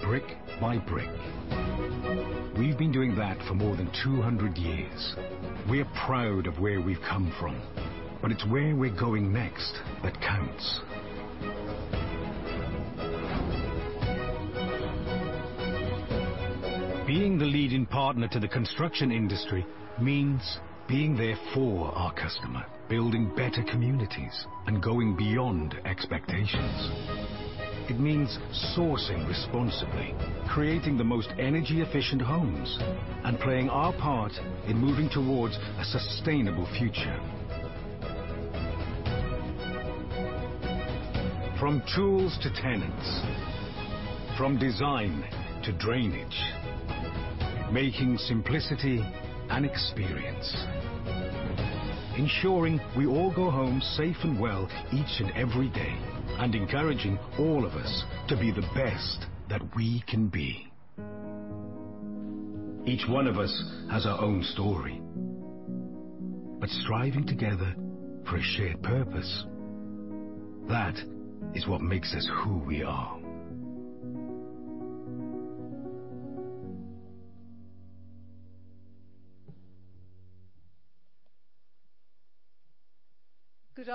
Good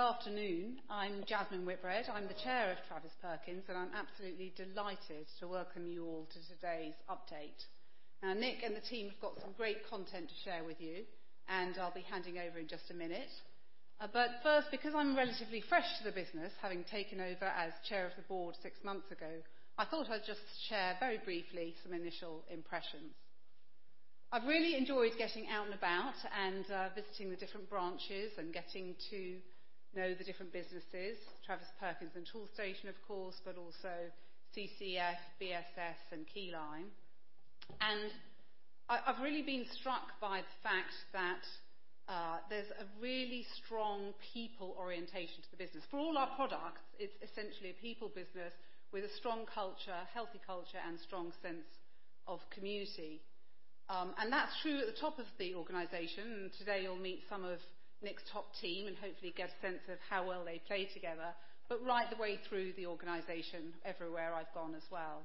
afternoon. I'm Jasmine Whitbread. I'm the chair of Travis Perkins, and I'm absolutely delighted to welcome you all to today's update. Nick and the team have got some great content to share with you, and I'll be handing over in just a minute. First, because I'm relatively fresh to the business, having taken over as chair of the board six months ago, I thought I'd just share very briefly some initial impressions. I've really enjoyed getting out and about and visiting the different branches and getting to know the different businesses, Travis Perkins and Toolstation of course, but also CCF, BSS, and Keyline. I've really been struck by the fact that there's a really strong people orientation to the business. For all our products, it's essentially a people business with a strong culture, healthy culture, and strong sense of community. That's true at the top of the organization. Today you'll meet some of Nick's top team and hopefully get a sense of how well they play together, but right the way through the organization everywhere I've gone as well.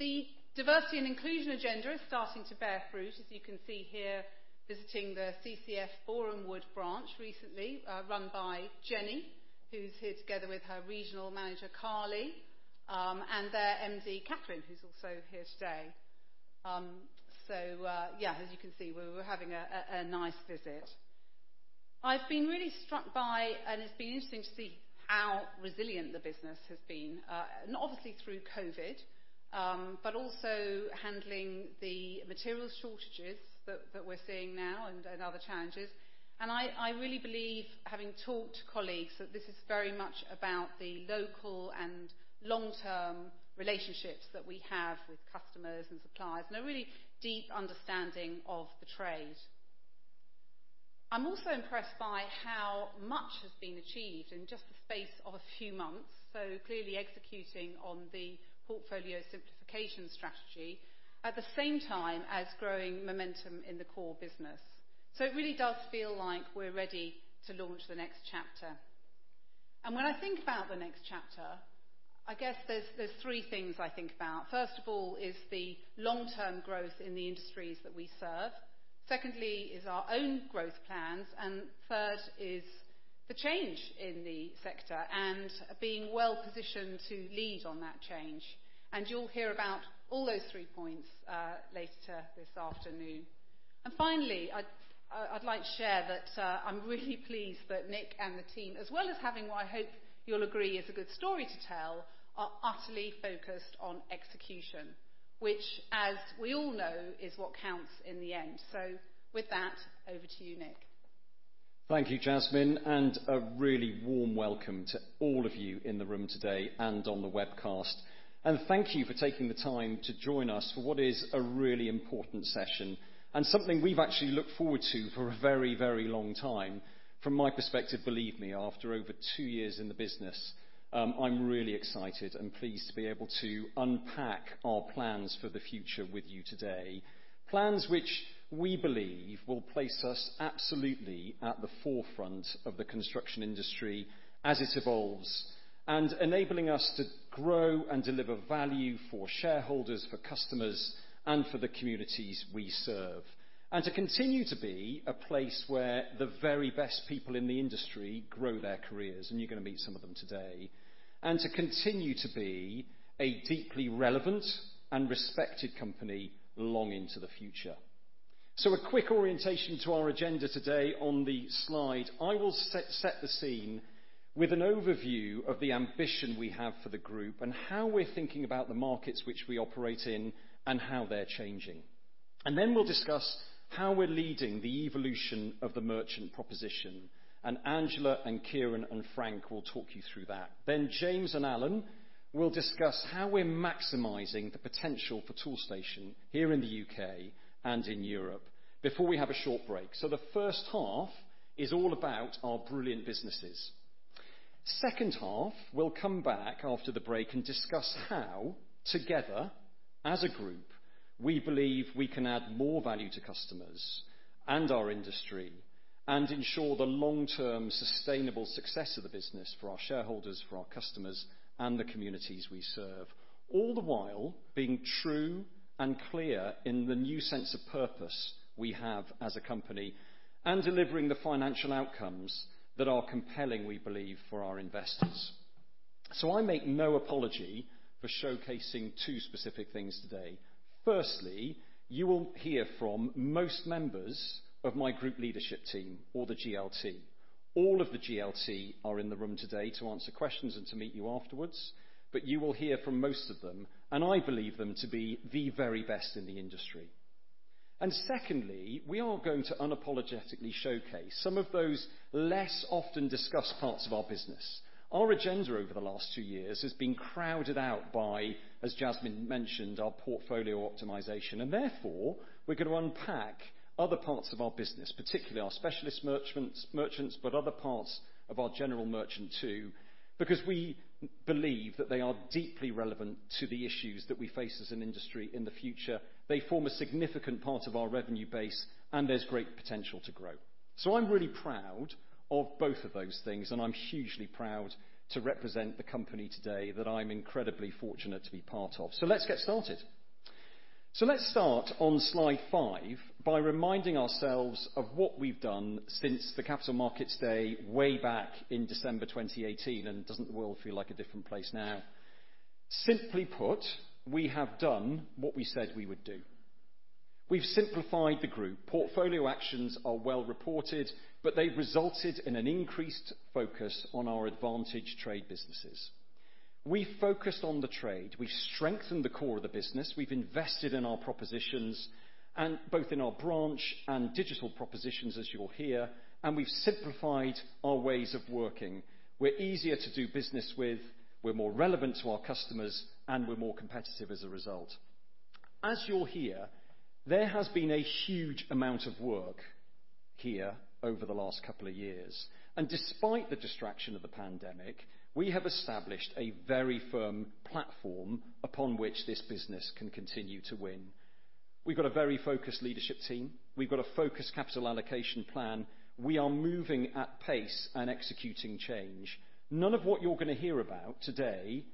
The diversity and inclusion agenda is starting to bear fruit, as you can see here, visiting the CCF Borehamwood branch recently, run by Jenny, who's here together with her regional manager, Carly, and their MD, Catherine, who's also here today. So, yeah, as you can see, we were having a nice visit. I've been really struck by, and it's been interesting to see how resilient the business has been, not obviously through COVID, but also handling the material shortages that we're seeing now and other challenges, and I really believe, having talked to colleagues, that this is very much about the local and long-term relationships that we have with customers and suppliers, and a really deep understanding of the trade. I'm also impressed by how much has been achieved in just the space of a few months, so clearly executing on the portfolio simplification strategy at the same time as growing momentum in the core business. It really does feel like we're ready to launch the next chapter. When I think about the next chapter, I guess there's three things I think about. First of all is the long-term growth in the industries that we serve. Secondly is our own growth plans, and third is the change in the sector and being well-positioned to lead on that change. You'll hear about all those three points later this afternoon. Finally, I'd like to share that I'm really pleased that Nick and the team, as well as having what I hope you'll agree is a good story to tell, are utterly focused on execution, which, as we all know, is what counts in the end. With that, over to you, Nick. Thank you, Jasmine, a really warm welcome to all of you in the room today and on the webcast. Thank you for taking the time to join us for what is a really important session and something we've actually looked forward to for a very, very long time. From my perspective, believe me, after over two years in the business, I'm really excited and pleased to be able to unpack our plans for the future with you today. Plans which we believe will place us absolutely at the forefront of the construction industry as it evolves, and enabling us to grow and deliver value for shareholders, for customers, and for the communities we serve. To continue to be a place where the very best people in the industry grow their careers, and you're gonna meet some of them today. To continue to be a deeply relevant and respected company long into the future. A quick orientation to our agenda today on the slide. I will set the scene with an overview of the ambition we have for the group and how we're thinking about the markets which we operate in and how they're changing. Then we'll discuss how we're leading the evolution of the merchant proposition, and Angela Rushforth and Kieran Griffin and Frank Elkins will talk you through that. James Mackenzie and Alan Williams will discuss how we're maximizing the potential for Toolstation here in the U.K. and in Europe before we have a short break. The first half is all about our brilliant businesses. Second half, we'll come back after the break and discuss how, together as a group, we believe we can add more value to customers and our industry, and ensure the long-term sustainable success of the business for our shareholders, for our customers, and the communities we serve. All the while being true and clear in the new sense of purpose we have as a company, and delivering the financial outcomes that are compelling, we believe, for our investors. I make no apology for showcasing two specific things today. Firstly, you will hear from most members of my group leadership team or the GLT. All of the GLT are in the room today to answer questions and to meet you afterwards. You will hear from most of them, and I believe them to be the very best in the industry. Secondly, we are going to unapologetically showcase some of those less often discussed parts of our business. Our agenda over the last two years has been crowded out by, as Jasmine Whitbread mentioned, our portfolio optimization. Therefore, we're going to unpack other parts of our business, particularly our specialist merchants, but other parts of our General Merchant too, because we believe that they are deeply relevant to the issues that we face as an industry in the future. They form a significant part of our revenue base, and there's great potential to grow. I'm really proud of both of those things, and I'm hugely proud to represent the company today that I'm incredibly fortunate to be part of. Let's get started. Let's start on slide five by reminding ourselves of what we've done since the Capital Markets Day way back in December 2018. Doesn't the world feel like a different place now? Simply put, we have done what we said we would do. We've simplified the group. Portfolio actions are well reported, but they've resulted in an increased focus on our advantaged trade businesses. We focused on the trade. We strengthened the core of the business. We've invested in our propositions, both in our branch and digital propositions, as you'll hear, and we've simplified our ways of working. We're easier to do business with, we're more relevant to our customers, and we're more competitive as a result. As you'll hear, there has been a huge amount of work here over the last couple of years, and despite the distraction of the pandemic, we have established a very firm platform upon which this business can continue to win. We've got a very focused leadership team. We've got a focused capital allocation plan. We are moving at pace and executing change. None of what you're going to hear about today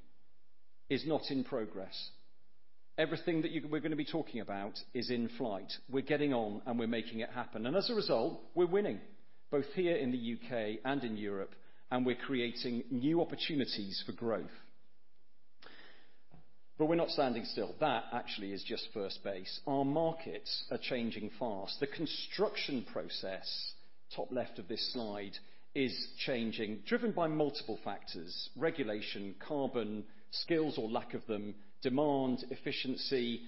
is not in progress. Everything that we're going to be talking about is in flight. We're getting on, and we're making it happen. As a result, we're winning, both here in the U.K. and in Europe, and we're creating new opportunities for growth. We're not standing still. That actually is just first base. Our markets are changing fast. The construction process, top left of this slide, is changing, driven by multiple factors, regulation, carbon, skills or lack of them, demand, efficiency.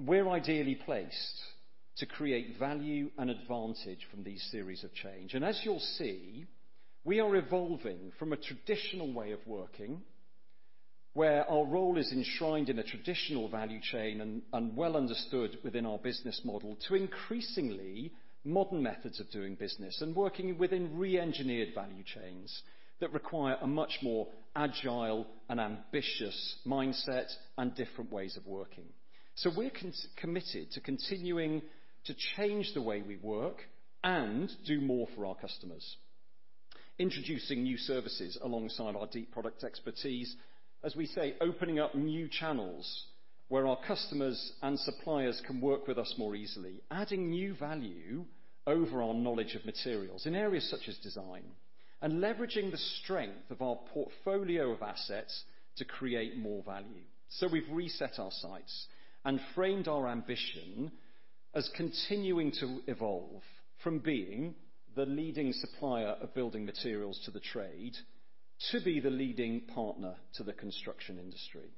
We're ideally placed to create value and advantage from these series of change. As you'll see, we are evolving from a traditional way of working where our role is enshrined in a traditional value chain and well understood within our business model, to increasingly modern methods of doing business and working within re-engineered value chains that require a much more agile and ambitious mindset and different ways of working. We're committed to continuing to change the way we work and do more for our customers. Introducing new services alongside our deep product expertise. As we say, opening up new channels where our customers and suppliers can work with us more easily. Adding new value over our knowledge of materials in areas such as design. Leveraging the strength of our portfolio of assets to create more value. We've reset our sights and framed our ambition as continuing to evolve from being the leading supplier of building materials to the trade, to be the leading partner to the construction industry.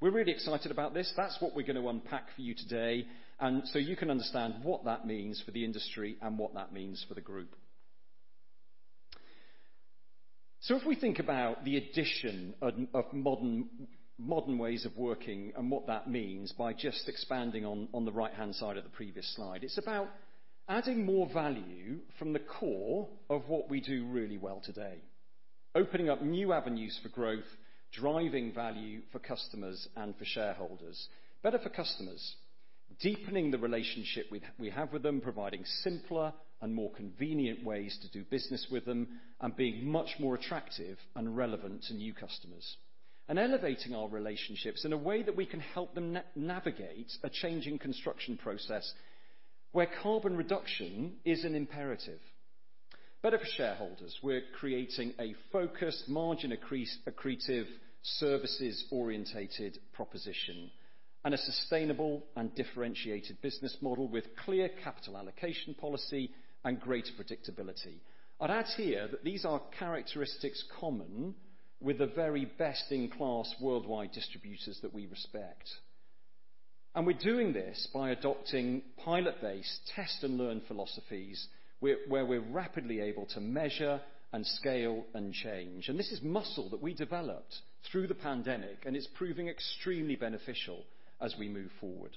We're really excited about this. That's what we're going to unpack for you today, you can understand what that means for the industry and what that means for the group. If we think about the addition of modern ways of working and what that means by just expanding on the right-hand side of the previous slide, it's about adding more value from the core of what we do really well today. Opening up new avenues for growth, driving value for customers and for shareholders. Better for customers, deepening the relationship we have with them, providing simpler and more convenient ways to do business with them, and being much more attractive and relevant to new customers. Elevating our relationships in a way that we can help them navigate a changing construction process where carbon reduction is an imperative. Better for shareholders. We're creating a focused, margin-accretive, services-oriented proposition, and a sustainable and differentiated business model with clear capital allocation policy and greater predictability. I'd add here that these are characteristics common with the very best-in-class worldwide distributors that we respect. We're doing this by adopting pilot-based test-and-learn philosophies, where we're rapidly able to measure and scale and change. This is muscle that we developed through the pandemic, and it's proving extremely beneficial as we move forward.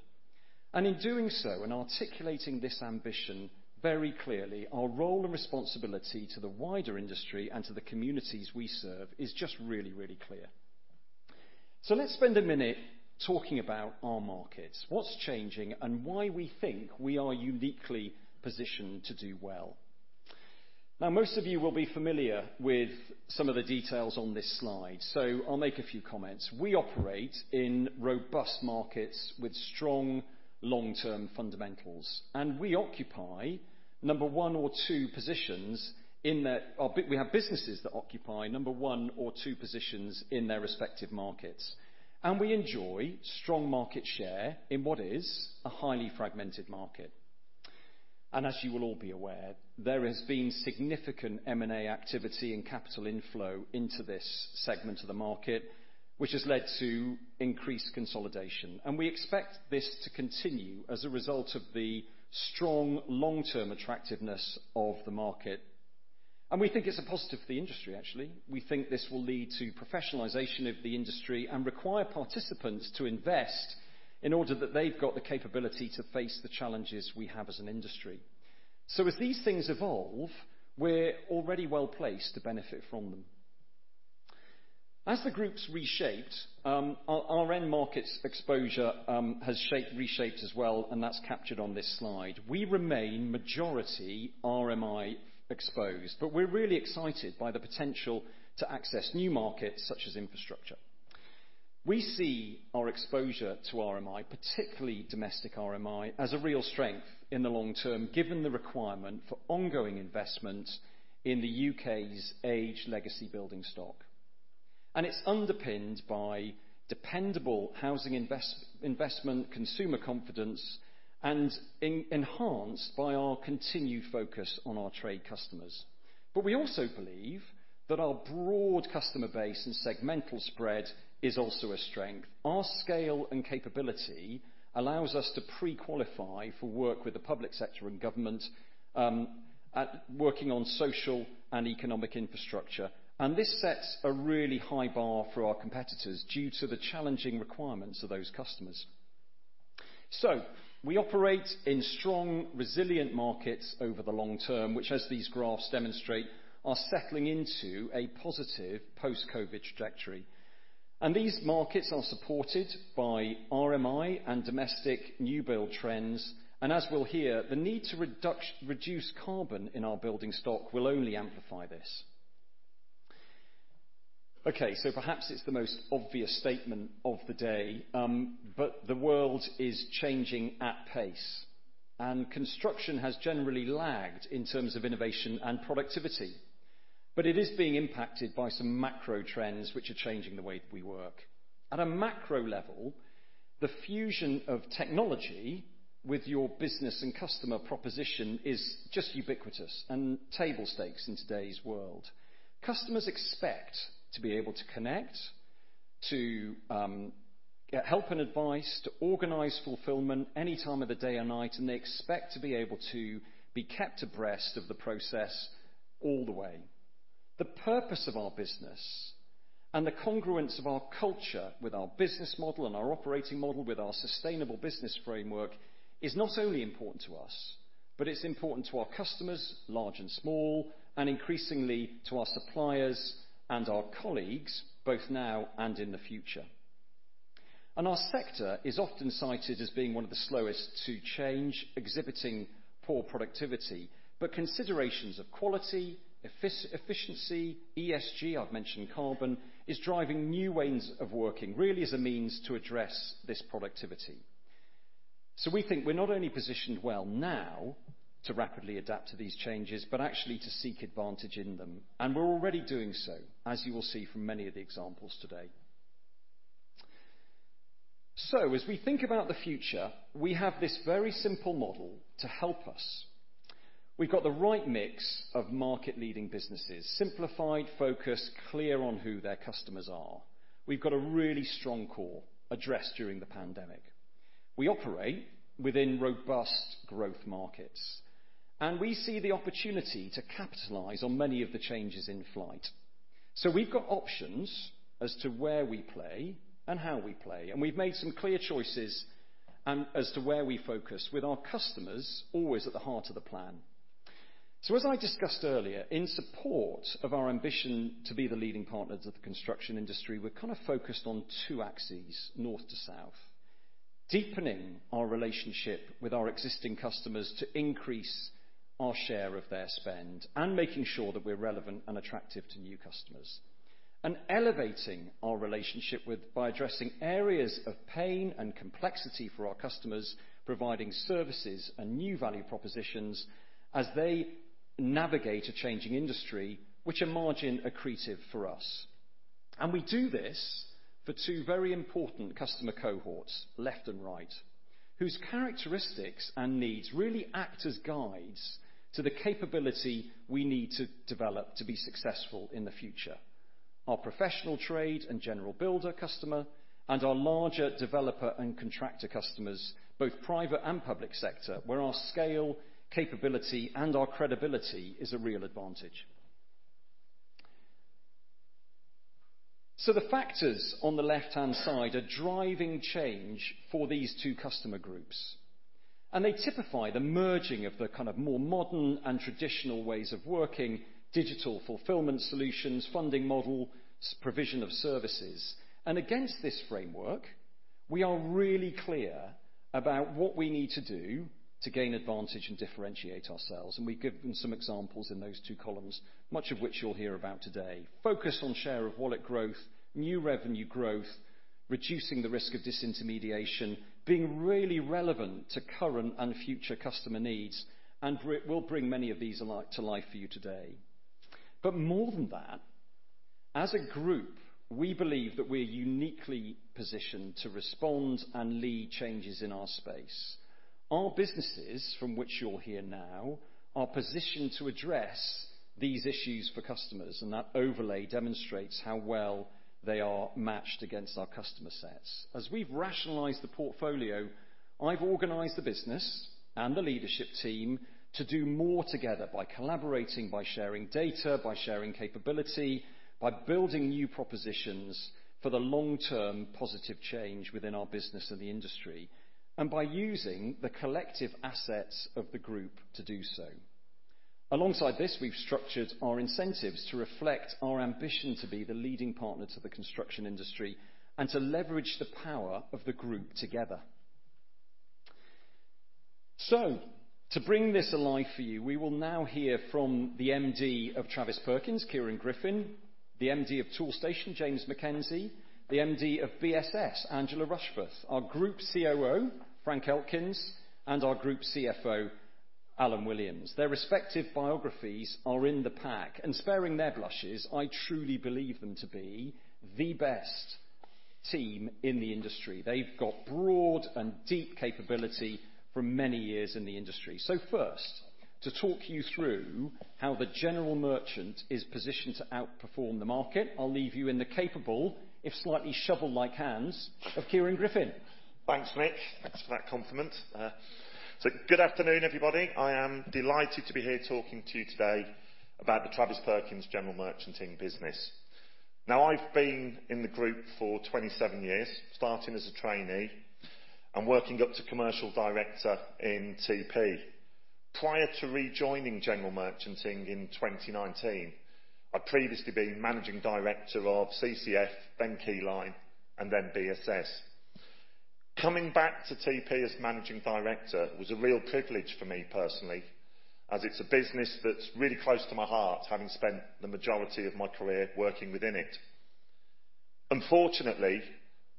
In doing so, in articulating this ambition very clearly, our role and responsibility to the wider industry and to the communities we serve is just really, really clear. Let's spend a minute talking about our markets, what's changing, and why we think we are uniquely positioned to do well. Now, most of you will be familiar with some of the details on this slide, so I'll make a few comments. We operate in robust markets with strong long-term fundamentals, and we have businesses that occupy number one or two positions in their respective markets, and we enjoy strong market share in what is a highly fragmented market. As you will all be aware, there has been significant M&A activity and capital inflow into this segment of the market, which has led to increased consolidation. We expect this to continue as a result of the strong long-term attractiveness of the market. We think it's a positive for the industry, actually. We think this will lead to professionalization of the industry and require participants to invest in order that they've got the capability to face the challenges we have as an industry. As these things evolve, we're already well-placed to benefit from them. As the Group's reshaped, our end markets exposure has reshaped as well, and that's captured on this slide. We remain majority RMI exposed, but we're really excited by the potential to access new markets such as infrastructure. We see our exposure to RMI, particularly domestic RMI, as a real strength in the long term, given the requirement for ongoing investment in the U.K.'s aged legacy building stock. It's underpinned by dependable housing investment, consumer confidence, and enhanced by our continued focus on our trade customers. We also believe that our broad customer base and segmental spread is also a strength. Our scale and capability allows us to pre-qualify for work with the public sector and government, working on social and economic infrastructure. This sets a really high bar for our competitors due to the challenging requirements of those customers. We operate in strong, resilient markets over the long term, which, as these graphs demonstrate, are settling into a positive post-COVID trajectory. These markets are supported by RMI and domestic new build trends. As we'll hear, the need to reduce carbon in our building stock will only amplify this. Okay. Perhaps it's the most obvious statement of the day, but the world is changing at pace, and construction has generally lagged in terms of innovation and productivity. It is being impacted by some macro trends, which are changing the way we work. At a macro level, the fusion of technology with your business and customer proposition is just ubiquitous and table stakes in today's world. Customers expect to be able to connect, to get help and advice, to organize fulfillment any time of the day or night, and they expect to be able to be kept abreast of the process all the way. The purpose of our business and the congruence of our culture with our business model and our operating model with our sustainable business framework is not only important to us, but it's important to our customers, large and small, and increasingly, to our suppliers and our colleagues, both now and in the future. Our sector is often cited as being one of the slowest to change, exhibiting poor productivity. Considerations of quality, efficiency, ESG, I've mentioned carbon, is driving new ways of working, really as a means to address this productivity. We think we're not only positioned well now to rapidly adapt to these changes, but actually to seek advantage in them. We're already doing so, as you will see from many of the examples today. As we think about the future, we have this very simple model to help us. We've got the right mix of market-leading businesses, simplified, focused, clear on who their customers are. We've got a really strong core addressed during the pandemic. We operate within robust growth markets, and we see the opportunity to capitalize on many of the changes in flight. We've got options as to where we play and how we play, and we've made some clear choices as to where we focus, with our customers always at the heart of the plan. As I discussed earlier, in support of our ambition to be the leading partners of the construction industry, we're kind of focused on two axes, north to south. Deepening our relationship with our existing customers to increase our share of their spend and making sure that we're relevant and attractive to new customers. Elevating our relationship by addressing areas of pain and complexity for our customers, providing services and new value propositions as they navigate a changing industry, which are margin accretive for us. We do this for two very important customer cohorts, left and right, whose characteristics and needs really act as guides to the capability we need to develop to be successful in the future. Our professional trade and general builder customer, and our larger developer and contractor customers, both private and public sector, where our scale, capability, and our credibility is a real advantage. The factors on the left-hand side are driving change for these two customer groups, and they typify the merging of the more modern and traditional ways of working, digital fulfillment solutions, funding models, provision of services. Against this framework, we are really clear about what we need to do to gain advantage and differentiate ourselves, and we give them some examples in those two columns, much of which you'll hear about today. Focused on share of wallet growth, new revenue growth, reducing the risk of disintermediation, being really relevant to current and future customer needs. We'll bring many of these to life for you today. More than that, as a group, we believe that we're uniquely positioned to respond and lead changes in our space. Our businesses, from which you'll hear now, are positioned to address these issues for customers, and that overlay demonstrates how well they are matched against our customer sets. As we've rationalized the portfolio, I've organized the business and the leadership team to do more together by collaborating, by sharing data, by sharing capability, by building new propositions for the long-term positive change within our business and the industry, and by using the collective assets of the group to do so. Alongside this, we've structured our incentives to reflect our ambition to be the leading partner to the construction industry, and to leverage the power of the group together. To bring this alive for you, we will now hear from the MD of Travis Perkins, Kieran Griffin, the MD of Toolstation, James Mackenzie, the MD of BSS, Angela Rushforth, our Group COO, Frank Elkins, and our Group CFO, Alan Williams. Their respective biographies are in the pack, and sparing their blushes, I truly believe them to be the best team in the industry. They've got broad and deep capability from many years in the industry. So first, to talk you through how the general merchant is positioned to outperform the market, I'll leave you in the capable, if slightly shovel-like hands, of Kieran Griffin. Thanks, Nick. Thanks for that compliment. Good afternoon, everybody. I am delighted to be here talking to you today about the Travis Perkins General Merchanting business. I've been in the group for 27 years, starting as a trainee and working up to commercial director in TP. Prior to rejoining General Merchanting in 2019, I'd previously been managing director of CCF, then Keyline, and then BSS. Coming back to TP as managing director was a real privilege for me personally, as it's a business that's really close to my heart, having spent the majority of my career working within it. Unfortunately,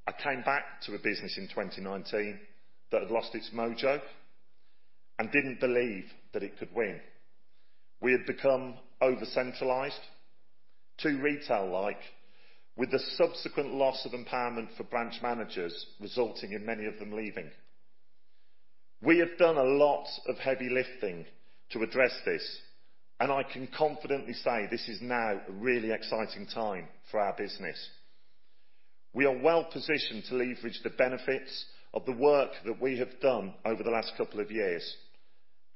I came back to a business in 2019 that had lost its mojo and didn't believe that it could win. We had become over-centralized, too retail-like, with the subsequent loss of empowerment for branch managers, resulting in many of them leaving. We have done a lot of heavy lifting to address this, and I can confidently say this is now a really exciting time for our business. We are well positioned to leverage the benefits of the work that we have done over the last couple of years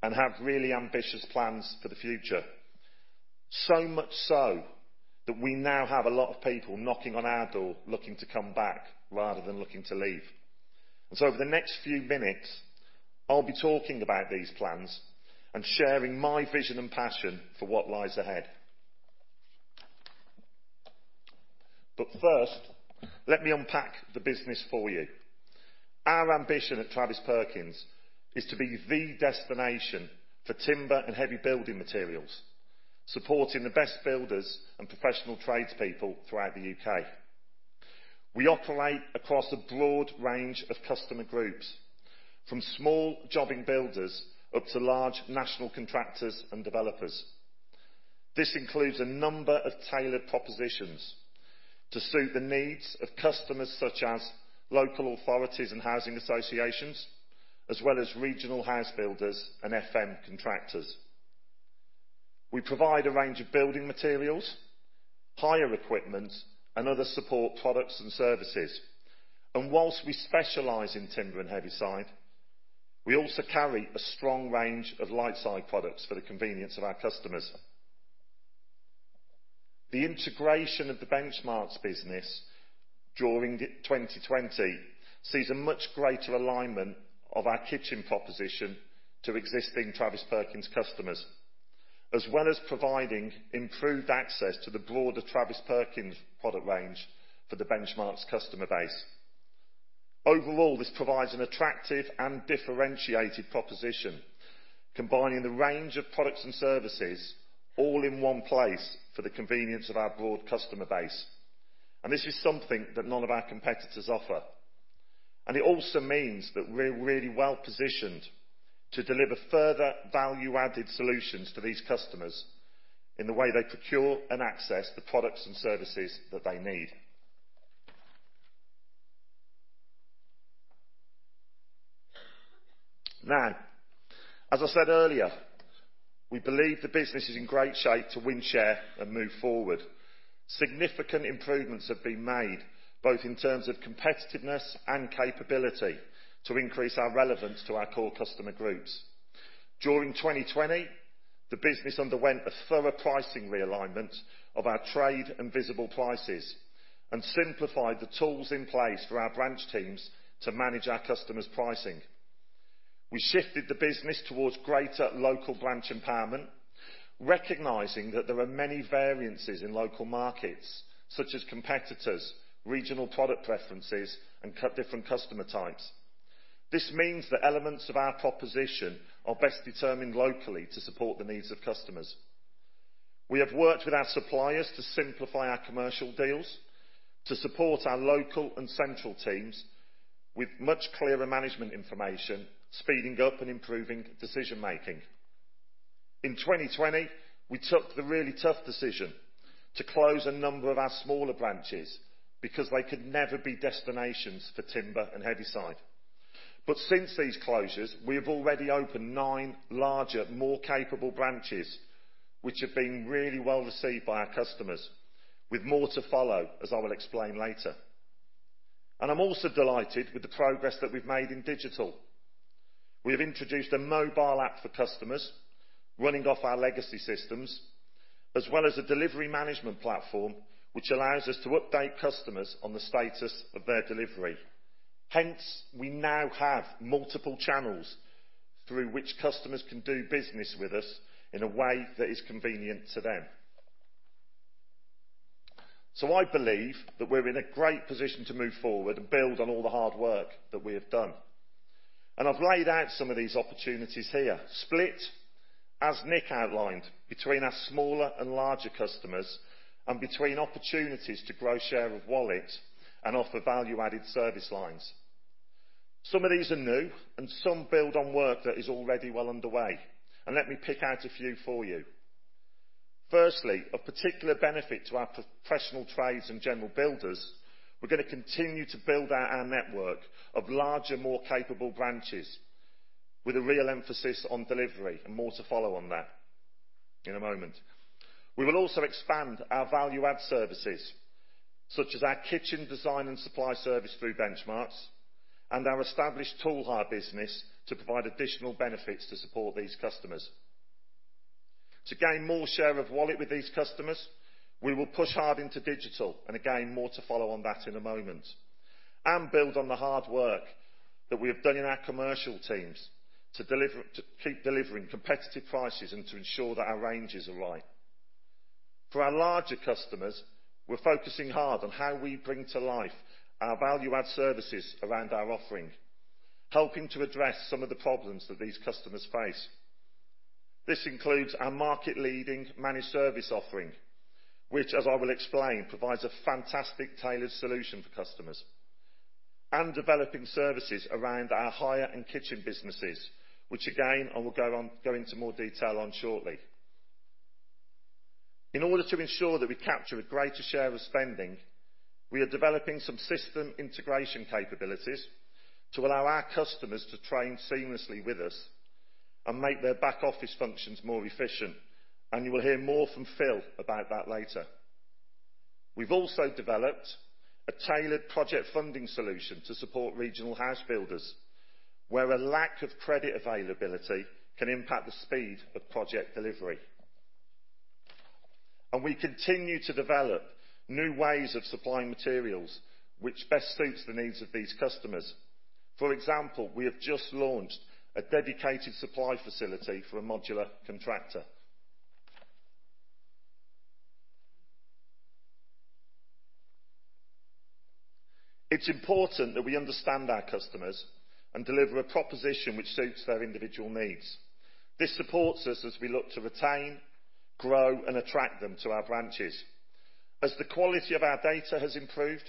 and have really ambitious plans for the future. Much so, that we now have a lot of people knocking on our door looking to come back rather than looking to leave. Over the next few minutes, I'll be talking about these plans and sharing my vision and passion for what lies ahead. But first, let me unpack the business for you. Our ambition at Travis Perkins is to be the destination for timber and heavy building materials, supporting the best builders and professional tradespeople throughout the U.K. We operate across a broad range of customer groups, from small jobbing builders up to large national contractors and developers. This includes a number of tailored propositions to suit the needs of customers such as local authorities and housing associations, as well as regional house builders and FM contractors. We provide a range of building materials, hire equipment, and other support products and services. Whilst we specialize in timber and heavyside, we also carry a strong range of lightside products for the convenience of our customers. The integration of the Benchmarx business during 2020 sees a much greater alignment of our kitchen proposition to existing Travis Perkins customers, as well as providing improved access to the broader Travis Perkins product range for the Benchmarx customer base. Overall, this provides an attractive and differentiated proposition, combining the range of products and services all in one place for the convenience of our broad customer base. This is something that none of our competitors offer. It also means that we're really well-positioned to deliver further value-added solutions to these customers in the way they procure and access the products and services that they need. Now, as I said earlier, we believe the business is in great shape to win share and move forward. Significant improvements have been made both in terms of competitiveness and capability to increase our relevance to our core customer groups. During 2020, the business underwent a thorough pricing realignment of our trade and visible prices, and simplified the tools in place for our branch teams to manage our customers' pricing. We shifted the business towards greater local branch empowerment, recognizing that there are many variances in local markets, such as competitors, regional product preferences, and different customer types. This means that elements of our proposition are best determined locally to support the needs of customers. We have worked with our suppliers to simplify our commercial deals, to support our local and central teams with much clearer management information, speeding up and improving decision-making. In 2020, we took the really tough decision to close a number of our smaller branches because they could never be destinations for timber and heavyside. Since these closures, we have already opened nine larger, more capable branches, which have been really well-received by our customers, with more to follow, as I will explain later. I'm also delighted with the progress that we've made in digital. We have introduced a mobile app for customers running off our legacy systems, as well as a delivery management platform which allows us to update customers on the status of their delivery. Hence, we now have multiple channels through which customers can do business with us in a way that is convenient to them. I believe that we're in a great position to move forward and build on all the hard work that we have done. I've laid out some of these opportunities here, split, as Nick outlined, between our smaller and larger customers and between opportunities to grow share of wallet and offer value-added service lines. Some of these are new, and some build on work that is already well underway. Let me pick out a few for you. Firstly, of particular benefit to our professional trades and general builders, we're going to continue to build out our network of larger, more capable branches with a real emphasis on delivery, and more to follow on that in a moment. We will also expand our value-add services, such as our kitchen design and supply service through Benchmarx and our established tool hire business to provide additional benefits to support these customers. To gain more share of wallet with these customers, we will push hard into digital, and again, more to follow on that in a moment, and build on the hard work that we have done in our commercial teams to keep delivering competitive prices and to ensure that our ranges are right. For our larger customers, we're focusing hard on how we bring to life our value-add services around our offering, helping to address some of the problems that these customers face. This includes our market-leading managed service offering, which, as I will explain, provides a fantastic tailored solution for customers and developing services around our hire and kitchen businesses, which again, I will go into more detail on shortly. In order to ensure that we capture a greater share of spending, we are developing some system integration capabilities to allow our customers to train seamlessly with us and make their back-office functions more efficient. You will hear more from Phil about that later. We've also developed a tailored project funding solution to support regional house builders, where a lack of credit availability can impact the speed of project delivery. We continue to develop new ways of supplying materials which best suits the needs of these customers. For example, we have just launched a dedicated supply facility for a modular contractor. It's important that we understand our customers and deliver a proposition which suits their individual needs. This supports us as we look to retain, grow, and attract them to our branches. As the quality of our data has improved,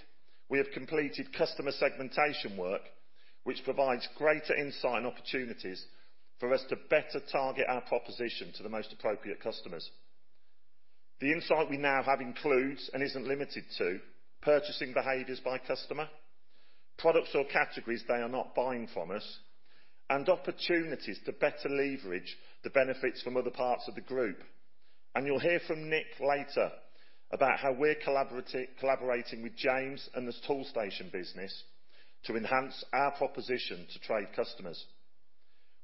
we have completed customer segmentation work which provides greater insight and opportunities for us to better target our proposition to the most appropriate customers. The insight we now have includes, and isn't limited to, purchasing behaviors by customer, products or categories they are not buying from us, and opportunities to better leverage the benefits from other parts of the group. You'll hear from Nick later about how we're collaborating with James and his Toolstation business to enhance our proposition to trade customers.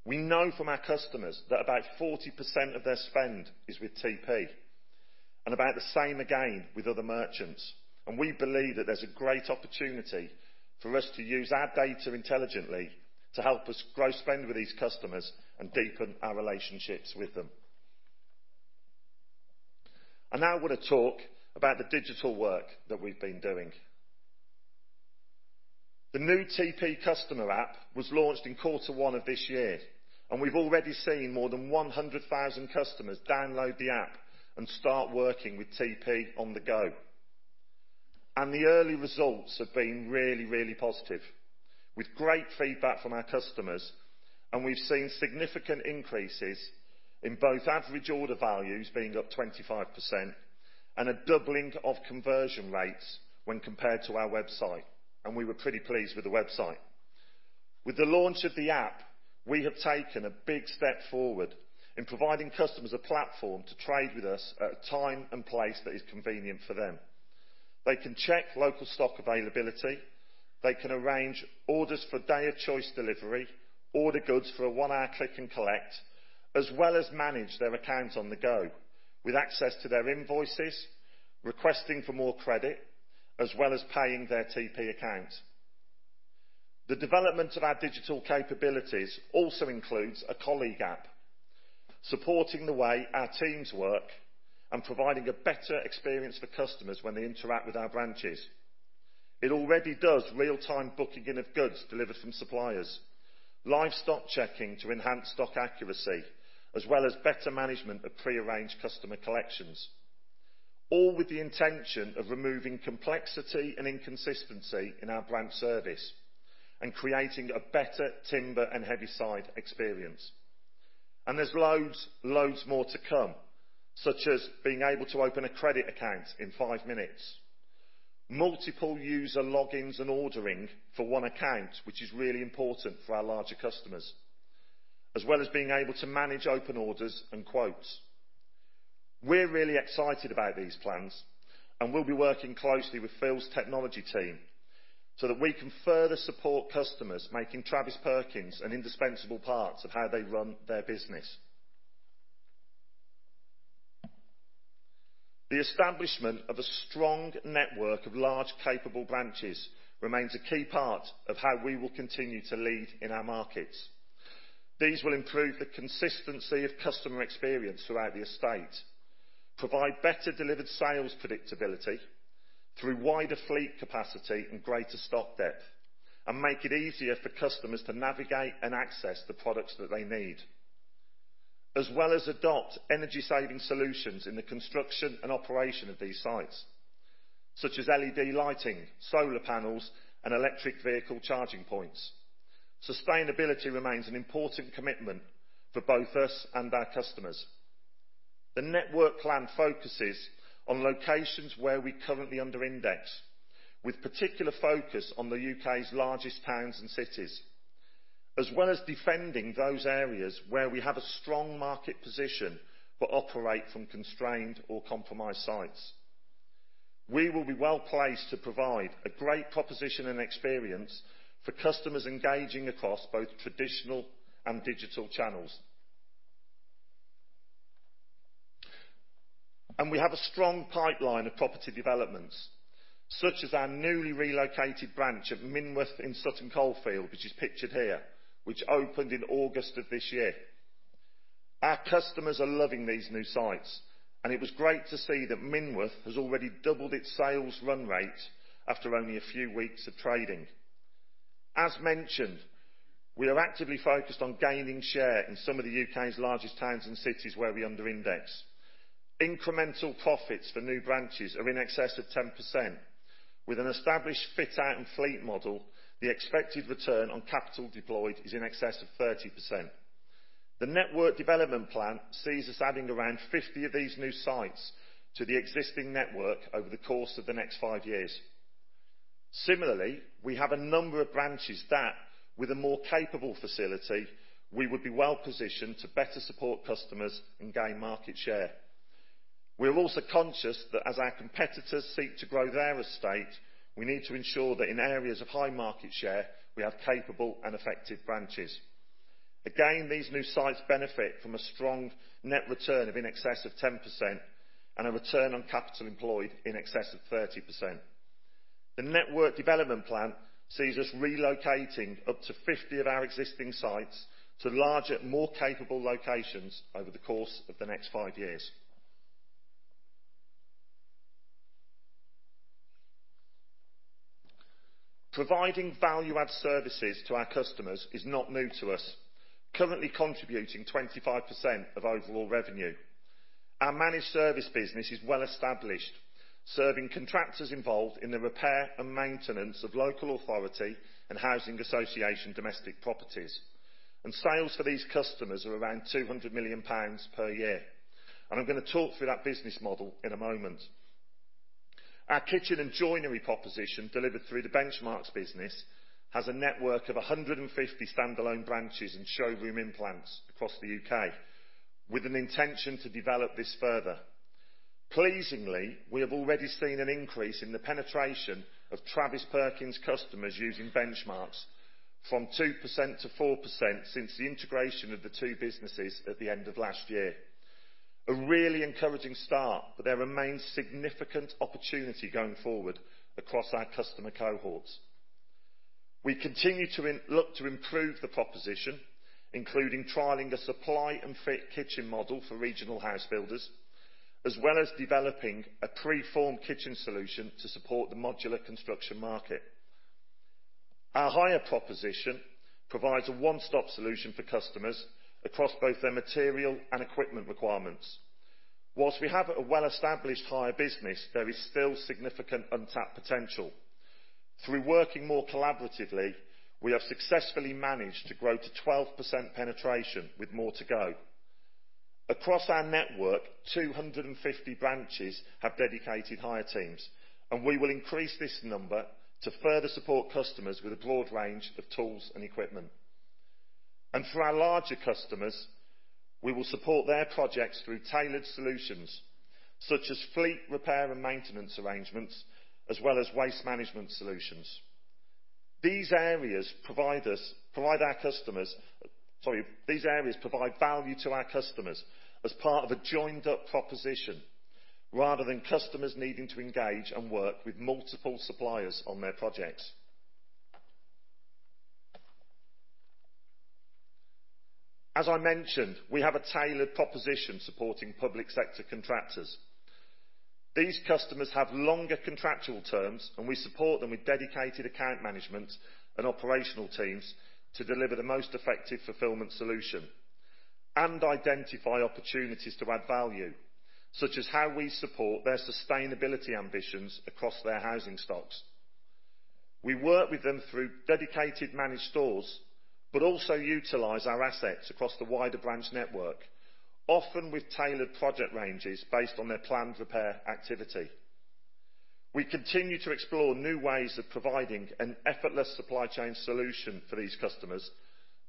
We know from our customers that about 40% of their spend is with TP, and about the same again with other merchants. We believe that there's a great opportunity for us to use our data intelligently to help us grow spend with these customers and deepen our relationships with them. I now want to talk about the digital work that we've been doing. The new TP Customer App was launched in quarter one of this year. We've already seen more than 100,000 customers download the app and start working with TP on the go. The early results have been really, really positive with great feedback from our customers. We've seen significant increases in both average order values being up 25% and a doubling of conversion rates when compared to our website. We were pretty pleased with the website. With the launch of the app, we have taken a big step forward in providing customers a platform to trade with us at a time and place that is convenient for them. They can check local stock availability, they can arrange orders for day of choice delivery, order goods for a 1-hour click and collect, as well as manage their accounts on the go with access to their invoices, requesting for more credit, as well as paying their TP account. The development of our digital capabilities also includes a colleague app, supporting the way our teams work and providing a better experience for customers when they interact with our branches. It already does real-time booking in of goods delivered from suppliers, live stock checking to enhance stock accuracy, as well as better management of prearranged customer collections, all with the intention of removing complexity and inconsistency in our branch service and creating a better timber and heavyside experience. There's loads more to come, such as being able to open a credit account in 5 minutes, multiple user logins and ordering for one account, which is really important for our larger customers, as well as being able to manage open orders and quotes. We're really excited about these plans, and we'll be working closely with Phil's technology team so that we can further support customers, making Travis Perkins an indispensable part of how they run their business. The establishment of a strong network of large, capable branches remains a key part of how we will continue to lead in our markets. These will improve the consistency of customer experience throughout the estate, provide better delivered sales predictability through wider fleet capacity and greater stock depth, and make it easier for customers to navigate and access the products that they need, as well as adopt energy-saving solutions in the construction and operation of these sites, such as LED lighting, solar panels, and electric vehicle charging points. Sustainability remains an important commitment for both us and our customers. The network plan focuses on locations where we currently under index, with particular focus on the U.K.'s largest towns and cities, as well as defending those areas where we have a strong market position but operate from constrained or compromised sites. We will be well placed to provide a great proposition and experience for customers engaging across both traditional and digital channels. We have a strong pipeline of property developments, such as our newly relocated branch at Minworth in Sutton Coldfield, which is pictured here, which opened in August of this year. Our customers are loving these new sites, and it was great to see that Minworth has already doubled its sales run rate after only a few weeks of trading. As mentioned, we are actively focused on gaining share in some of the U.K.'s largest towns and cities where we under index. Incremental profits for new branches are in excess of 10% with an established fit out and fleet model, the expected return on capital deployed is in excess of 30%. The network development plan sees us adding around 50 of these new sites to the existing network over the course of the next 5 years. We have a number of branches that, with a more capable facility, we would be well positioned to better support customers and gain market share. We are also conscious that as our competitors seek to grow their estate, we need to ensure that in areas of high market share, we have capable and effective branches. These new sites benefit from a strong net return of in excess of 10% and a return on capital employed in excess of 30%. The network development plan sees us relocating up to 50 of our existing sites to larger, more capable locations over the course of the next five years. Providing value-add services to our customers is not new to us, currently contributing 25% of overall revenue. Our managed service business is well established, serving contractors involved in the repair and maintenance of local authority and housing association domestic properties. Sales for these customers are around 200 million pounds per year. I'm going to talk through that business model in a moment. Our kitchen and joinery proposition delivered through the Benchmarx business has a network of 150 standalone branches and showroom implants across the U.K. with an intention to develop this further. Pleasingly, we have already seen an increase in the penetration of Travis Perkins customers using Benchmarx from 2% to 4% since the integration of the two businesses at the end of last year. A really encouraging start, there remains significant opportunity going forward across our customer cohorts. We continue to look to improve the proposition, including trialing a supply-and-fit kitchen model for regional house builders, as well as developing a preformed kitchen solution to support the modular construction market. Our hire proposition provides a one-stop solution for customers across both their material and equipment requirements. Whilst we have a well-established hire business, there is still significant untapped potential. Through working more collaboratively, we have successfully managed to grow to 12% penetration, with more to go. Across our network, 250 branches have dedicated hire teams, we will increase this number to further support customers with a broad range of tools and equipment. For our larger customers, we will support their projects through tailored solutions, such as fleet repair and maintenance arrangements, as well as waste management solutions. These areas provide value to our customers as part of a joined-up proposition rather than customers needing to engage and work with multiple suppliers on their projects. As I mentioned, we have a tailored proposition supporting public sector contractors. These customers have longer contractual terms, and we support them with dedicated account management and operational teams to deliver the most effective fulfillment solution and identify opportunities to add value, such as how we support their sustainability ambitions across their housing stocks. We work with them through dedicated managed stores, but also utilize our assets across the wider branch network, often with tailored project ranges based on their planned repair activity. We continue to explore new ways of providing an effortless supply chain solution for these customers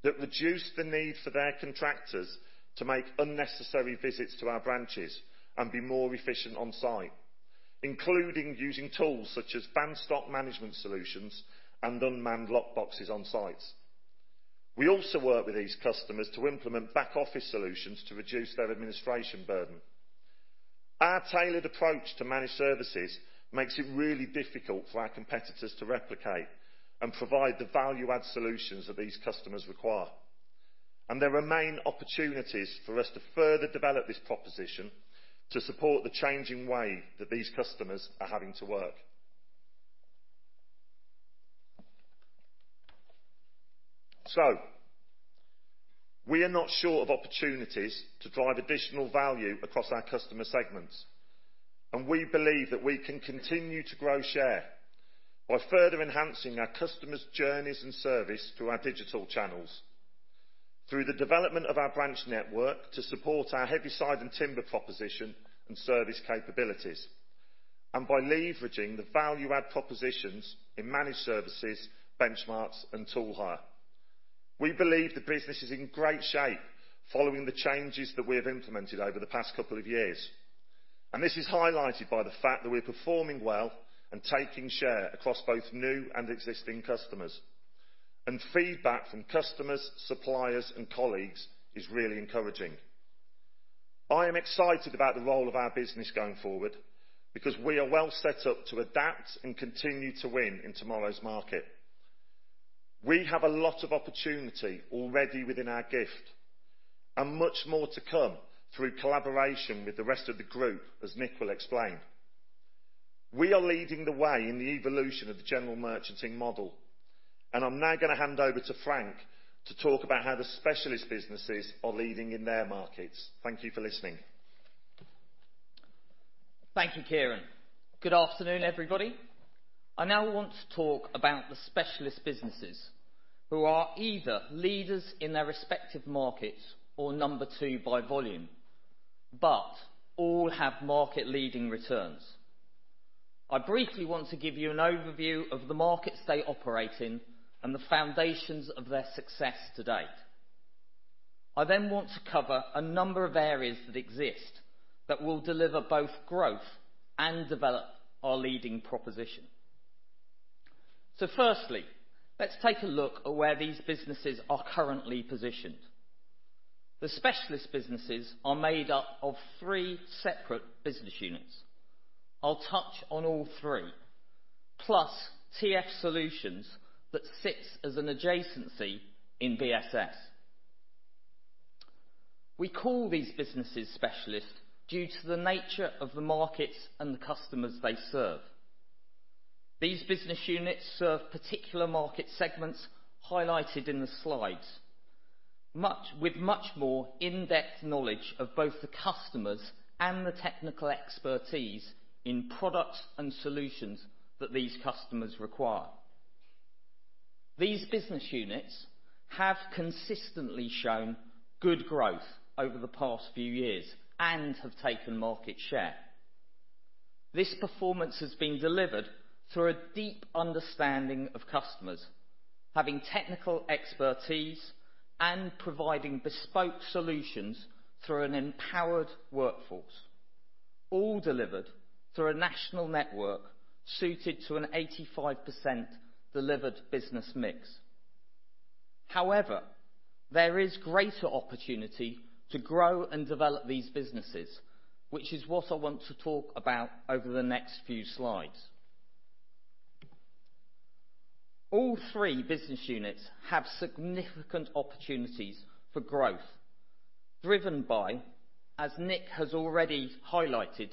that reduce the need for their contractors to make unnecessary visits to our branches and be more efficient on site, including using tools such as van stock management solutions and unmanned lockboxes on sites. We also work with these customers to implement back office solutions to reduce their administration burden. Our tailored approach to managed services makes it really difficult for our competitors to replicate and provide the value-add solutions that these customers require. There remain opportunities for us to further develop this proposition to support the changing way that these customers are having to work. We are not short of opportunities to drive additional value across our customer segments. We believe that we can continue to grow share by further enhancing our customers' journeys and service through our digital channels, through the development of our branch network to support our heavyside and timber proposition and service capabilities, and by leveraging the value-add propositions in managed services, Benchmarx, and Toolstation. We believe the business is in great shape following the changes that we have implemented over the past couple of years, and this is highlighted by the fact that we're performing well and taking share across both new and existing customers. Feedback from customers, suppliers, and colleagues is really encouraging. I am excited about the role of our business going forward because we are well set up to adapt and continue to win in tomorrow's market. We have a lot of opportunity already within our gift and much more to come through collaboration with the rest of the group, as Nick will explain. We are leading the way in the evolution of the general merchanting model. I'm now going to hand over to Frank to talk about how the specialist businesses are leading in their markets. Thank you for listening. Thank you, Kieran. Good afternoon, everybody. I now want to talk about the specialist businesses who are either leaders in their respective markets or number two by volume, but all have market-leading returns. I briefly want to give you an overview of the markets they operate in and the foundations of their success to date. I then want to cover a number of areas that exist that will deliver both growth and develop our leading proposition. Firstly, let's take a look at where these businesses are currently positioned. The specialist businesses are made up of three separate business units. I'll touch on all three, plus TF Solutions that sits as an adjacency in BSS. We call these businesses specialist due to the nature of the markets and the customers they serve. These business units serve particular market segments highlighted in the slides, with much more in-depth knowledge of both the customers and the technical expertise in products and solutions that these customers require. These business units have consistently shown good growth over the past few years and have taken market share. This performance has been delivered through a deep understanding of customers, having technical expertise, and providing bespoke solutions through an empowered workforce, all delivered through a national network suited to an 85% delivered business mix. There is greater opportunity to grow and develop these businesses, which is what I want to talk about over the next few slides. All three business units have significant opportunities for growth, driven by, as Nick has already highlighted,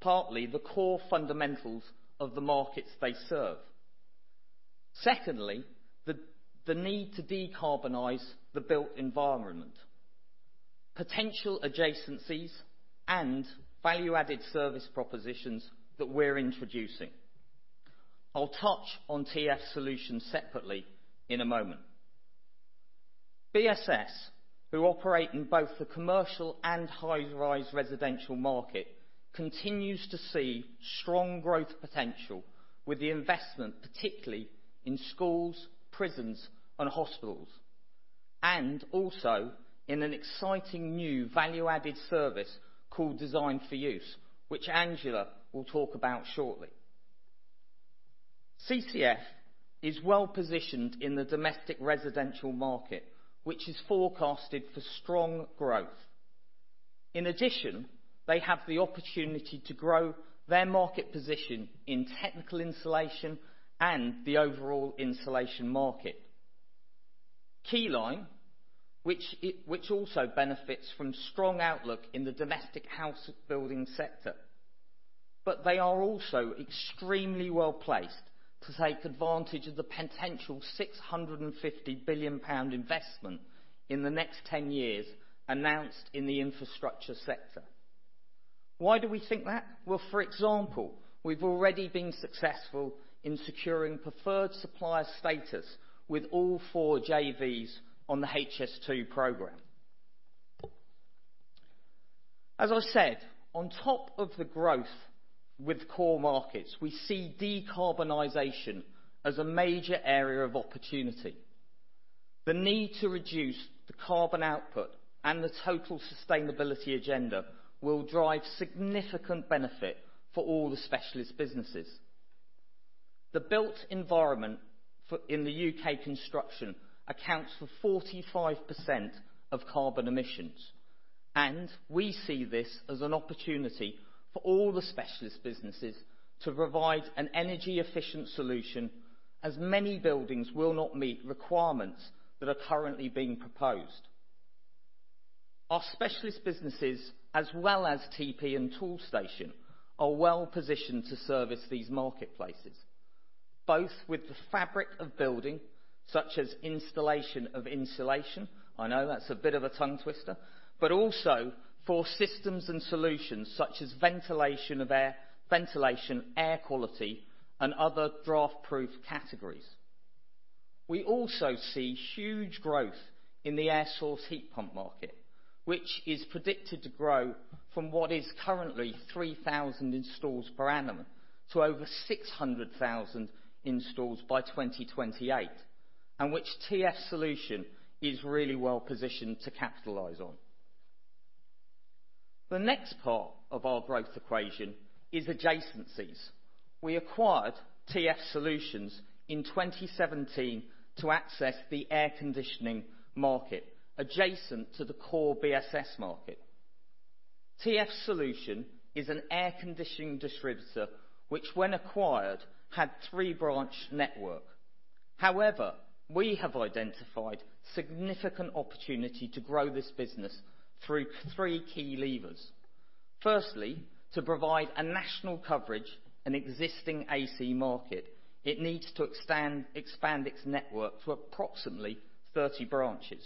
partly the core fundamentals of the markets they serve, secondly, the need to decarbonize the built environment, potential adjacencies, and value-added service propositions that we're introducing. I'll touch on TF Solutions separately in a moment. BSS, who operate in both the commercial and high-rise residential market, continues to see strong growth potential with the investment, particularly in schools, prisons, and hospitals, and also in an exciting new value-added service called Design to Use, which Angela will talk about shortly. CCF is well-positioned in the domestic residential market, which is forecasted for strong growth. In addition, they have the opportunity to grow their market position in technical insulation and the overall insulation market. Keyline, which also benefits from strong outlook in the domestic house building sector, but they are also extremely well-placed to take advantage of the potential 650 billion pound investment in the next 10 years announced in the infrastructure sector. Why do we think that? Well, for example, we've already been successful in securing preferred supplier status with all four JVs on the HS2 program. As I said, on top of the growth with core markets, we see decarbonization as a major area of opportunity. The need to reduce the carbon output and the total sustainability agenda will drive significant benefit for all the specialist businesses. The built environment in the U.K. construction accounts for 45% of carbon emissions. We see this as an opportunity for all the specialist businesses to provide an energy-efficient solution, as many buildings will not meet requirements that are currently being proposed. Our specialist businesses, as well as TP and Toolstation, are well positioned to service these marketplaces, both with the fabric of building, such as installation of insulation, I know that's a bit of a tongue twister, but also for systems and solutions such as ventilation of air, ventilation air quality, and other draft-proof categories. We also see huge growth in the air source heat pump market, which is predicted to grow from what is currently 3,000 installs per annum to over 600,000 installs by 2028, and which TF Solutions is really well positioned to capitalize on. The next part of our growth equation is adjacencies. We acquired TF Solutions in 2017 to access the air conditioning market adjacent to the core BSS market. TF Solutions is an air conditioning distributor, which when acquired, had three branch network. However, we have identified significant opportunity to grow this business through three key levers. Firstly, to provide a national coverage in existing AC market, it needs to expand its network to approximately 30 branches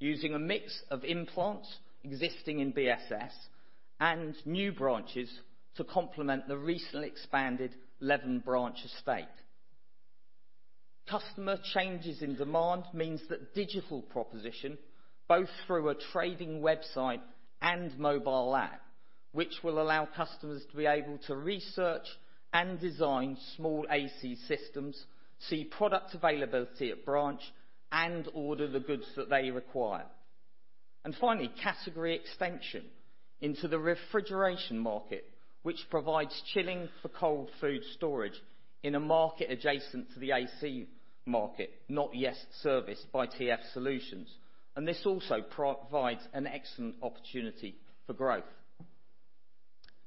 using a mix of implants existing in BSS and new branches to complement the recently expanded 11 branch estate. Customer changes in demand means that digital proposition, both through a trading website and mobile app, which will allow customers to be able to research and design small AC systems, see product availability at branch, and order the goods that they require. Finally, category extension into the refrigeration market, which provides chilling for cold food storage in a market adjacent to the AC market, not yet serviced by TF Solutions. This also provides an excellent opportunity for growth.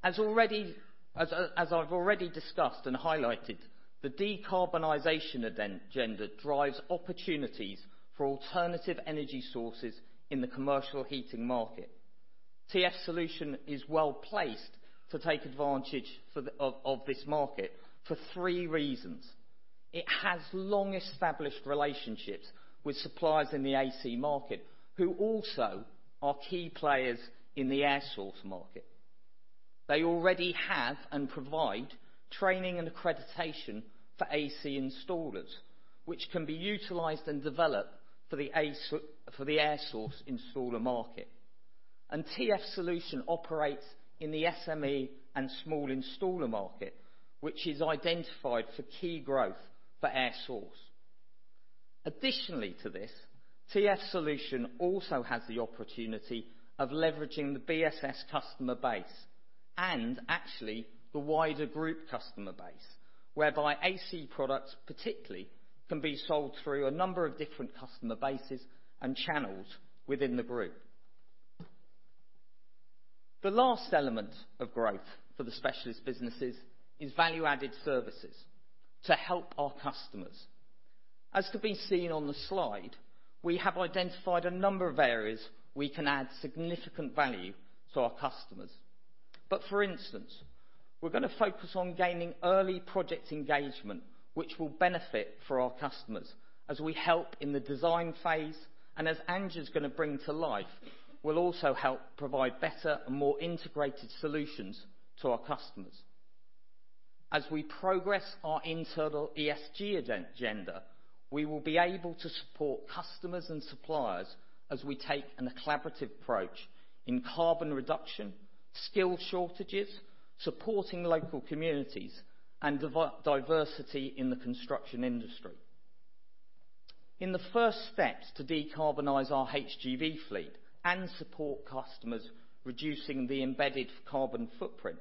As I've already discussed and highlighted, the decarbonization agenda drives opportunities for alternative energy sources in the commercial heating market. TF Solutions is well-placed to take advantage of this market for three reasons. It has long-established relationships with suppliers in the AC market, who also are key players in the air source market. They already have and provide training and accreditation for AC installers, which can be utilized and developed for the air source installer market. TF Solutions operates in the SME and small installer market, which is identified for key growth for air source. Additionally to this, TF Solutions also has the opportunity of leveraging the BSS customer base and actually, the wider group customer base, whereby AC products particularly can be sold through a number of different customer bases and channels within the group. The last element of growth for the specialist businesses is value-added services to help our customers. As can be seen on the slide, we have identified a number of areas we can add significant value to our customers. For instance, we're going to focus on gaining early project engagement, which will benefit for our customers as we help in the design phase. As Angela's going to bring to life, we'll also help provide better and more integrated solutions to our customers. As we progress our internal ESG agenda, we will be able to support customers and suppliers as we take a collaborative approach in carbon reduction, skill shortages, supporting local communities, and diversity in the construction industry. In the first steps to decarbonize our HGV fleet and support customers reducing the embedded carbon footprint,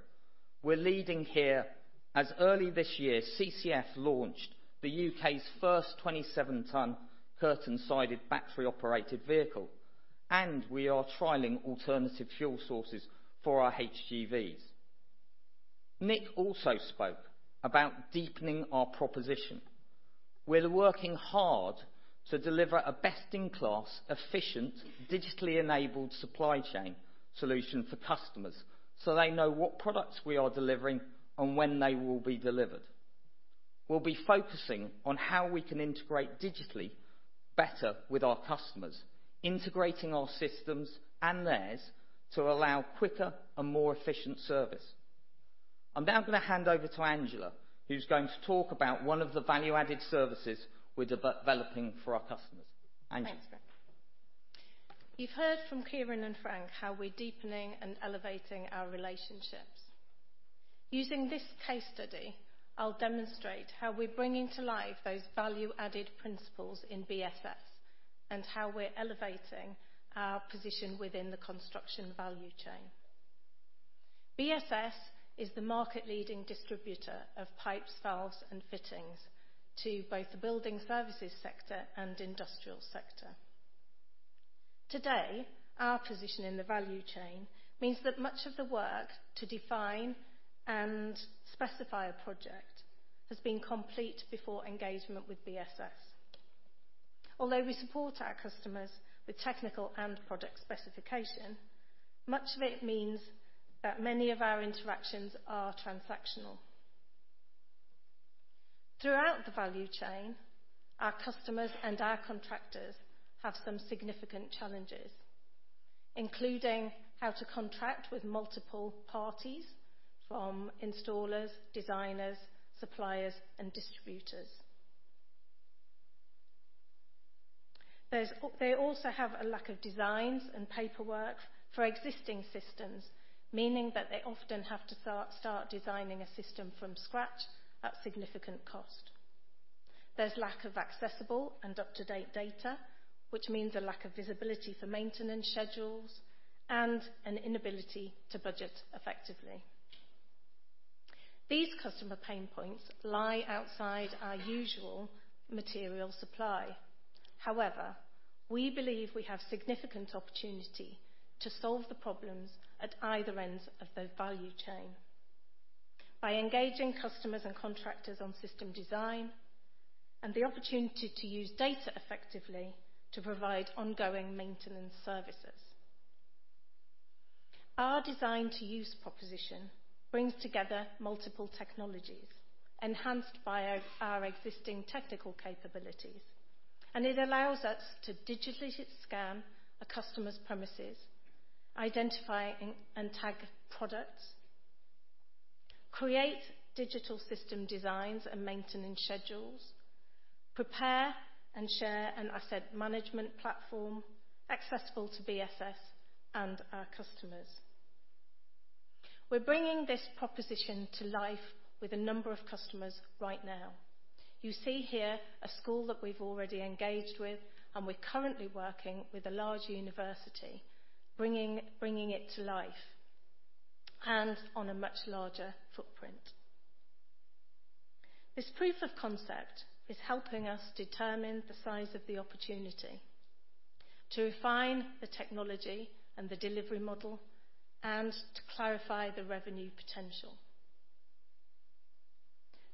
we're leading here as early this year, CCF launched the U.K.'s first 27-ton curtain-sided battery-operated vehicle, and we are trialing alternative fuel sources for our HGVs. Nick also spoke about deepening our proposition. We're working hard to deliver a best-in-class, efficient, digitally enabled supply chain solution for customers, so they know what products we are delivering and when they will be delivered. We'll be focusing on how we can integrate digitally better with our customers, integrating our systems and theirs to allow quicker and more efficient service. I'm now going to hand over to Angela, who's going to talk about one of the value-added services we're developing for our customers. Angela. Thanks, Frank Elkins. You've heard from Kieran and Frank how we're deepening and elevating our relationships. Using this case study, I'll demonstrate how we're bringing to life those value-added principles in BSS and how we're elevating our position within the construction value chain. BSS is the market-leading distributor of pipes, valves, and fittings to both the building services sector and industrial sector. Today, our position in the value chain means that much of the work to define and specify a project has been complete before engagement with BSS. Although we support our customers with technical and product specification, much of it means that many of our interactions are transactional. Throughout the value chain, our customers and our contractors have some significant challenges, including how to contract with multiple parties from installers, designers, suppliers, and distributors. They also have a lack of designs and paperwork for existing systems, meaning that they often have to start designing a system from scratch at significant cost. There is lack of accessible and up-to-date data, which means a lack of visibility for maintenance schedules and an inability to budget effectively. These customer pain points lie outside our usual material supply. We believe we have significant opportunity to solve the problems at either end of the value chain by engaging customers and contractors on system design and the opportunity to use data effectively to provide ongoing maintenance services. Our Design to Use proposition brings together multiple technologies enhanced by our existing technical capabilities, it allows us to digitally scan a customer's premises, identify and tag products, create digital system designs and maintenance schedules, prepare and share an asset management platform accessible to BSS and our customers. We're bringing this proposition to life with a number of customers right now. You see here a school that we've already engaged with, and we're currently working with a large university, bringing it to life and on a much larger footprint. This proof of concept is helping us determine the size of the opportunity to refine the technology and the delivery model and to clarify the revenue potential.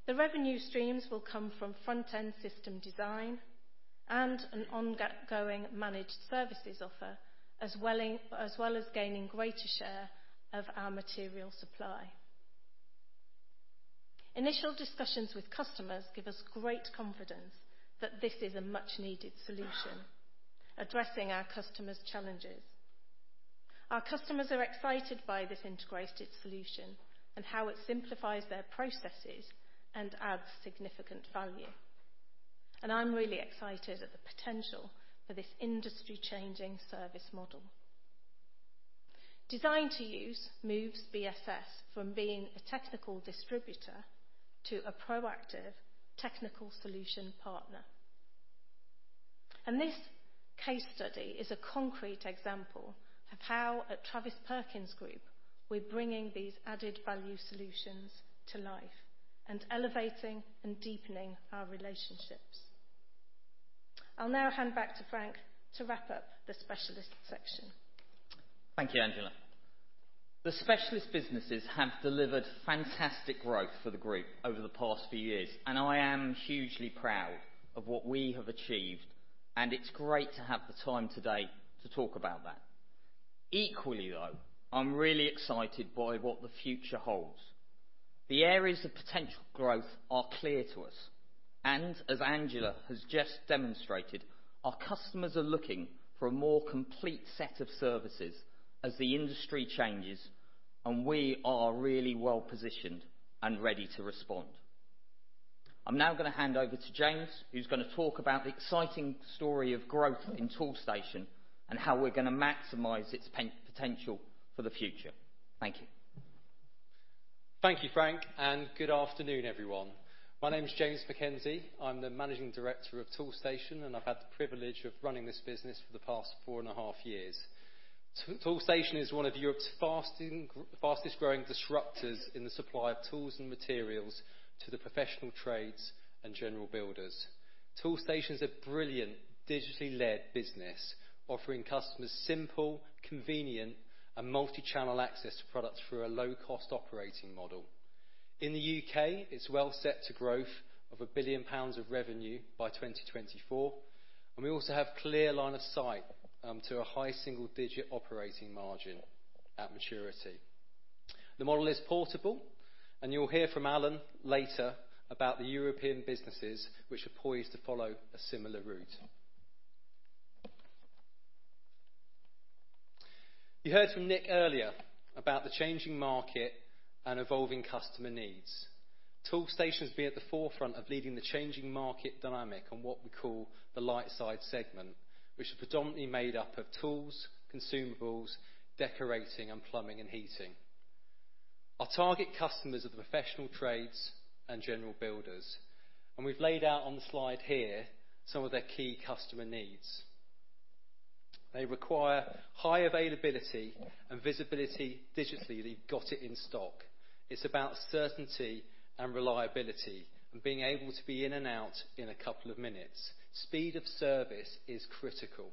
The revenue streams will come from front-end system design and an ongoing managed services offer, as well as gaining greater share of our material supply. Initial discussions with customers give us great confidence that this is a much-needed solution addressing our customers' challenges. Our customers are excited by this integrated solution and how it simplifies their processes and adds significant value, and I'm really excited at the potential for this industry-changing service model. Design to Use moves BSS from being a technical distributor to a proactive technical solution partner. This case study is a concrete example of how at Travis Perkins Group, we're bringing these added value solutions to life and elevating and deepening our relationships. I'll now hand back to Frank to wrap up the specialist section. Thank you, Angela. The specialist businesses have delivered fantastic growth for the Group over the past few years, and I am hugely proud of what we have achieved, and it's great to have the time today to talk about that. Equally, though, I'm really excited by what the future holds. The areas of potential growth are clear to us, and as Angela has just demonstrated, our customers are looking for a more complete set of services as the industry changes, and we are really well positioned and ready to respond. I'm now going to hand over to James, who's going to talk about the exciting story of growth in Toolstation and how we're going to maximize its potential for the future. Thank you. Thank you, Frank, and good afternoon, everyone. My name is James Mackenzie. I'm the Managing Director of Toolstation, and I've had the privilege of running this business for the past four and a half years. Toolstation is one of Europe's fastest growing disruptors in the supply of tools and materials to the professional trades and general builders. Toolstation is a brilliant digitally led business offering customers simple, convenient and multi-channel access to products through a low-cost operating model. In the U.K., it's well set to growth of 1 billion pounds of revenue by 2024, and we also have clear line of sight to a high single-digit operating margin at maturity. The model is portable, and you'll hear from Alan later about the European businesses which are poised to follow a similar route. You heard from Nick earlier about the changing market and evolving customer needs. Toolstation has been at the forefront of leading the changing market dynamic on what we call the lightside segment, which are predominantly made up of tools, consumables, decorating and Plumbing and Heating. We've laid out on the slide here some of their key customer needs. They require high availability and visibility digitally. They've got it in stock. It's about certainty and reliability and being able to be in and out in a couple of minutes. Speed of service is critical.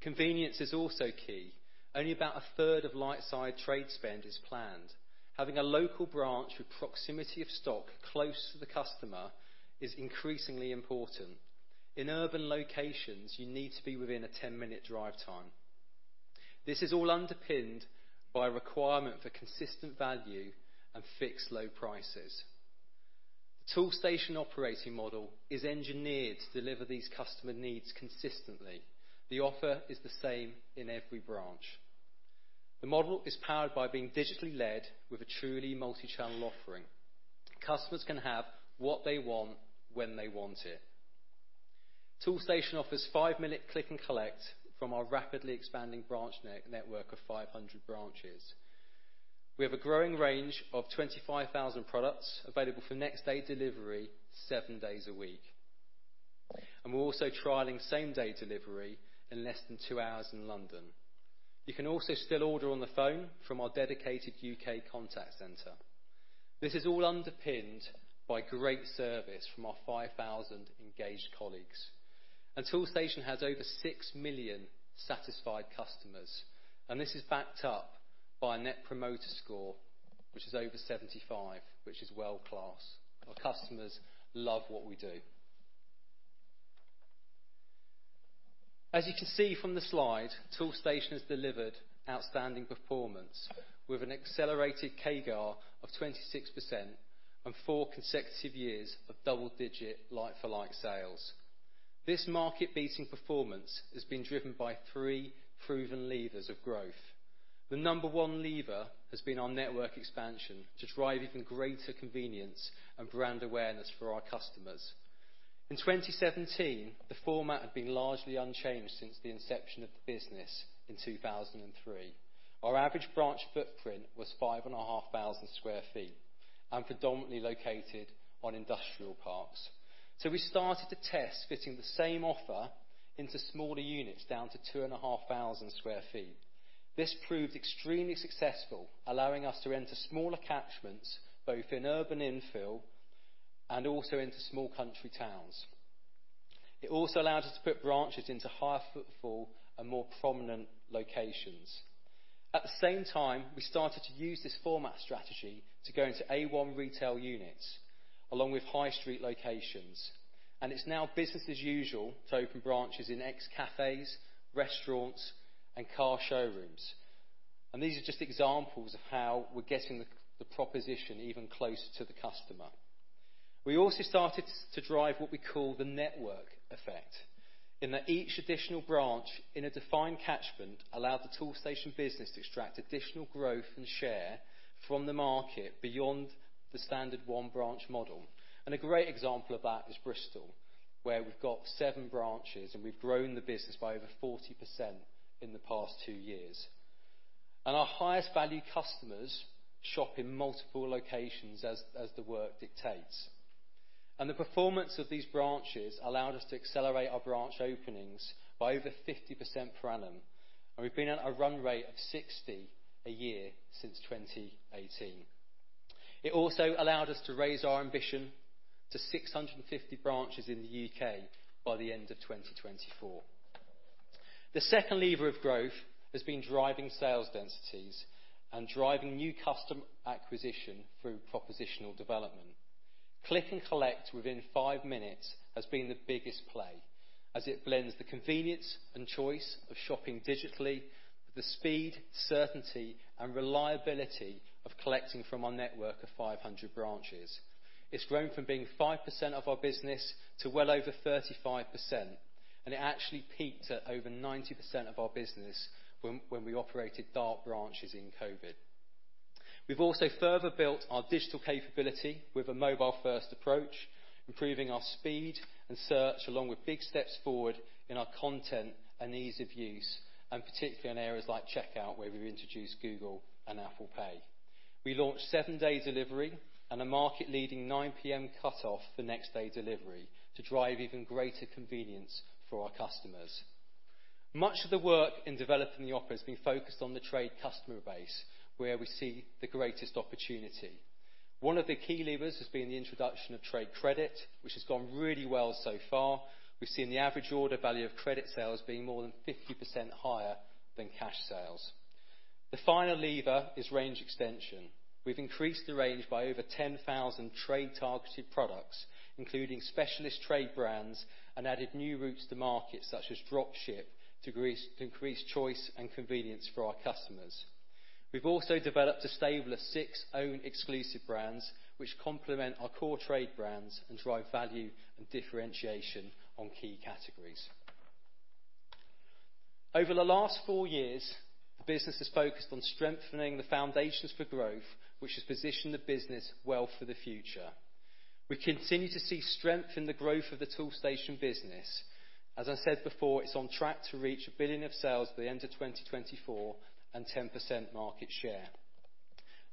Convenience is also key. Only about a third of lightside trade spend is planned. Having a local branch with proximity of stock close to the customer is increasingly important. In urban locations, you need to be within a 10 minute drive time. This is all underpinned by a requirement for consistent value and fixed low prices. The Toolstation operating model is engineered to deliver these customer needs consistently. The offer is the same in every branch. The model is powered by being digitally led with a truly multi-channel offering. Customers can have what they want when they want it. Toolstation offers five minute click and collect from our rapidly expanding branch network of 500 branches. We have a growing range of 25,000 products available for next day delivery, seven days a week. We're also trialing same day delivery in less than two hours in London. You can also still order on the phone from our dedicated U.K. contact center. This is all underpinned by great service from our 5,000 engaged colleagues. Toolstation has over 6 million satisfied customers, and this is backed up by a Net Promoter Score which is over 75, which is world class. Our customers love what we do. As you can see from the slide, Toolstation has delivered outstanding performance with an accelerated CAGR of 26% and four consecutive years of double-digit like-for-like sales. This market-beating performance has been driven by three proven levers of growth. The number one lever has been our network expansion to drive even greater convenience and brand awareness for our customers. In 2017, the format had been largely unchanged since the inception of the business in 2003. Our average branch footprint was 5,500 square feet and predominantly located on industrial parks. We started to test fitting the same offer into smaller units down to 2,500 square feet. This proved extremely successful, allowing us to enter smaller catchments both in urban infill and also into small country towns. It also allowed us to put branches into higher footfall and more prominent locations. At the same time, we started to use this format strategy to go into A1 retail units along with high street locations, and it's now business as usual to open branches in ex cafes, restaurants and car showrooms. These are just examples of how we're getting the proposition even closer to the customer. We also started to drive what we call the network effect, in that each additional branch in a defined catchment allowed the Toolstation business to extract additional growth and share from the market beyond the standard one branch model. A great example of that is Bristol, where we've got seven branches and we've grown the business by over 40% in the past two years. Our highest value customers shop in multiple locations as the work dictates. The performance of these branches allowed us to accelerate our branch openings by over 50% per annum, and we've been at a run rate of 60 a year since 2018. It also allowed us to raise our ambition to 650 branches in the U.K. by the end of 2024. The second lever of growth has been driving sales densities and driving new customer acquisition through propositional development. Click and collect within 5 minutes has been the biggest play as it blends the convenience and choice of shopping digitally with the speed, certainty, and reliability of collecting from our network of 500 branches. It's grown from being 5% of our business to well over 35%, and it actually peaked at over 90% of our business when we operated dark branches in COVID. We've also further built our digital capability with a mobile-first approach, improving our speed and search along with big steps forward in our content and ease of use, and particularly in areas like checkout, where we've introduced Google and Apple Pay. We launched seven-day delivery and a market leading 9:00 P.M. cutoff for next-day delivery to drive even greater convenience for our customers. Much of the work in developing the offer has been focused on the trade customer base where we see the greatest opportunity. One of the key levers has been the introduction of trade credit, which has gone really well so far. We've seen the average order value of credit sales being more than 50% higher than cash sales. The final lever is range extension. We've increased the range by over 10,000 trade targeted products, including specialist trade brands and added new routes to market, such as drop ship to increase choice and convenience for our customers. We've also developed a stable of six own exclusive brands which complement our core trade brands and drive value and differentiation on key categories. Over the last four years, the business has focused on strengthening the foundations for growth which has positioned the business well for the future. We continue to see strength in the growth of the Toolstation business. As I said before, it's on track to reach 1 billion of sales by the end of 2024 and 10% market share.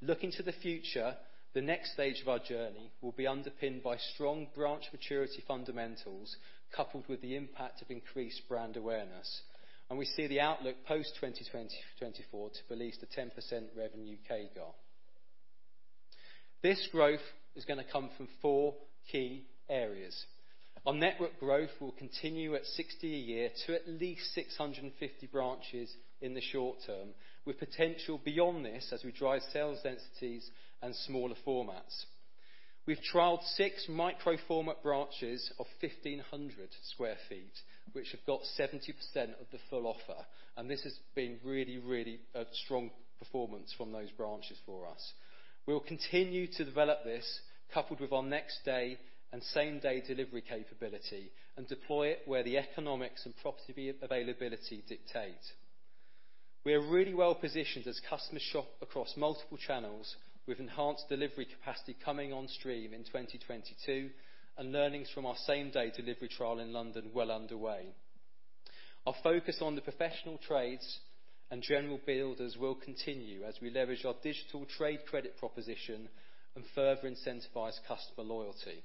Looking to the future, the next stage of our journey will be underpinned by strong branch maturity fundamentals coupled with the impact of increased brand awareness. We see the outlook post 2024 to release the 10% revenue CAGR. This growth is going to come from four key areas. Our network growth will continue at 60 a year to at least 650 branches in the short term with potential beyond this as we drive sales densities and smaller formats. We've trialed six micro format branches of 1,500 sq ft which have got 70% of the full offer. This has been really a strong performance from those branches for us. We will continue to develop this coupled with our next day and same-day delivery capability and deploy it where the economics and property availability dictate. We are really well positioned as customers shop across multiple channels with enhanced delivery capacity coming on stream in 2022 and learnings from our same-day delivery trial in London well underway. Our focus on the professional trades and general builders will continue as we leverage our digital trade credit proposition and further incentivize customer loyalty.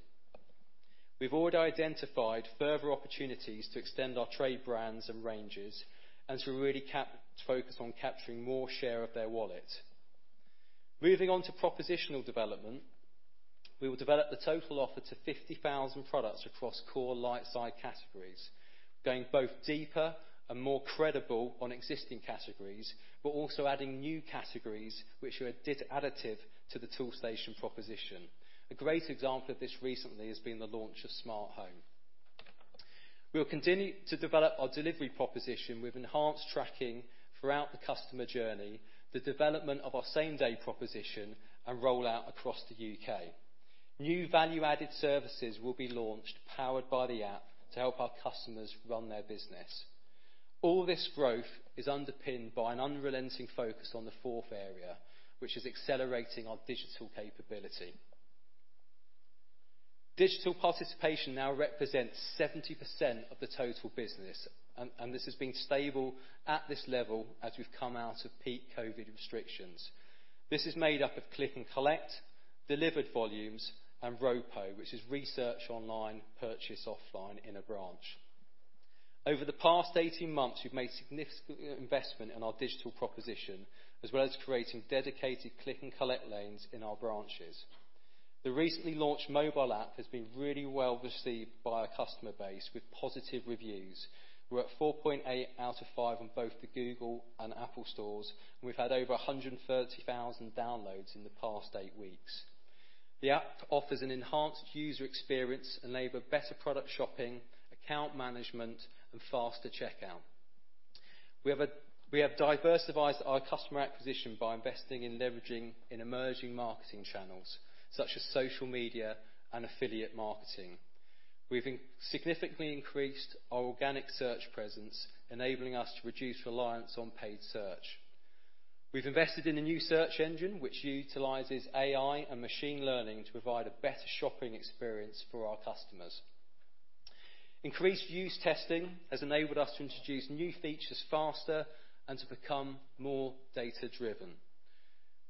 We've already identified further opportunities to extend our trade brands and ranges and to really focus on capturing more share of their wallet. Moving on to propositional development, we will develop the total offer to 50,000 products across core lightside categories, going both deeper and more credible on existing categories but also adding new categories which are additive to the Toolstation proposition. A great example of this recently has been the launch of Smart Home. We'll continue to develop our delivery proposition with enhanced tracking throughout the customer journey, the development of our same-day proposition and rollout across the U.K. New value-added services will be launched powered by the app to help our customers run their business. All this growth is underpinned by an unrelenting focus on the fourth area which is accelerating our digital capability. Digital participation now represents 70% of the total business and this has been stable at this level as we've come out of peak COVID restrictions. This is made up of click and collect, delivered volumes and ROPO which is research online, purchase offline in a branch. Over the past 18 months, we've made significant investment in our digital proposition as well as creating dedicated click and collect lanes in our branches. The recently launched mobile app has been really well received by our customer base with positive reviews. We're at 4.8 out of five on both the Google and Apple stores and we've had over 130,000 downloads in the past eight weeks. The app offers an enhanced user experience, enable better product shopping, account management and faster checkout. We have diversified our customer acquisition by investing in leveraging in emerging marketing channels such as social media and affiliate marketing. We've significantly increased our organic search presence enabling us to reduce reliance on paid search. We've invested in a new search engine which utilizes AI and machine learning to provide a better shopping experience for our customers. Increased user testing has enabled us to introduce new features faster and to become more data-driven.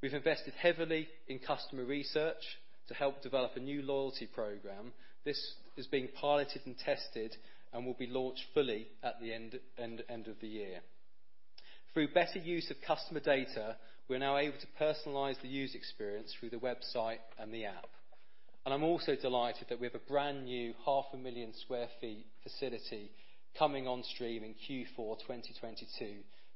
We've invested heavily in customer research to help develop a new loyalty program. This is being piloted and tested and will be launched fully at the end of the year. Through better use of customer data, we're now able to personalize the user experience through the website and the app. I'm also delighted that we have a brand-new half-a-million sq ft facility coming on stream in Q4 2022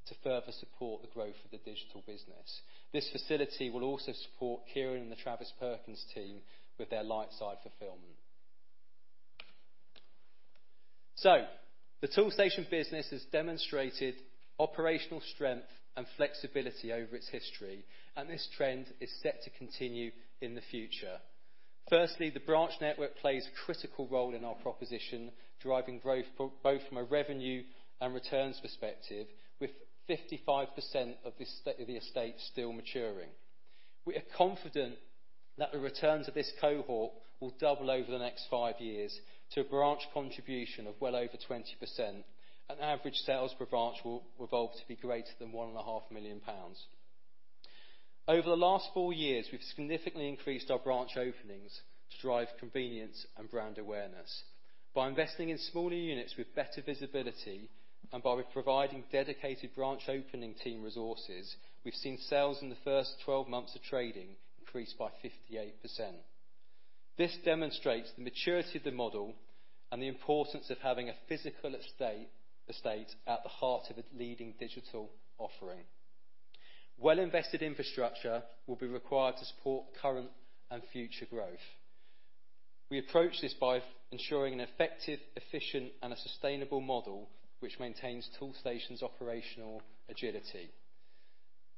to further support the growth of the digital business. This facility will also support Kieran and the Travis Perkins team with their lightside fulfillment. The Toolstation business has demonstrated operational strength and flexibility over its history, and this trend is set to continue in the future. Firstly, the branch network plays a critical role in our proposition, driving growth both from a revenue and returns perspective, with 55% of the estate still maturing. We are confident that the returns of this cohort will double over the next five years to a branch contribution of well over 20%, and average sales per branch will evolve to be greater than 1.5 million pounds. Over the last four years, we've significantly increased our branch openings to drive convenience and brand awareness. By investing in smaller units with better visibility, and by providing dedicated branch opening team resources, we've seen sales in the first 12 months of trading increase by 58%. This demonstrates the maturity of the model and the importance of having a physical estate at the heart of its leading digital offering. Well-invested infrastructure will be required to support current and future growth. We approach this by ensuring an effective, efficient, and a sustainable model, which maintains Toolstation's operational agility.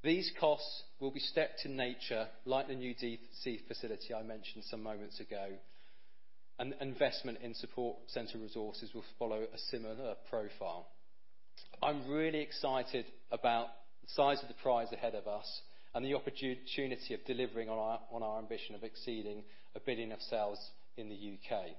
These costs will be stepped in nature, like the new DC facility I mentioned some moments ago, and investment in support center resources will follow a similar profile. I'm really excited about the size of the prize ahead of us and the opportunity of delivering on our ambition of exceeding 1 billion of sales in the U.K.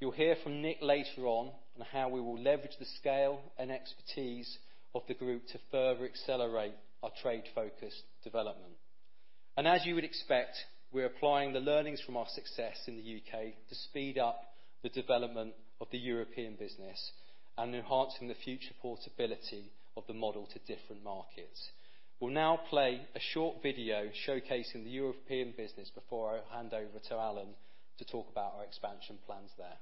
You'll hear from Nick later on how we will leverage the scale and expertise of the Group to further accelerate our trade-focused development. As you would expect, we're applying the learnings from our success in the U.K. to speed up the development of the European business and enhancing the future portability of the model to different markets. We'll now play a short video showcasing the European business before I hand over to Alan to talk about our expansion plans there.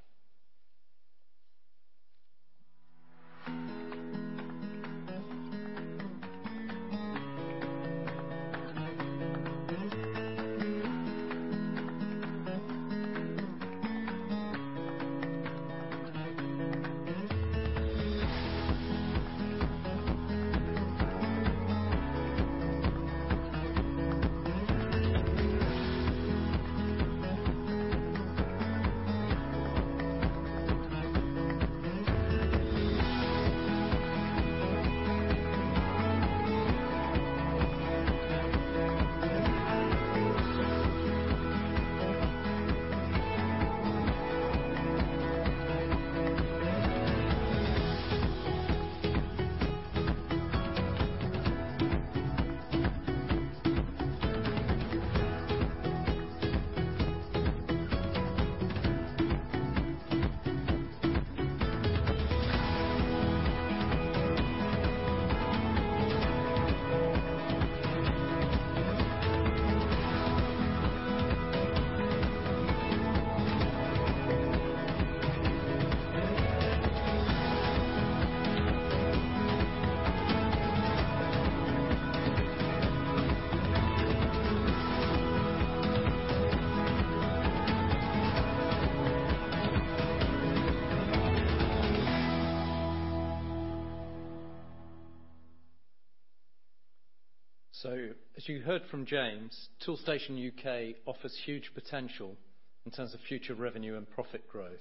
As you heard from James, Toolstation U.K. offers huge potential in terms of future revenue and profit growth.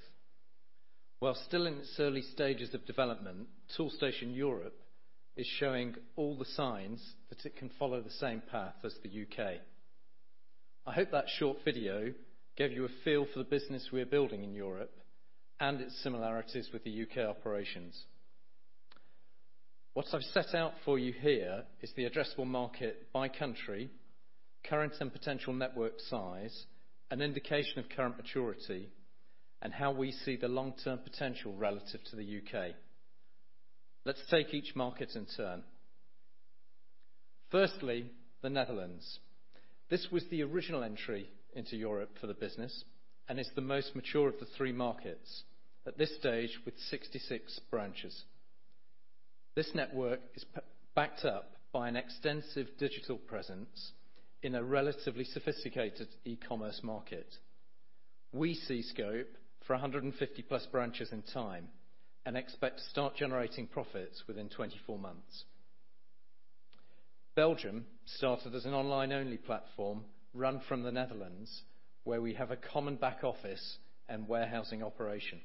While still in its early stages of development, Toolstation Europe is showing all the signs that it can follow the same path as the U.K. I hope that short video gave you a feel for the business we're building in Europe and its similarities with the U.K. operations. What I've set out for you here is the addressable market by country, current and potential network size, an indication of current maturity, and how we see the long-term potential relative to the U.K. Let's take each market in turn. Firstly, the Netherlands. This was the original entry into Europe for the business, and is the most mature of the three markets, at this stage with 66 branches. This network is backed up by an extensive digital presence in a relatively sophisticated e-commerce market. We see scope for 150+ branches in time and expect to start generating profits within 24 months. Belgium started as an online-only platform run from the Netherlands, where we have a common back office and warehousing operation.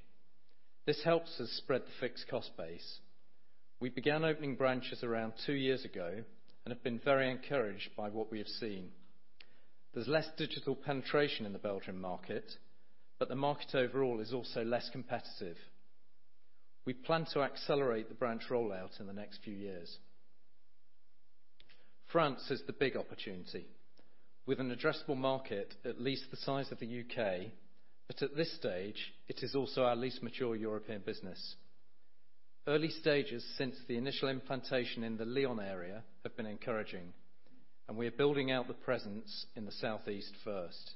This helps us spread the fixed cost base. We began opening branches around two years ago and have been very encouraged by what we have seen. There's less digital penetration in the Belgium market, but the market overall is also less competitive. We plan to accelerate the branch rollout in the next few years. France is the big opportunity, with an addressable market at least the size of the U.K., but at this stage it is also our least mature European business. Early stages since the initial implantation in the Lyon area have been encouraging, and we are building out the presence in the southeast first.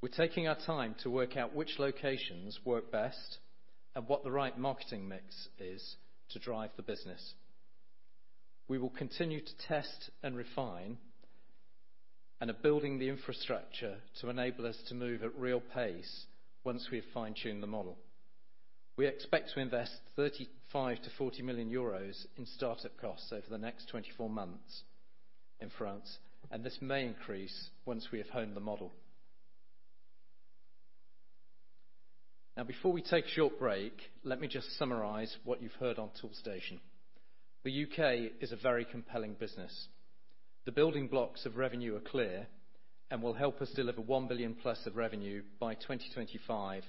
We're taking our time to work out which locations work best and what the right marketing mix is to drive the business. We will continue to test and refine and are building the infrastructure to enable us to move at real pace once we have fine-tuned the model. We expect to invest 35 million-40 million euros in start-up costs over the next 24 months in France, and this may increase once we have honed the model. Now, before we take a short break, let me just summarize what you've heard on Toolstation. The U.K. is a very compelling business. The building blocks of revenue are clear and will help us deliver 1 billion+ of revenue by 2025,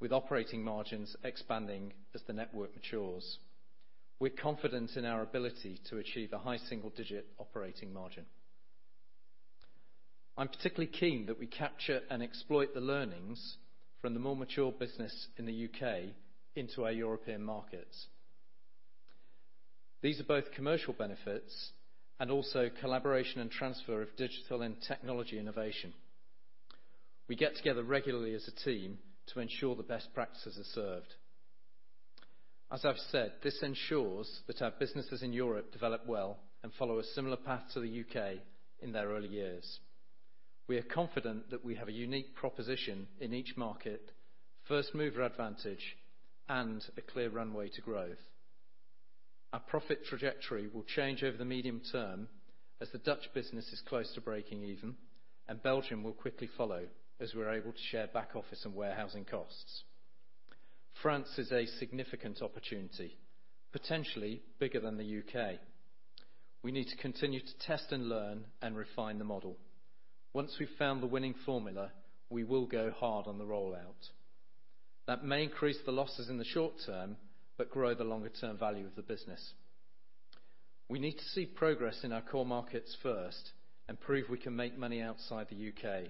with operating margins expanding as the network matures. We're confident in our ability to achieve a high single-digit operating margin. I'm particularly keen that we capture and exploit the learnings from the more mature business in the U.K. into our European markets. These are both commercial benefits and also collaboration and transfer of digital and technology innovation. We get together regularly as a team to ensure the best practices are served. As I've said, this ensures that our businesses in Europe develop well and follow a similar path to the U.K. in their early years. We are confident that we have a unique proposition in each market, first-mover advantage, and a clear runway to growth. Our profit trajectory will change over the medium term as the Dutch business is close to breaking even, and Belgium will quickly follow as we're able to share back office and warehousing costs. France is a significant opportunity, potentially bigger than the U.K. We need to continue to test and learn and refine the model. Once we've found the winning formula, we will go hard on the rollout. That may increase the losses in the short term but grow the longer term value of the business. We need to see progress in our core markets first and prove we can make money outside the U.K.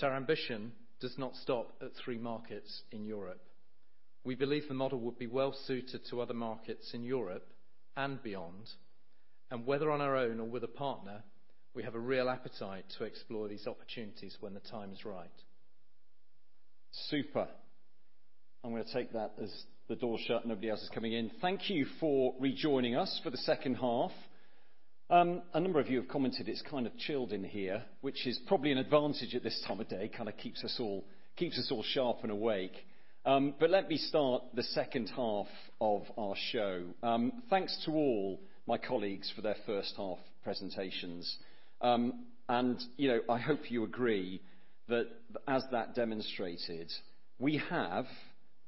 Our ambition does not stop at three markets in Europe. We believe the model would be well suited to other markets in Europe and beyond. Whether on our own or with a partner, we have a real appetite to explore these opportunities when the time is right. Super. I'm going to take that as the door shut and nobody else is coming in. Thank you for rejoining us for the second half. A number of you have commented it's kind of chilled in here, which is probably an advantage at this time of day, kind of keeps us all sharp and awake. Let me start the second half of our show. Thanks to all my colleagues for their first half presentations. I hope you agree that as that demonstrated, we have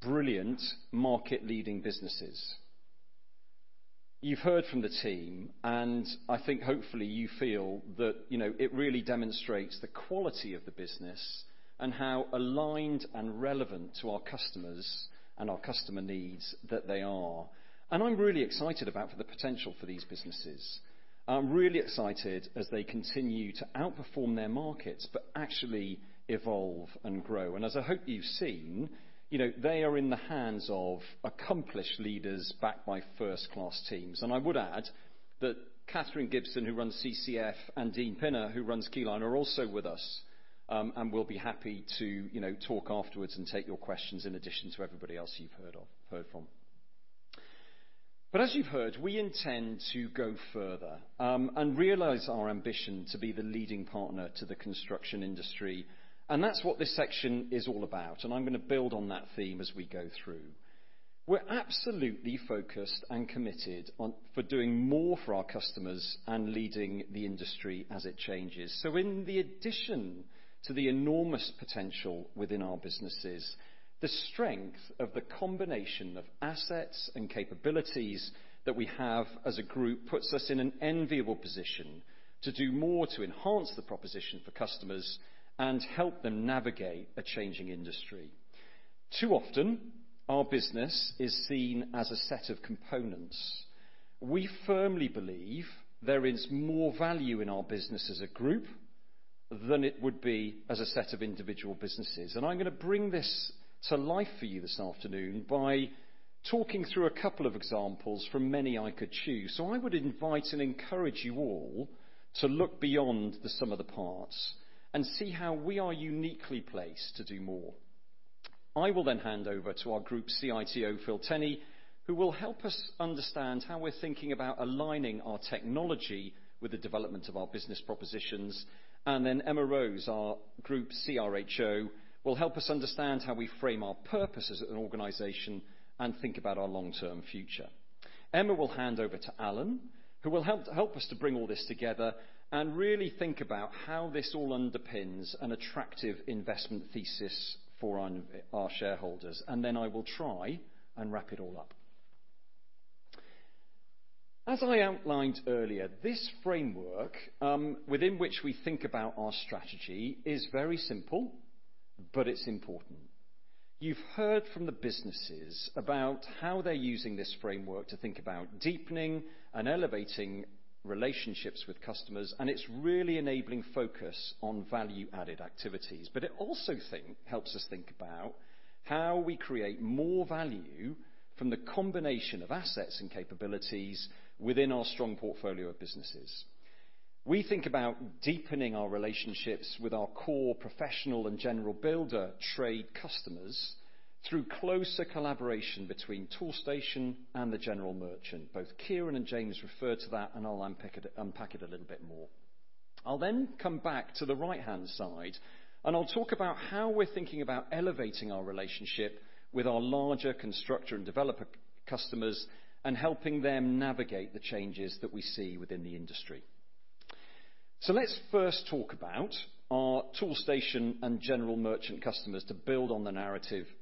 brilliant market leading businesses. You've heard from the team, and I think hopefully you feel that it really demonstrates the quality of the business and how aligned and relevant to our customers and our customer needs that they are. I'm really excited about the potential for these businesses. I'm really excited as they continue to outperform their markets but actually evolve and grow. As I hope you've seen, they are in the hands of accomplished leaders backed by first class teams. I would add that Catherine Gibson, who runs CCF, and Dean Pinner, who runs Keyline, are also with us and will be happy to talk afterwards and take your questions in addition to everybody else you've heard from. As you've heard, we intend to go further and realize our ambition to be the leading partner to the construction industry, and that's what this section is all about, and I'm going to build on that theme as we go through. We're absolutely focused and committed for doing more for our customers and leading the industry as it changes. In the addition to the enormous potential within our businesses, the strength of the combination of assets and capabilities that we have as a group puts us in an enviable position to do more to enhance the proposition for customers and help them navigate a changing industry. Too often, our business is seen as a set of components. We firmly believe there is more value in our business as a group than it would be as a set of individual businesses. I'm going to bring this to life for you this afternoon by talking through a couple of examples from many I could choose. I would invite and encourage you all to look beyond the sum of the parts and see how we are uniquely placed to do more. I will hand over to our group CITO, Phil Tenney, who will help us understand how we're thinking about aligning our technology with the development of our business propositions. Emma Rose, our group CHRO, will help us understand how we frame our purpose as an organization and think about our long-term future. Emma will hand over to Alan, who will help us to bring all this together and really think about how this all underpins an attractive investment thesis for our shareholders. Then I will try and wrap it all up. As I outlined earlier, this framework, within which we think about our strategy, is very simple, but it's important. You've heard from the businesses about how they're using this framework to think about deepening and elevating relationships with customers, and it's really enabling focus on value-added activities. It also helps us think about how we create more value from the combination of assets and capabilities within our strong portfolio of businesses. We think about deepening our relationships with our core professional and general builder trade customers through closer collaboration between Toolstation and the General Merchant. Both Kieran and James referred to that, and I'll unpack it a little bit more. I'll come back to the right-hand side, and I'll talk about how we're thinking about elevating our relationship with our larger constructor and developer customers and helping them navigate the changes that we see within the industry. Let's first talk about our Toolstation and General Merchant customers to build on the narrative from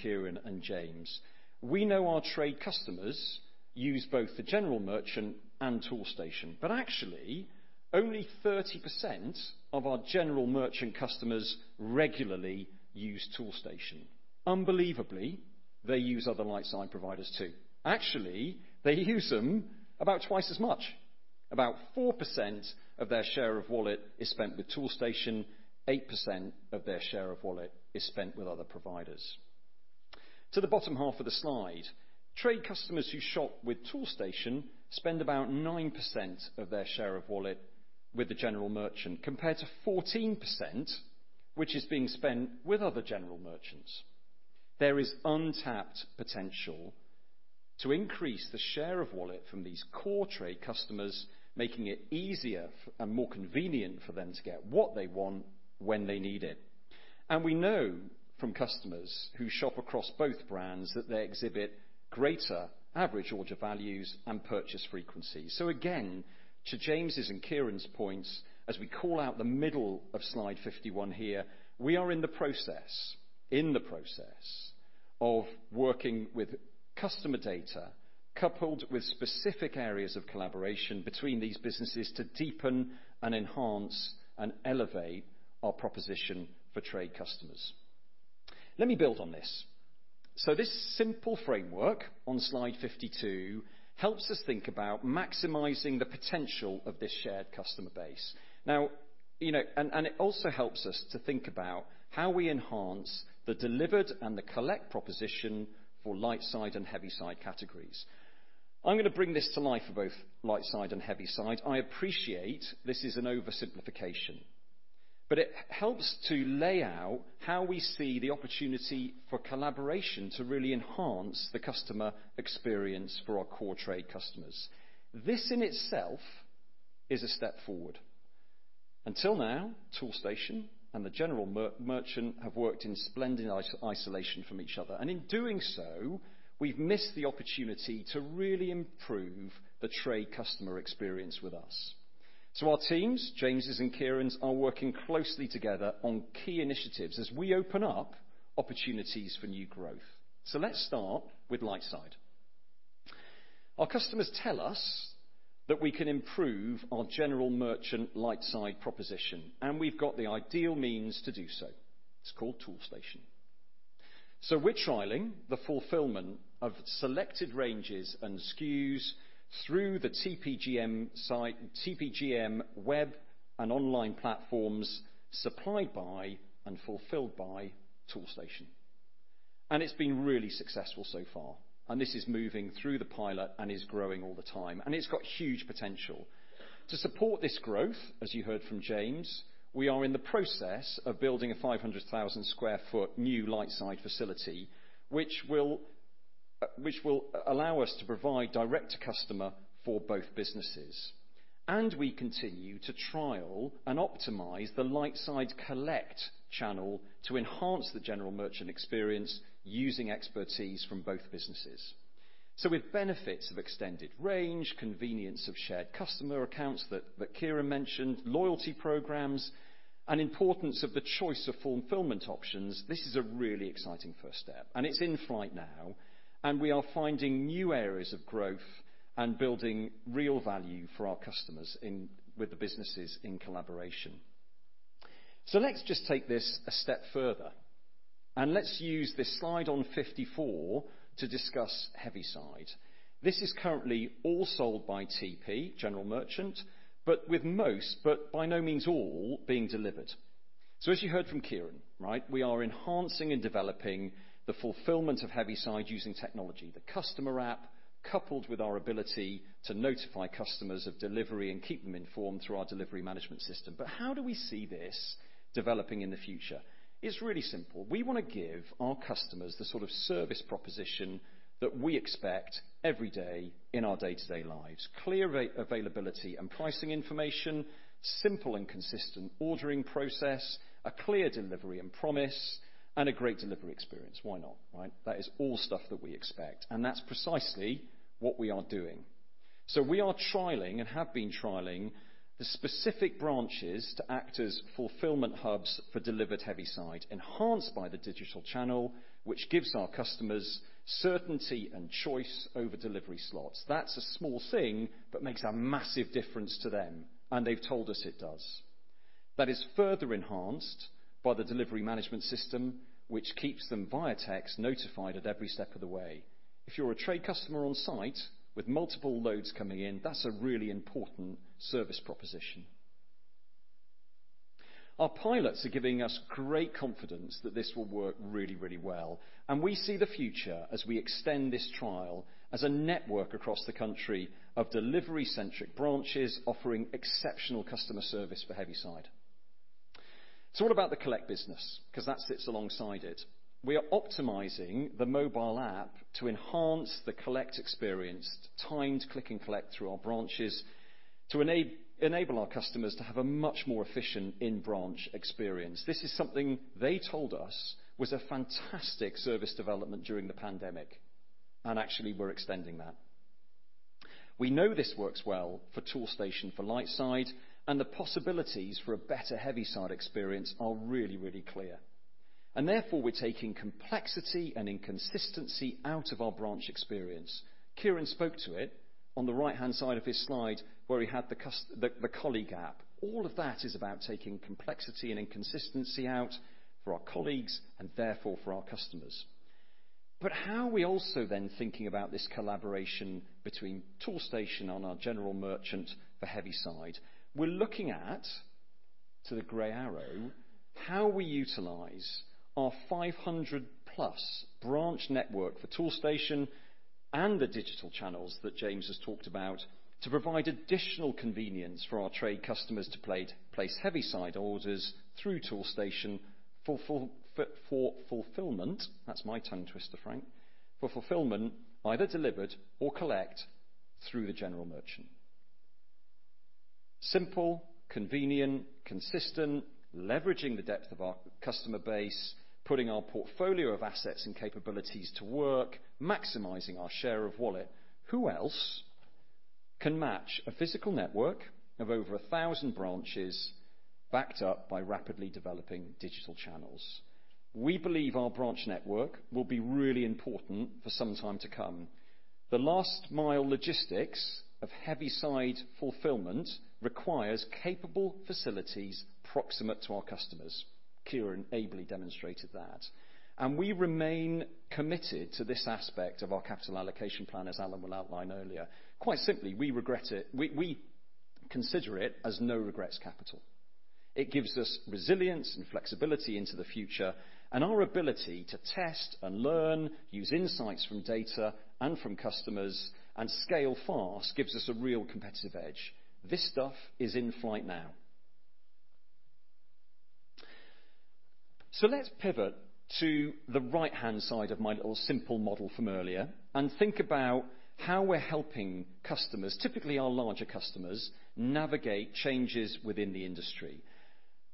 Kieran and James. We know our trade customers use both the General Merchant and Toolstation. Actually, only 30% of our General Merchant customers regularly use Toolstation. Unbelievably, they use other lightside providers, too. Actually, they use them about twice as much. About 4% of their share of wallet is spent with Toolstation, 8% of their share of wallet is spent with other providers. To the bottom half of the slide, trade customers who shop with Toolstation spend about 9% of their share of wallet with the General Merchant, compared to 14%, which is being spent with other General Merchants. There is untapped potential to increase the share of wallet from these core trade customers, making it easier and more convenient for them to get what they want when they need it. We know from customers who shop across both brands that they exhibit greater average order values and purchase frequency. Again, to James' and Kieran's points, as we call out the middle of slide 51 here, we are in the process of working with customer data, coupled with specific areas of collaboration between these businesses to deepen and enhance and elevate our proposition for trade customers. Let me build on this. This simple framework on slide 52 helps us think about maximizing the potential of this shared customer base. It also helps us to think about how we enhance the delivered and the collect proposition for lightside and heavyside categories. I'm going to bring this to life for both lightside and heavyside. I appreciate this is an oversimplification, but it helps to lay out how we see the opportunity for collaboration to really enhance the customer experience for our core trade customers. This in itself is a step forward. Until now, Toolstation and the general merchant have worked in splendid isolation from each other. In doing so, we've missed the opportunity to really improve the trade customer experience with us. Our teams, James' and Kieran's, are working closely together on key initiatives as we open up opportunities for new growth. Let's start with lightside. Our customers tell us that we can improve our general merchant lightside proposition, and we've got the ideal means to do so. It's called Toolstation. We're trialing the fulfillment of selected ranges and SKUs through the TPGM web and online platforms supplied by and fulfilled by Toolstation. It's been really successful so far, and this is moving through the pilot and is growing all the time, and it's got huge potential. To support this growth, as you heard from James, we are in the process of building a 500,000 sq ft new lightside facility, which will allow us to provide direct to customer for both businesses. We continue to trial and optimize the lightside collect channel to enhance the general merchant experience using expertise from both businesses. With benefits of extended range, convenience of shared customer accounts that Kieran mentioned, loyalty programs, and importance of the choice of fulfillment options, this is a really exciting first step, and it's in flight now, and we are finding new areas of growth and building real value for our customers with the businesses in collaboration. Let's just take this a step further, and let's use this slide on 54 to discuss heavyside. This is currently all sold by TP General Merchant, but with most, but by no means all, being delivered. As you heard from Kieran, we are enhancing and developing the fulfillment of heavyside using technology, the customer app, coupled with our ability to notify customers of delivery and keep them informed through our delivery management system. How do we see this developing in the future? It's really simple. We want to give our customers the sort of service proposition that we expect every day in our day-to-day lives. Clear availability and pricing information, simple and consistent ordering process, a clear delivery and promise, and a great delivery experience. Why not? That is all stuff that we expect, and that's precisely what we are doing. We are trialing and have been trialing the specific branches to act as fulfillment hubs for delivered heavyside, enhanced by the digital channel, which gives our customers certainty and choice over delivery slots. That is a small thing, but makes a massive difference to them, and they have told us it does. That is further enhanced by the delivery management system which keeps them, via text, notified at every step of the way. If you are a trade customer on site with multiple loads coming in, that is a really important service proposition. Our pilots are giving us great confidence that this will work really, really well, and we see the future as we extend this trial as a network across the country of delivery-centric branches offering exceptional customer service for heavyside. What about the collect business? That sits alongside it. We are optimizing the mobile app to enhance the collect experience, timed click and collect through our branches to enable our customers to have a much more efficient in-branch experience. This is something they told us was a fantastic service development during the pandemic, actually we're extending that. We know this works well for Toolstation for lightside, the possibilities for a better heavyside experience are really, really clear. Therefore, we're taking complexity and inconsistency out of our branch experience. Kieran spoke to it on the right-hand side of his slide where he had the colleague app. All of that is about taking complexity and inconsistency out for our colleagues and therefore for our customers. How are we also then thinking about this collaboration between Toolstation and our general merchant for heavyside? We're looking at, to the gray arrow, how we utilize our 500+ branch network for Toolstation and the digital channels that James has talked about to provide additional convenience for our trade customers to place heavyside orders through Toolstation for fulfillment, that's my tongue twister, Frank, for fulfillment, either delivered or collect through the general merchant. Simple, convenient, consistent, leveraging the depth of our customer base, putting our portfolio of assets and capabilities to work, maximizing our share of wallet. Who else can match a physical network of over 1,000 branches backed up by rapidly developing digital channels? We believe our branch network will be really important for some time to come. The last mile logistics of heavyside fulfillment requires capable facilities proximate to our customers. Kieran ably demonstrated that. We remain committed to this aspect of our capital allocation plan, as Alan will outline earlier. Quite simply, we consider it as no regrets capital. It gives us resilience and flexibility into the future and our ability to test and learn, use insights from data and from customers and scale fast gives us a real competitive edge. This stuff is in flight now. Let's pivot to the right-hand side of my little simple model from earlier and think about how we're helping customers, typically our larger customers, navigate changes within the industry.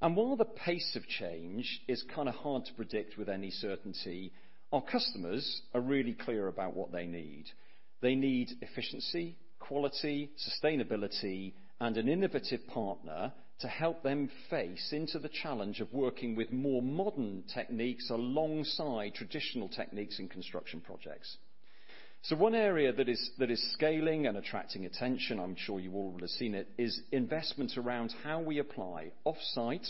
While the pace of change is kind of hard to predict with any certainty, our customers are really clear about what they need. They need efficiency, quality, sustainability, and an innovative partner to help them face into the challenge of working with more modern techniques alongside traditional techniques in construction projects. One area that is scaling and attracting attention, I'm sure you all would have seen it, is investment around how we apply offsite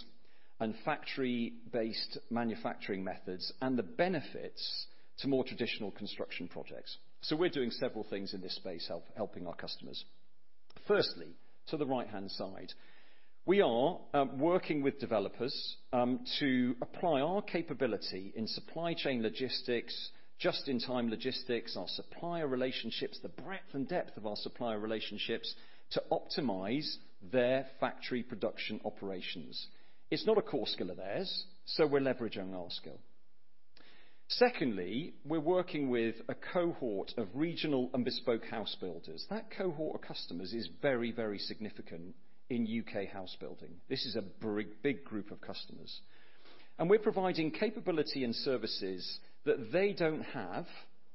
and factory-based manufacturing methods and the benefits to more traditional construction projects. We're doing several things in this space helping our customers. Firstly, to the right-hand side, we are working with developers to apply our capability in supply chain logistics, just-in-time logistics, our supplier relationships, the breadth and depth of our supplier relationships to optimize their factory production operations. It's not a core skill of theirs, so we're leveraging our skill. Secondly, we're working with a cohort of regional and bespoke house builders. That cohort of customers is very, very significant in U.K. house building. This is a big group of customers. We're providing capability and services that they don't have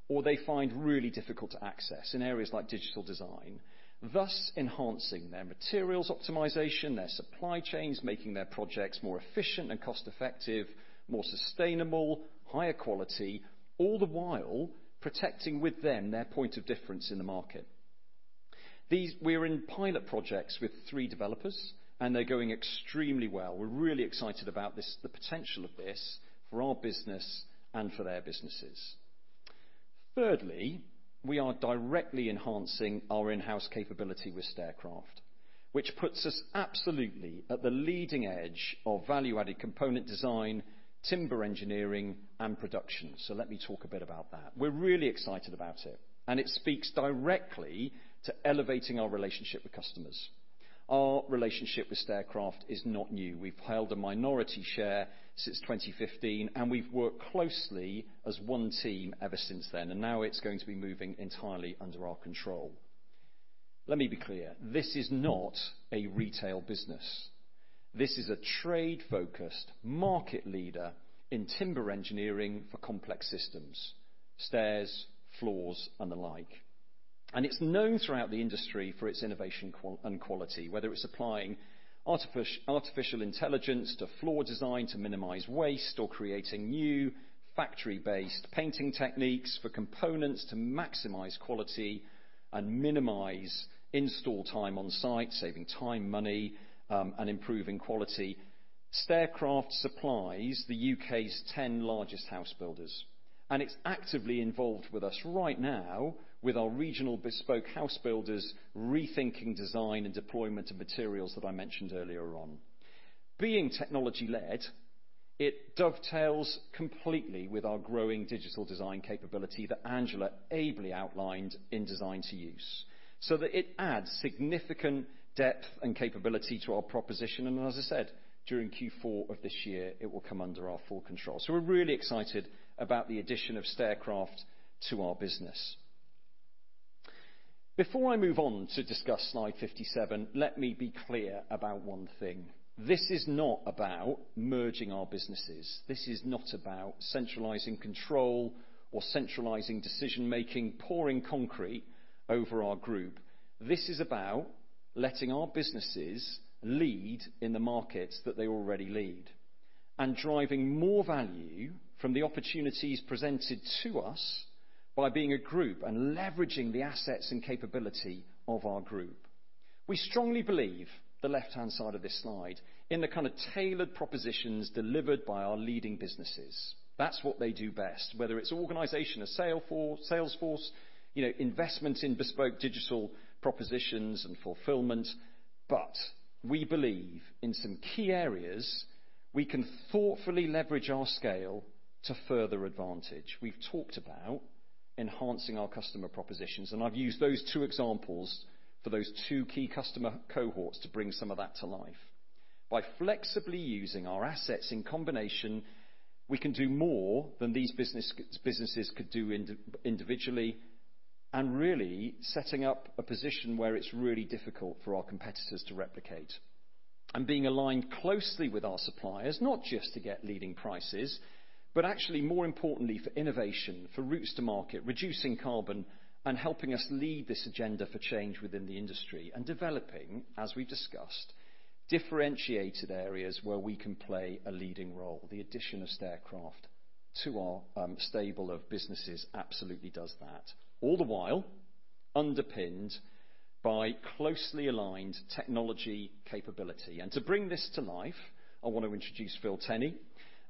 or they find really difficult to access in areas like digital design, thus enhancing their materials optimization, their supply chains, making their projects more efficient and cost-effective, more sustainable, higher quality, all the while protecting with them their point of difference in the market. We're in pilot projects with three developers and they're going extremely well. We're really excited about the potential of this for our business and for their businesses. Thirdly, we are directly enhancing our in-house capability with Staircraft, which puts us absolutely at the leading edge of value-added component design, timber engineering and production. Let me talk a bit about that. We're really excited about it and it speaks directly to elevating our relationship with customers. Our relationship with Staircraft is not new. We've held a minority share since 2015 and we've worked closely as one team ever since then and now it's going to be moving entirely under our control. Let me be clear. This is not a retail business. This is a trade-focused market leader in timber engineering for complex systems, stairs, floors and the like. It's known throughout the industry for its innovation and quality, whether it's applying artificial intelligence to floor design to minimize waste or creating new factory-based painting techniques for components to maximize quality and minimize install time on site, saving time, money and improving quality. Staircraft supplies the U.K.'s 10 largest house builders. It's actively involved with us right now with our regional bespoke house builders rethinking design and deployment of materials that I mentioned earlier on. Being technology led, it dovetails completely with our growing digital design capability that Angela ably outlined in Design to Use, so that it adds significant depth and capability to our proposition. As I said, during Q4 of this year, it will come under our full control. We're really excited about the addition of Staircraft to our business. Before I move on to discuss slide 57, let me be clear about one thing. This is not about merging our businesses. This is not about centralizing control or centralizing decision making, pouring concrete over our group. This is about letting our businesses lead in the markets that they already lead and driving more value from the opportunities presented to us by being a group and leveraging the assets and capability of our group. We strongly believe, the left-hand side of this slide, in the kind of tailored propositions delivered by our leading businesses. That's what they do best, whether it's organization of sales force, investment in bespoke digital propositions and fulfillment. We believe in some key areas, we can thoughtfully leverage our scale to further advantage. We've talked about enhancing our customer propositions. I've used those two examples for those two key customer cohorts to bring some of that to life. By flexibly using our assets in combination, we can do more than these businesses could do individually, and really setting up a position where it's really difficult for our competitors to replicate. Being aligned closely with our suppliers, not just to get leading prices, but actually more importantly for innovation, for routes to market, reducing carbon, and helping us lead this agenda for change within the industry and developing, as we've discussed, differentiated areas where we can play a leading role. The addition of Staircraft to our stable of businesses absolutely does that. All the while, underpinned by closely aligned technology capability. To bring this to life, I want to introduce Phil Tenney.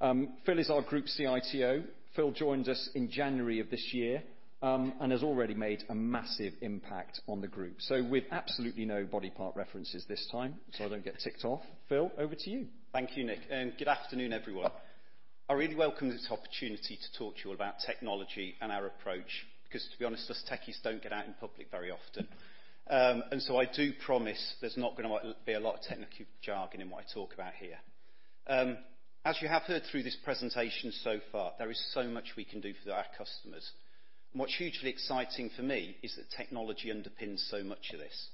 Phil is our Group CITO. Phil joined us in January of this year, and has already made a massive impact on the group. With absolutely no body part references this time, so I don't get ticked off, Phil, over to you. Thank you, Nick, and good afternoon, everyone. I really welcome this opportunity to talk to you all about technology and our approach because to be honest, us techies don't get out in public very often. I do promise there's not going to be a lot of technical jargon in what I talk about here. As you have heard through this presentation so far, there is so much we can do for our customers. What's hugely exciting for me is that technology underpins so much of this.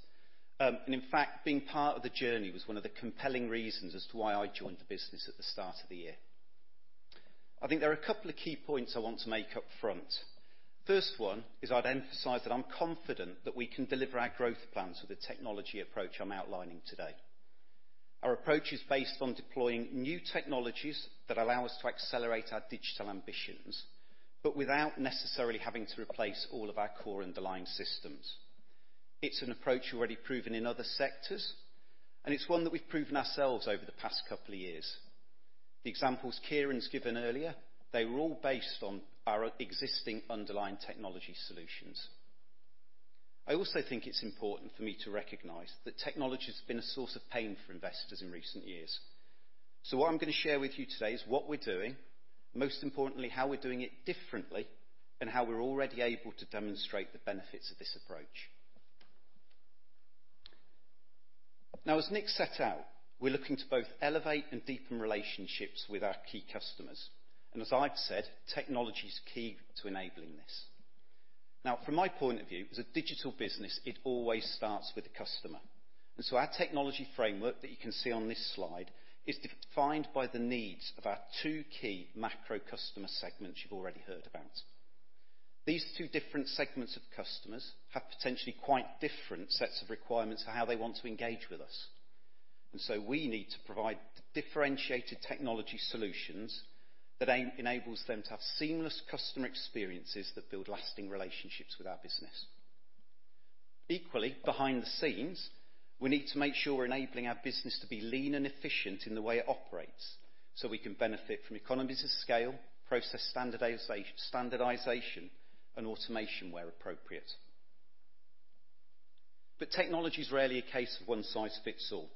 In fact, being part of the journey was one of the compelling reasons as to why I joined the business at the start of the year. I think there are two key points I want to make up front. First one is I'd emphasize that I'm confident that we can deliver our growth plans with the technology approach I'm outlining today. Our approach is based on deploying new technologies that allow us to accelerate our digital ambitions, but without necessarily having to replace all of our core underlying systems. It's an approach already proven in other sectors, and it's one that we've proven ourselves over the past couple of years. The examples Kieran's given earlier, they were all based on our existing underlying technology solutions. I also think it's important for me to recognize that technology has been a source of pain for investors in recent years. What I'm going to share with you today is what we're doing, most importantly, how we're doing it differently, and how we're already able to demonstrate the benefits of this approach. As Nick set out, we're looking to both elevate and deepen relationships with our key customers. As I've said, technology's key to enabling this. From my point of view, as a digital business, it always starts with the customer. Our technology framework that you can see on this slide is defined by the needs of our two key macro customer segments you've already heard about. These two different segments of customers have potentially quite different sets of requirements for how they want to engage with us. We need to provide differentiated technology solutions that enables them to have seamless customer experiences that build lasting relationships with our business. Equally, behind the scenes, we need to make sure we're enabling our business to be lean and efficient in the way it operates so we can benefit from economies of scale, process standardization, and automation where appropriate. Technology's rarely a case of one size fits all.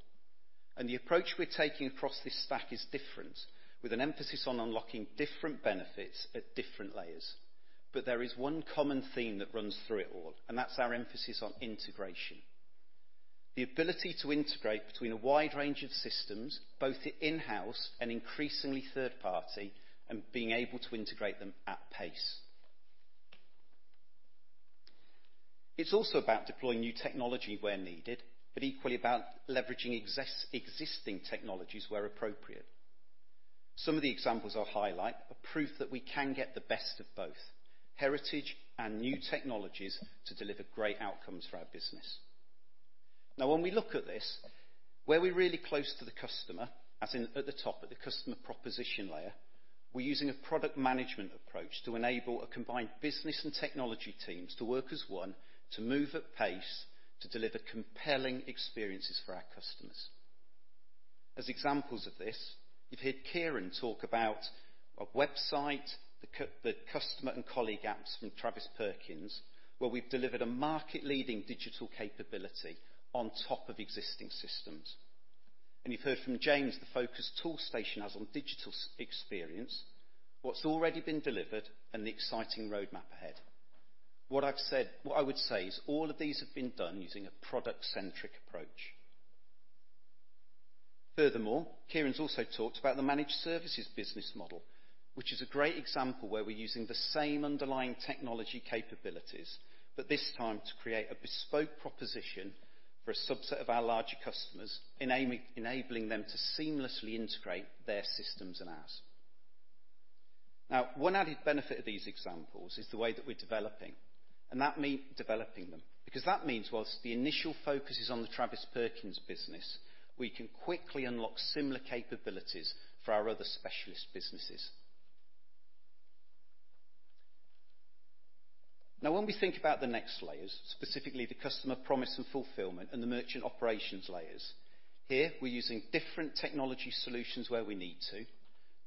The approach we're taking across this stack is different, with an emphasis on unlocking different benefits at different layers. There is one common theme that runs through it all, and that's our emphasis on integration. The ability to integrate between a wide range of systems, both in-house and increasingly third party, and being able to integrate them at pace. It's also about deploying new technology where needed, but equally about leveraging existing technologies where appropriate. Some of the examples I'll highlight are proof that we can get the best of both, heritage and new technologies to deliver great outcomes for our business. When we look at this, where we're really close to the customer, as in at the top, at the customer proposition layer, we're using a product management approach to enable a combined business and technology teams to work as one, to move at pace, to deliver compelling experiences for our customers. As examples of this, you've heard Kieran talk about our website, the customer and colleague apps from Travis Perkins, where we've delivered a market leading digital capability on top of existing systems. You've heard from James the focus Toolstation has on digital experience, what's already been delivered, and the exciting roadmap ahead. What I would say is all of these have been done using a product centric approach. Furthermore, Kieran's also talked about the managed services business model, which is a great example where we're using the same underlying technology capabilities, but this time to create a bespoke proposition for a subset of our larger customers, enabling them to seamlessly integrate their systems and ours. One added benefit of these examples is the way that we're developing them, because that means whilst the initial focus is on the Travis Perkins business, we can quickly unlock similar capabilities for our other specialist businesses. When we think about the next layers, specifically the customer promise and fulfillment and the merchant operations layers, here we're using different technology solutions where we need to,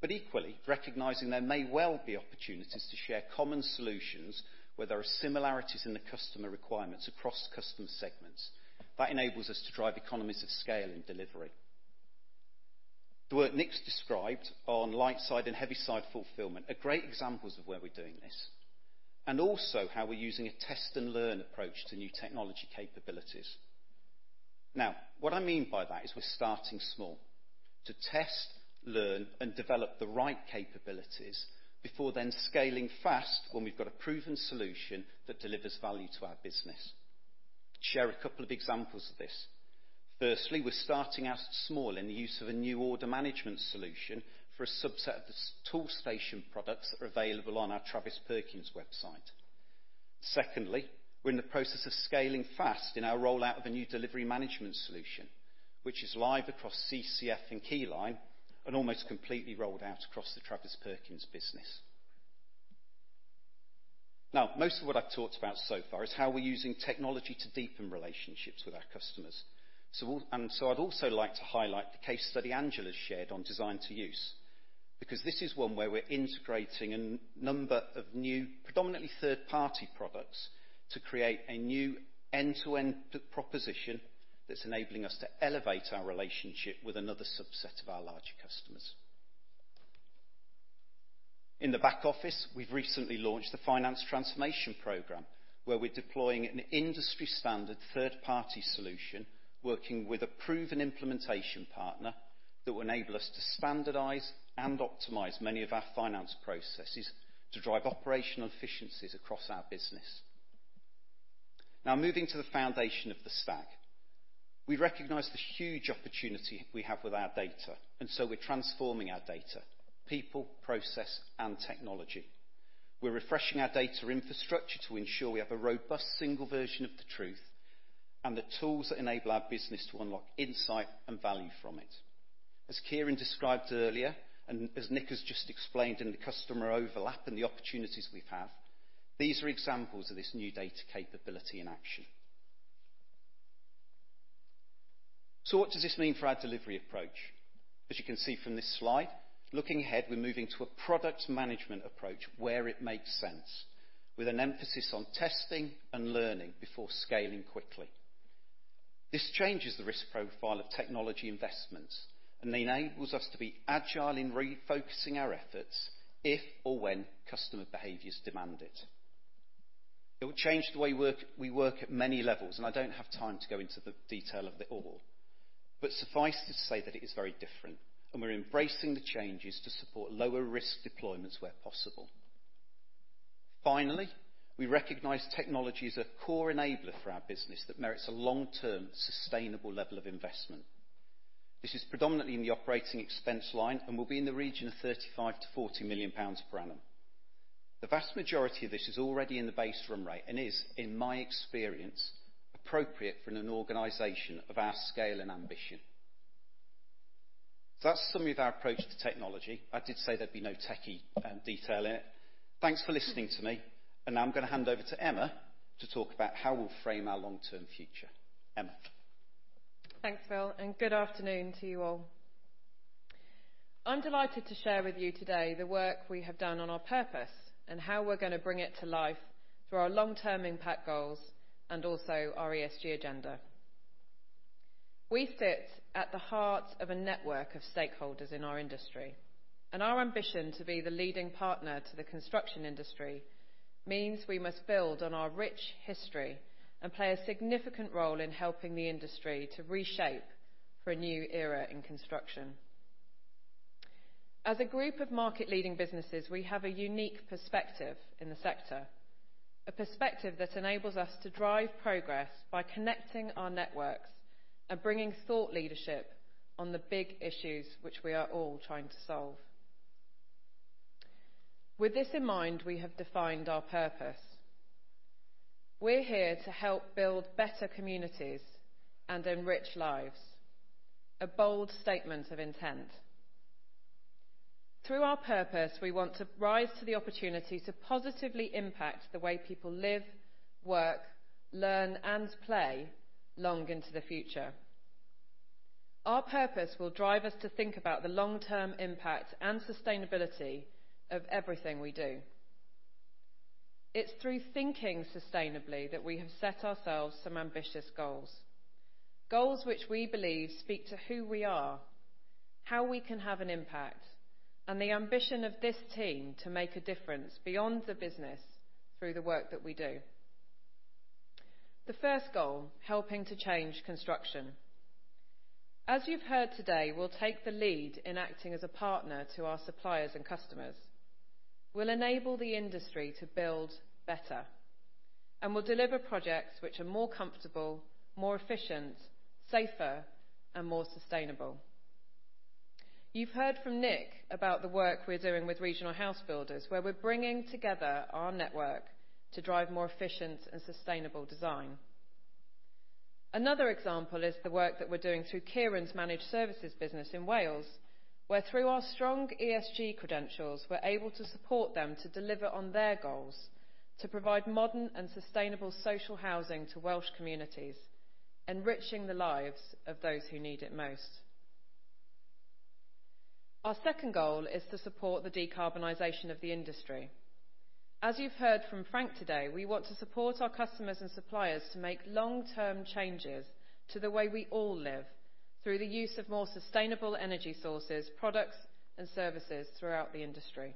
but equally recognizing there may well be opportunities to share common solutions where there are similarities in the customer requirements across customer segments. That enables us to drive economies of scale in delivery. The work Nick's described on lightside and heavyside fulfillment are great examples of where we're doing this, and also how we're using a test and learn approach to new technology capabilities. What I mean by that is we're starting small to test, learn, and develop the right capabilities before then scaling fast when we've got a proven solution that delivers value to our business. Share a couple of examples of this. Firstly, we're starting out small in the use of a new order management solution for a subset of the Toolstation products that are available on our Travis Perkins website. Secondly, we're in the process of scaling fast in our rollout of a new delivery management solution, which is live across CCF and Keyline and almost completely rolled out across the Travis Perkins business. Now, most of what I've talked about so far is how we're using technology to deepen relationships with our customers. I'd also like to highlight the case study Angela shared on Design to Use, because this is one where we're integrating a number of new predominantly third party products to create a new end to end proposition that's enabling us to elevate our relationship with another subset of our larger customers. In the back office, we've recently launched the finance transformation program, where we're deploying an industry standard third party solution, working with a proven implementation partner that will enable us to standardize and optimize many of our finance processes to drive operational efficiencies across our business. Now moving to the foundation of the stack. We recognize the huge opportunity we have with our data, and so we're transforming our data, people, process and technology. We're refreshing our data infrastructure to ensure we have a robust single version of the truth, and the tools that enable our business to unlock insight and value from it. As Kieran described earlier, and as Nick has just explained in the customer overlap and the opportunities we have, these are examples of this new data capability in action. What does this mean for our delivery approach? As you can see from this slide, looking ahead, we're moving to a product management approach where it makes sense, with an emphasis on testing and learning before scaling quickly. This changes the risk profile of technology investments and enables us to be agile in refocusing our efforts if or when customer behaviors demand it. It will change the way we work at many levels, and I don't have time to go into the detail of it all. Suffice to say that it is very different, and we're embracing the changes to support lower-risk deployments where possible. Finally, we recognize technology is a core enabler for our business that merits a long-term, sustainable level of investment. This is predominantly in the OpEx line and will be in the region of 35 million to 40 million pounds per annum. The vast majority of this is already in the base run rate and is, in my experience, appropriate for an organization of our scale and ambition. That's the summary of our approach to technology. I did say there'd be no techie detail in it. Thanks for listening to me. Now I'm going to hand over to Emma to talk about how we'll frame our long-term future. Emma. Thanks, Phil. Good afternoon to you all. I'm delighted to share with you today the work we have done on our purpose and how we're going to bring it to life through our long term impact goals and also our ESG agenda. We sit at the heart of a network of stakeholders in our industry. Our ambition to be the leading partner to the construction industry means we must build on our rich history and play a significant role in helping the industry to reshape for a new era in construction. As a group of market leading businesses, we have a unique perspective in the sector, a perspective that enables us to drive progress by connecting our networks and bringing thought leadership on the big issues which we are all trying to solve. With this in mind, we have defined our purpose. We're here to help build better communities and enrich lives. A bold statement of intent. Through our purpose, we want to rise to the opportunity to positively impact the way people live, work, learn, and play long into the future. Our purpose will drive us to think about the long-term impact and sustainability of everything we do. It's through thinking sustainably that we have set ourselves some ambitious goals which we believe speak to who we are, how we can have an impact, and the ambition of this team to make a difference beyond the business through the work that we do. The first goal, helping to change construction. As you've heard today, we'll take the lead in acting as a partner to our suppliers and customers. We'll enable the industry to build better, and we'll deliver projects which are more comfortable, more efficient, safer, and more sustainable. You've heard from Nick about the work we're doing with regional house builders, where we're bringing together our network to drive more efficient and sustainable design. Another example is the work that we're doing through Kieran's managed services business in Wales, where through our strong ESG credentials, we're able to support them to deliver on their goals to provide modern and sustainable social housing to Welsh communities, enriching the lives of those who need it most. Our second goal is to support the decarbonization of the industry. As you've heard from Frank today, we want to support our customers and suppliers to make long-term changes to the way we all live through the use of more sustainable energy sources, products, and services throughout the industry.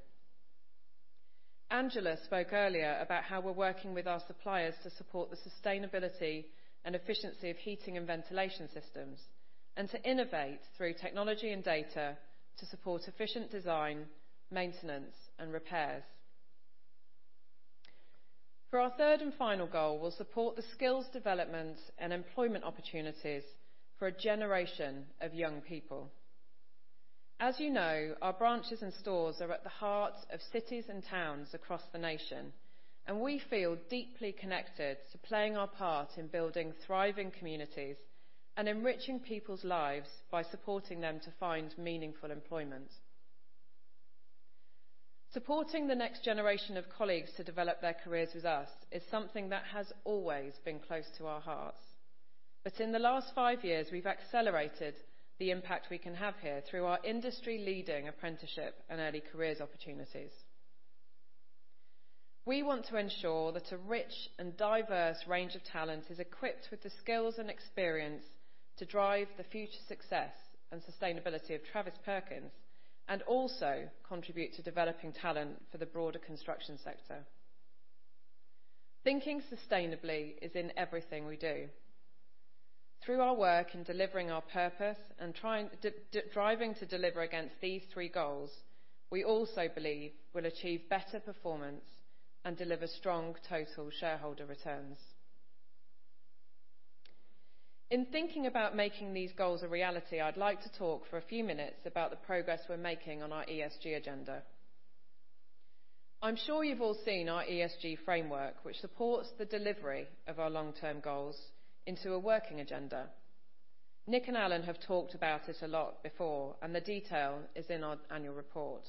Angela spoke earlier about how we're working with our suppliers to support the sustainability and efficiency of heating and ventilation systems, and to innovate through technology and data to support efficient design, maintenance, and repairs. For our third and final goal, we'll support the skills development and employment opportunities for a generation of young people. As you know, our branches and stores are at the heart of cities and towns across the nation, and we feel deeply connected to playing our part in building thriving communities and enriching people's lives by supporting them to find meaningful employment. Supporting the next generation of colleagues to develop their careers with us is something that has always been close to our hearts. In the last five years, we've accelerated the impact we can have here through our industry leading apprenticeship and early careers opportunities. We want to ensure that a rich and diverse range of talent is equipped with the skills and experience to drive the future success and sustainability of Travis Perkins, and also contribute to developing talent for the broader construction sector. Thinking sustainably is in everything we do. Through our work in delivering our purpose and driving to deliver against these three goals, we also believe we'll achieve better performance and deliver strong total shareholder returns. In thinking about making these goals a reality, I'd like to talk for a few minutes about the progress we're making on our ESG agenda. I'm sure you've all seen our ESG framework, which supports the delivery of our long-term goals into a working agenda. Nick and Alan have talked about it a lot before, and the detail is in our annual report.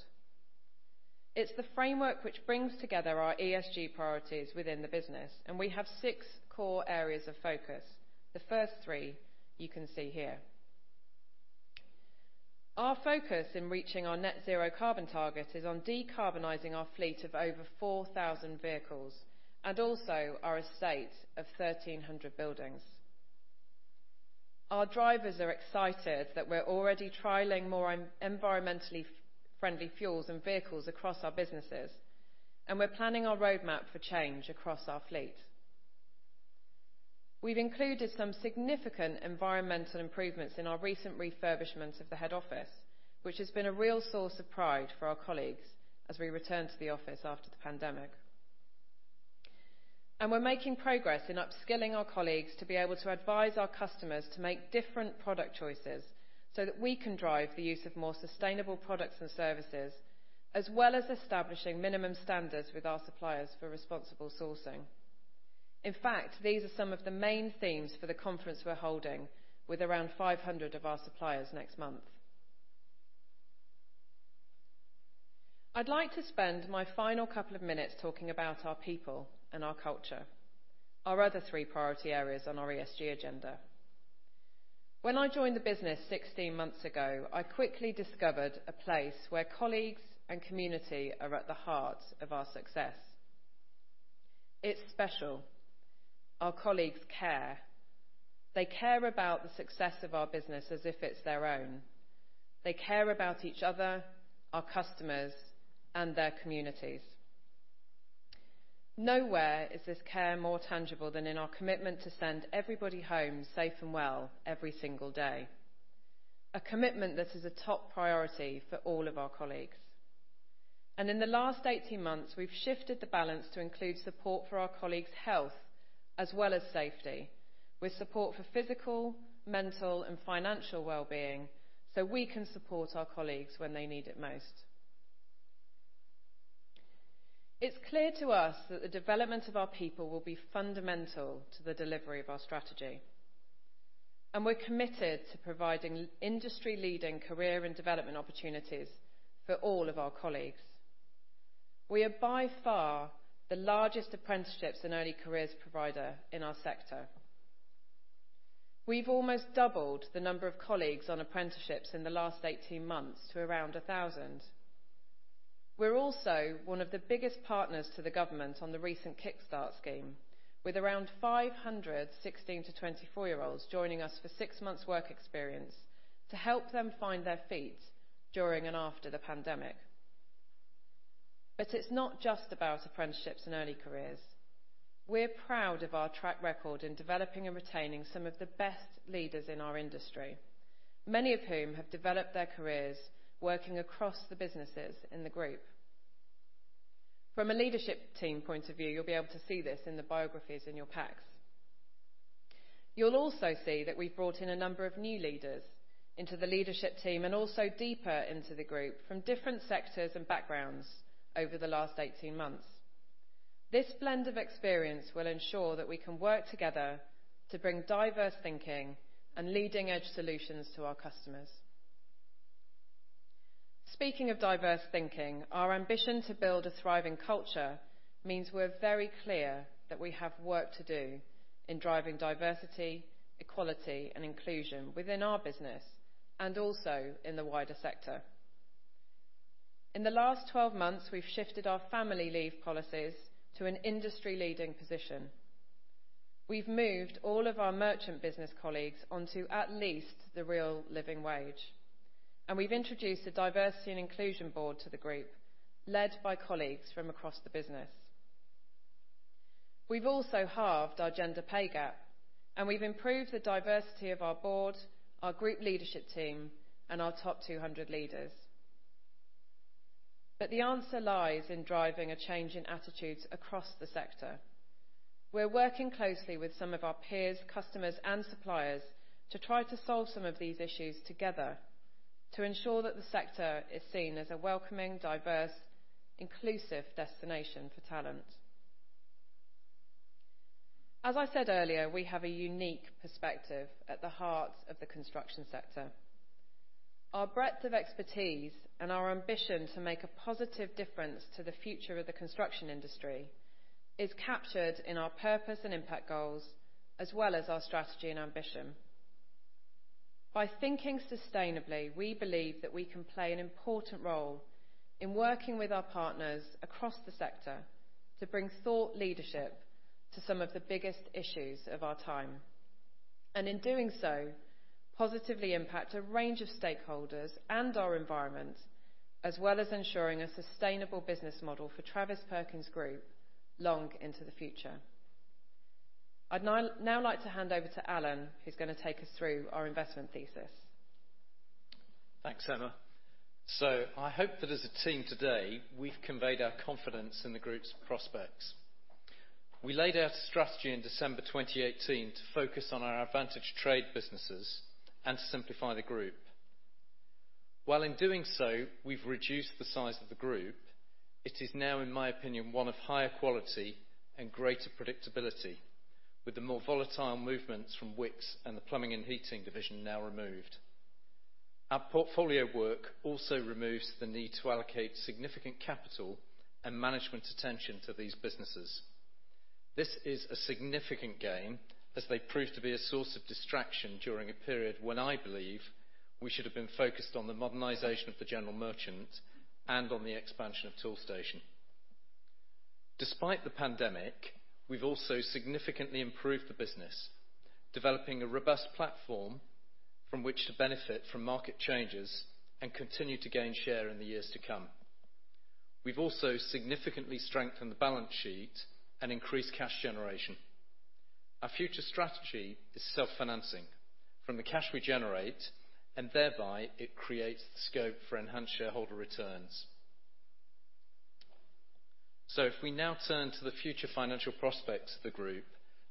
It's the framework which brings together our ESG priorities within the business, and we have six core areas of focus. The first three you can see here. Our focus in reaching our net zero carbon target is on decarbonizing our fleet of over 4,000 vehicles, and also our estate of 1,300 buildings. Our drivers are excited that we're already trialing more environmentally friendly fuels and vehicles across our businesses, and we're planning our roadmap for change across our fleet. We've included some significant environmental improvements in our recent refurbishment of the head office, which has been a real source of pride for our colleagues as we return to the office after the pandemic. We're making progress in upskilling our colleagues to be able to advise our customers to make different product choices, so that we can drive the use of more sustainable products and services, as well as establishing minimum standards with our suppliers for responsible sourcing. In fact, these are some of the main themes for the conference we're holding with around 500 of our suppliers next month. I'd like to spend my final couple of minutes talking about our people and our culture, our other three priority areas on our ESG agenda. When I joined the business 16 months ago, I quickly discovered a place where colleagues and community are at the heart of our success. It's special. Our colleagues care. They care about the success of our business as if it's their own. They care about each other, our customers, and their communities. Nowhere is this care more tangible than in our commitment to send everybody home safe and well every single day. A commitment that is a top priority for all of our colleagues. In the last 18 months, we've shifted the balance to include support for our colleagues' health as well as safety, with support for physical, mental, and financial wellbeing, so we can support our colleagues when they need it most. It's clear to us that the development of our people will be fundamental to the delivery of our strategy. We're committed to providing industry leading career and development opportunities for all of our colleagues. We are by far the largest apprenticeships and early careers provider in our sector. We've almost doubled the number of colleagues on apprenticeships in the last 18 months to around 1,000. We're also one of the biggest partners to the government on the recent Kickstart Scheme, with around 500 16 to 24-year-olds joining us for six months' work experience to help them find their feet during and after the pandemic. It's not just about apprenticeships and early careers. We're proud of our track record in developing and retaining some of the best leaders in our industry, many of whom have developed their careers working across the businesses in the group. From a leadership team point of view, you'll be able to see this in the biographies in your packs. You'll also see that we've brought in a number of new leaders into the leadership team and also deeper into the group from different sectors and backgrounds over the last 18 months. This blend of experience will ensure that we can work together to bring diverse thinking and leading edge solutions to our customers. Speaking of diverse thinking, our ambition to build a thriving culture means we're very clear that we have work to do in driving diversity, equality, and inclusion within our business, and also in the wider sector. In the last 12 months, we've shifted our family leave policies to an industry leading position. We've moved all of our merchant business colleagues onto at least the real living wage, and we've introduced a diversity and inclusion board to the group led by colleagues from across the business. We've also halved our gender pay gap, and we've improved the diversity of our board, our group leadership team, and our top 200 leaders. The answer lies in driving a change in attitudes across the sector. We're working closely with some of our peers, customers, and suppliers to try to solve some of these issues together to ensure that the sector is seen as a welcoming, diverse, inclusive destination for talent. As I said earlier, we have a unique perspective at the heart of the construction sector. Our breadth of expertise and our ambition to make a positive difference to the future of the construction industry is captured in our purpose and impact goals, as well as our strategy and ambition. By thinking sustainably, we believe that we can play an important role in working with our partners across the sector to bring thought leadership to some of the biggest issues of our time, and in doing so, positively impact a range of stakeholders and our environment, as well as ensuring a sustainable business model for Travis Perkins Group long into the future. I'd now like to hand over to Alan, who's going to take us through our investment thesis. Thanks, Emma. I hope that as a team today, we've conveyed our confidence in the group's prospects. We laid out a strategy in December 2018 to focus on our advantage trade businesses and to simplify the group. While in doing so, we've reduced the size of the group, it is now, in my opinion, one of higher quality and greater predictability with the more volatile movements from Wickes and the Plumbing & Heating division now removed. Our portfolio work also removes the need to allocate significant capital and management attention to these businesses. This is a significant gain as they prove to be a source of distraction during a period when I believe we should have been focused on the modernization of the General Merchant and on the expansion of Toolstation. Despite the pandemic, we've also significantly improved the business, developing a robust platform from which to benefit from market changes and continue to gain share in the years to come. We've also significantly strengthened the balance sheet and increased cash generation. Our future strategy is self-financing from the cash we generate, and thereby it creates the scope for enhanced shareholder returns. If we now turn to the future financial prospects of the group,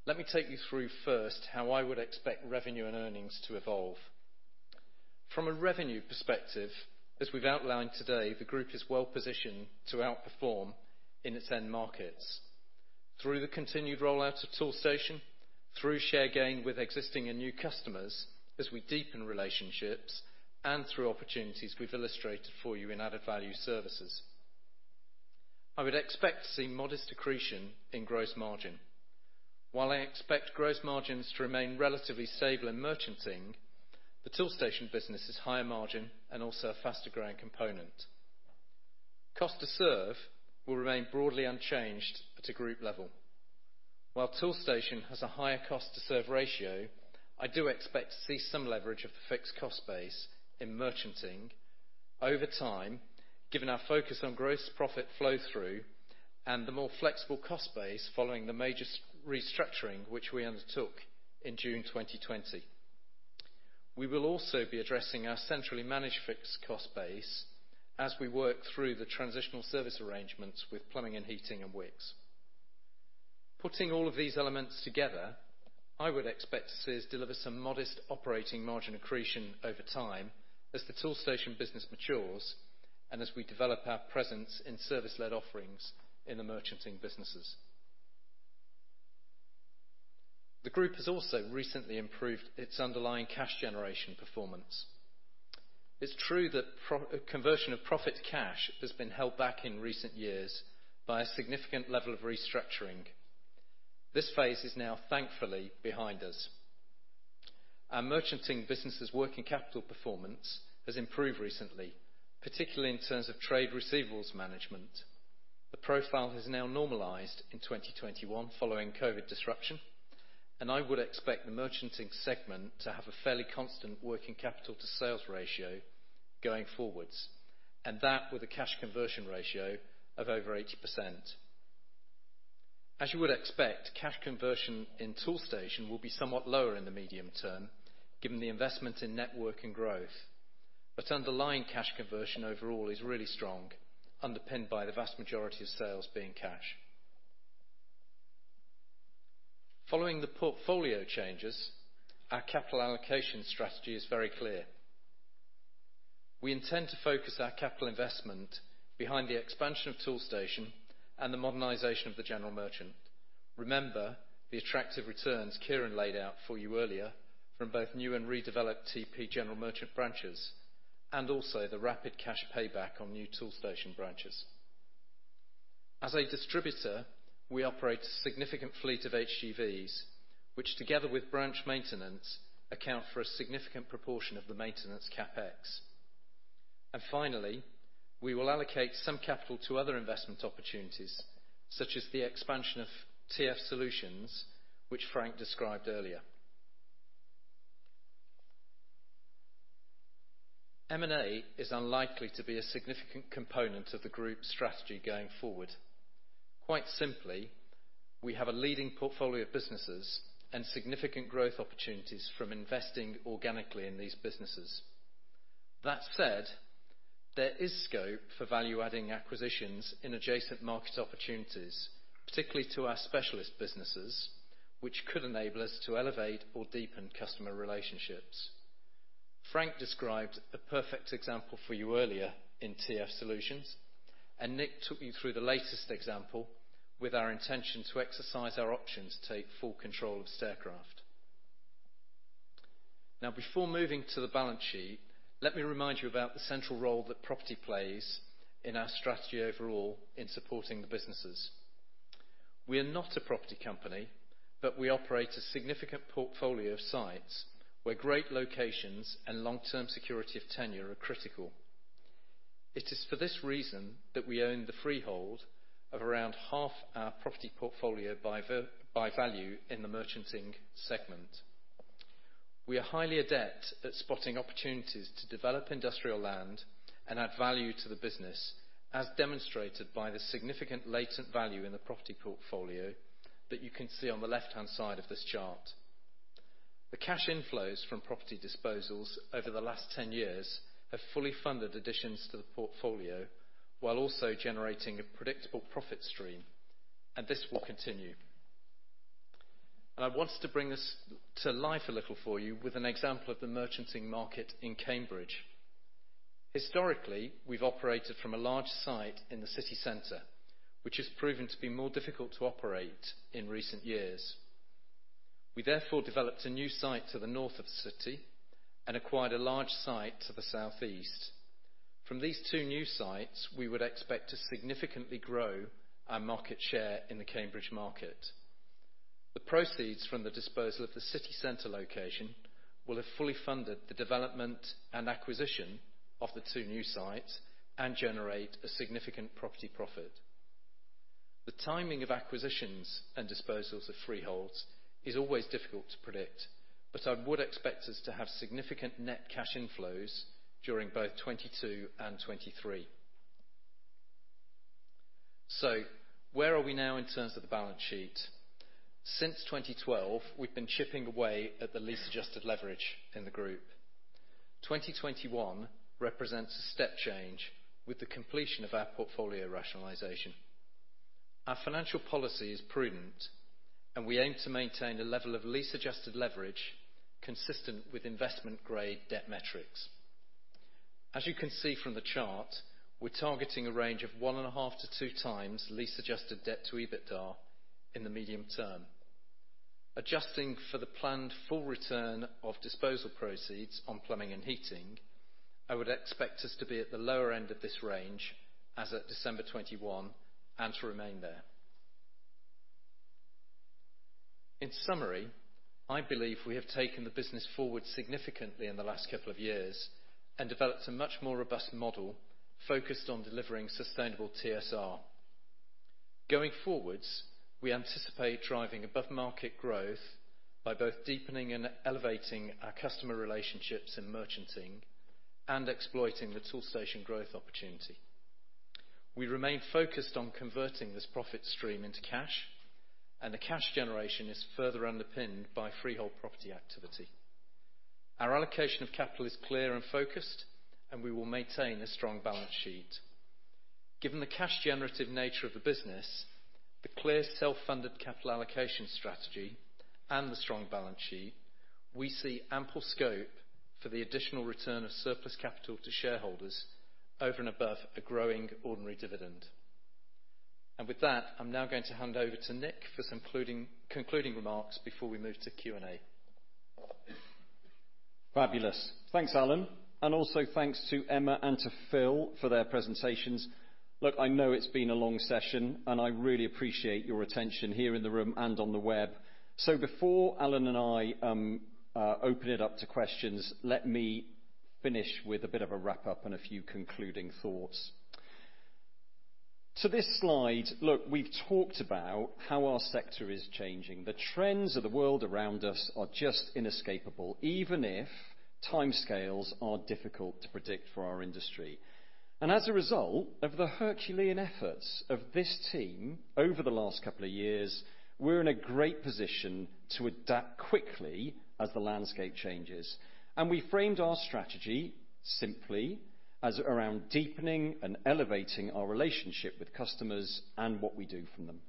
let me take you through first how I would expect revenue and earnings to evolve. From a revenue perspective, as we've outlined today, the group is well positioned to outperform in its end markets through the continued rollout of Toolstation, through share gain with existing and new customers as we deepen relationships, and through opportunities we've illustrated for you in added value services. I would expect to see modest accretion in gross margin. While I expect gross margins to remain relatively stable in merchanting, the Toolstation business is higher margin and also a faster growing component. Cost to serve will remain broadly unchanged at a group level. While Toolstation has a higher cost to serve ratio, I do expect to see some leverage of the fixed cost base in merchanting over time, given our focus on gross profit flow through and the more flexible cost base following the major restructuring which we undertook in June 2020. We will also be addressing our centrally managed fixed cost base as we work through the transitional service arrangements with Plumbing and Heating and Wickes. Putting all of these elements together, I would expect to see us deliver some modest operating margin accretion over time as the Toolstation business matures and as we develop our presence in service-led offerings in the merchanting businesses. The group has also recently improved its underlying cash generation performance. It's true that conversion of profit to cash has been held back in recent years by a significant level of restructuring. This phase is now thankfully behind us. Our merchanting business' working capital performance has improved recently, particularly in terms of trade receivables management. The profile has now normalized in 2021 following COVID disruption. I would expect the merchanting segment to have a fairly constant working capital to sales ratio going forwards, and that with a cash conversion ratio of over 80%. As you would expect, cash conversion in Toolstation will be somewhat lower in the medium term given the investment in network and growth. Underlying cash conversion overall is really strong, underpinned by the vast majority of sales being cash. Following the portfolio changes, our capital allocation strategy is very clear. We intend to focus our capital investment behind the expansion of Toolstation and the modernization of the general merchant. Remember, the attractive returns Kieran laid out for you earlier from both new and redeveloped TP General Merchant branches, and also the rapid cash payback on new Toolstation branches. As a distributor, we operate a significant fleet of HGVs, which together with branch maintenance account for a significant proportion of the maintenance CapEx. Finally, we will allocate some capital to other investment opportunities, such as the expansion of TF Solutions, which Frank described earlier. M&A is unlikely to be a significant component of the group strategy going forward. Simply, we have a leading portfolio of businesses and significant growth opportunities from investing organically in these businesses. That said, there is scope for value-adding acquisitions in adjacent market opportunities, particularly to our specialist businesses, which could enable us to elevate or deepen customer relationships. Frank described a perfect example for you earlier in TF Solutions, and Nick took you through the latest example with our intention to exercise our option to take full control of Staircraft. Before moving to the balance sheet, let me remind you about the central role that property plays in our strategy overall in supporting the businesses. We are not a property company, but we operate a significant portfolio of sites where great locations and long-term security of tenure are critical. It is for this reason that we own the freehold of around half our property portfolio by value in the merchanting segment. We are highly adept at spotting opportunities to develop industrial land and add value to the business, as demonstrated by the significant latent value in the property portfolio that you can see on the left-hand side of this chart. The cash inflows from property disposals over the last 10 years have fully funded additions to the portfolio while also generating a predictable profit stream. This will continue. I wanted to bring this to life a little for you with an example of the merchanting market in Cambridge. Historically, we've operated from a large site in the city center, which has proven to be more difficult to operate in recent years. We therefore developed a new site to the north of the city and acquired a large site to the southeast. From these two new sites, we would expect to significantly grow our market share in the Cambridge market. The proceeds from the disposal of the city center location will have fully funded the development and acquisition of the two new sites and generate a significant property profit. The timing of acquisitions and disposals of freeholds is always difficult to predict, but I would expect us to have significant net cash inflows during both 2022 and 2023. Where are we now in terms of the balance sheet? Since 2012, we've been chipping away at the lease adjusted leverage in the group. 2021 represents a step change with the completion of our portfolio rationalization. Our financial policy is prudent, and we aim to maintain a level of lease adjusted leverage consistent with investment-grade debt metrics. As you can see from the chart, we're targeting a range of 1.5 to 2x lease adjusted debt to EBITDA in the medium term. Adjusting for the planned full return of disposal proceeds on Plumbing & Heating division, I would expect us to be at the lower end of this range as at December 2021 and to remain there. In summary, I believe we have taken the business forward significantly in the last couple of years and developed a much more robust model focused on delivering sustainable TSR. Going forwards, we anticipate driving above-market growth by both deepening and elevating our customer relationships in merchanting and exploiting the Toolstation growth opportunity. We remain focused on converting this profit stream into cash, and the cash generation is further underpinned by freehold property activity. Our allocation of capital is clear and focused, and we will maintain a strong balance sheet. Given the cash generative nature of the business, the clear self-funded capital allocation strategy, and the strong balance sheet, we see ample scope for the additional return of surplus capital to shareholders over and above a growing ordinary dividend. With that, I'm now going to hand over to Nick for concluding remarks before we move to Q&A. Fabulous. Thanks, Alan, and also thanks to Emma and to Phil for their presentations. Look, I know it's been a long session, and I really appreciate your attention here in the room and on the web. Before Alan and I open it up to questions, let me finish with a bit of a wrap-up and a few concluding thoughts. To this slide, look, we've talked about how our sector is changing. The trends of the world around us are just inescapable, even if timescales are difficult to predict for our industry. As a result of the Herculean efforts of this team over the last couple of years, we're in a great position to adapt quickly as the landscape changes. We framed our strategy simply as around deepening and elevating our relationship with customers and what we do for them.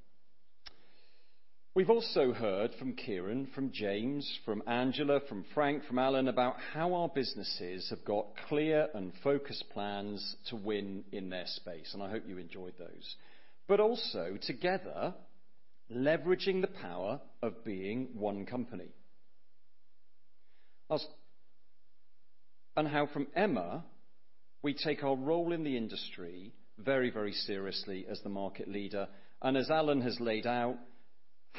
We've also heard from Kieran, from James, from Angela Rushforth, from Frank, from Alan about how our businesses have got clear and focused plans to win in their space, and I hope you enjoyed those, also, together, leveraging the power of being one company, how from Emma, we take our role in the industry very, very seriously as the market leader, and as Alan has laid out,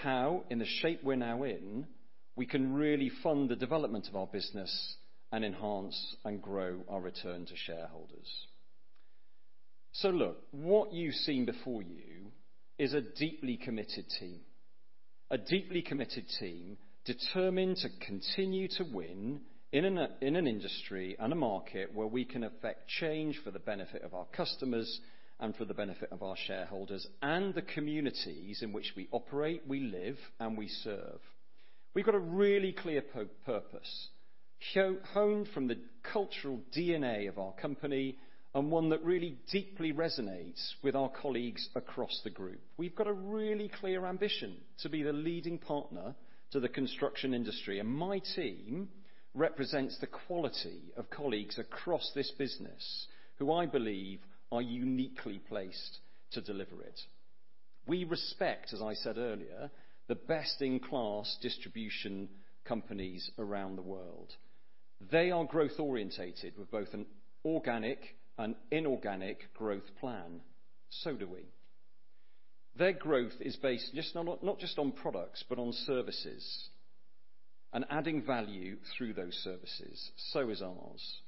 how, in the shape we're now in, we can really fund the development of our business and enhance and grow our return to shareholders. Look, what you've seen before you is a deeply committed team determined to continue to win in an industry and a market where we can affect change for the benefit of our customers and for the benefit of our shareholders and the communities in which we operate, we live, and we serve. We've got a really clear purpose honed from the cultural DNA of our company and one that really deeply resonates with our colleagues across the group. We've got a really clear ambition to be the leading partner to the construction industry, and my team represents the quality of colleagues across this business who I believe are uniquely placed to deliver it. We respect, as I said earlier, the best-in-class distribution companies around the world. They are growth orientated with both an organic and inorganic growth plan. So do we. Their growth is based not just on products, but on services and adding value through those services. So is ours.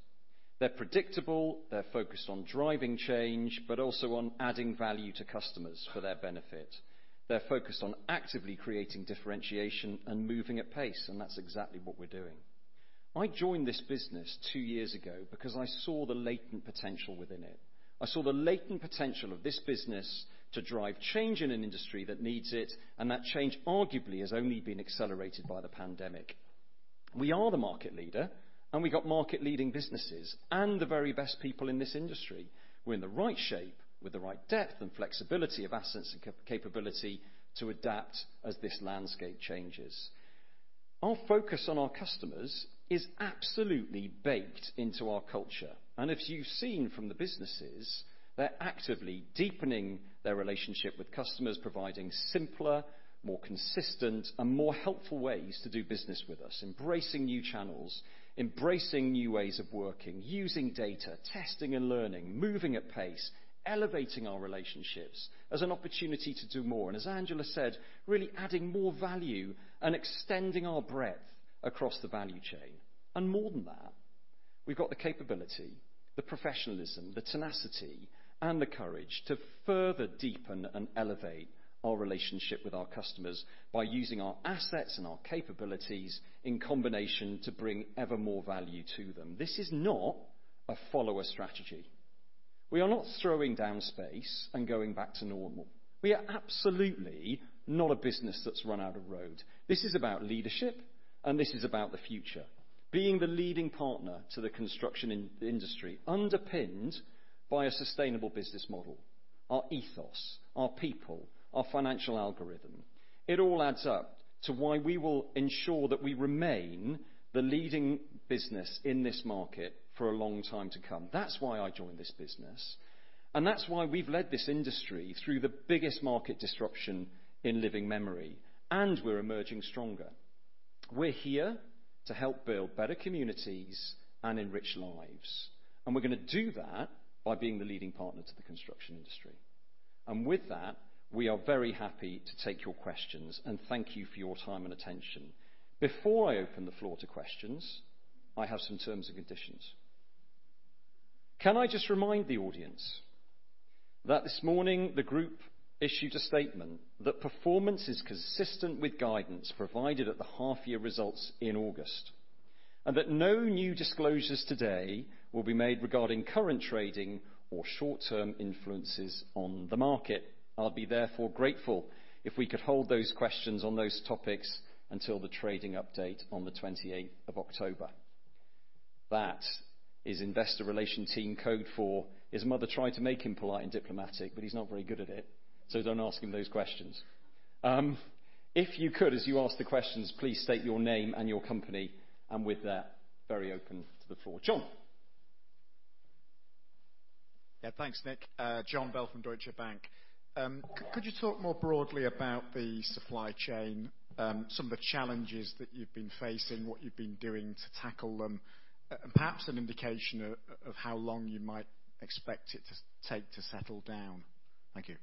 They're predictable. They're focused on driving change, but also on adding value to customers for their benefit. They're focused on actively creating differentiation and moving at pace, and that's exactly what we're doing. I joined this business two years ago because I saw the latent potential within it. I saw the latent potential of this business to drive change in an industry that needs it, and that change arguably has only been accelerated by the pandemic. We are the market leader, and we got market leading businesses and the very best people in this industry. We're in the right shape with the right depth and flexibility of assets and capability to adapt as this landscape changes. Our focus on our customers is absolutely baked into our culture. As you've seen from the businesses, they're actively deepening their relationship with customers, providing simpler, more consistent, and more helpful ways to do business with us, embracing new channels, embracing new ways of working, using data, testing and learning, moving at pace, elevating our relationships as an opportunity to do more, and as Angela said, really adding more value and extending our breadth across the value chain. More than that, we've got the capability, the professionalism, the tenacity, and the courage to further deepen and elevate our relationship with our customers by using our assets and our capabilities in combination to bring ever more value to them. This is not a follower strategy. We are not throwing down space and going back to normal. We are absolutely not a business that's run out of road. This is about leadership, and this is about the future. Being the leading partner to the construction industry underpinned by a sustainable business model, our ethos, our people, our financial algorithm. It all adds up to why we will ensure that we remain the leading business in this market for a long time to come. That's why I joined this business. That's why we've led this industry through the biggest market disruption in living memory, and we're emerging stronger. We're here to help build better communities and enrich lives, and we're going to do that by being the leading partner to the construction industry. With that, we are very happy to take your questions, and thank you for your time and attention. Before I open the floor to questions, I have some terms and conditions. Can I just remind the audience that this morning the group issued a statement that performance is consistent with guidance provided at the half-year results in August, and that no new disclosures today will be made regarding current trading or short-term influences on the market. I'll be therefore grateful if we could hold those questions on those topics until the trading update on the 28th of October. That is investor relation team code for his mother tried to make him polite and diplomatic, but he's not very good at it, so don't ask him those questions. If you could, as you ask the questions, please state your name and your company, and with that, very open to the floor. John. Yeah, thanks, Nick. John Bell from Deutsche Bank. Could you talk more broadly about the supply chain, some of the challenges that you've been facing, what you've been doing to tackle them, and perhaps an indication of how long you might expect it to take to settle down. Thank you.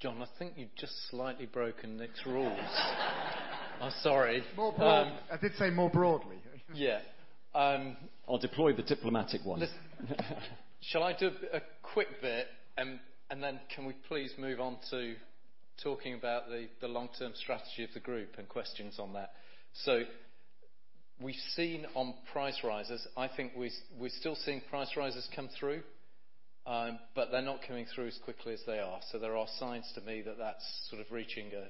John, I think you've just slightly broken Nick's rules. I'm sorry. More broad I did say more broadly. Yeah. I'll deploy the diplomatic one. Shall I do a quick bit, then can we please move on to talking about the long-term strategy of the group and questions on that? We've seen on price rises, I think we're still seeing price rises come through, but they're not coming through as quickly as they are. There are signs to me that that's reaching a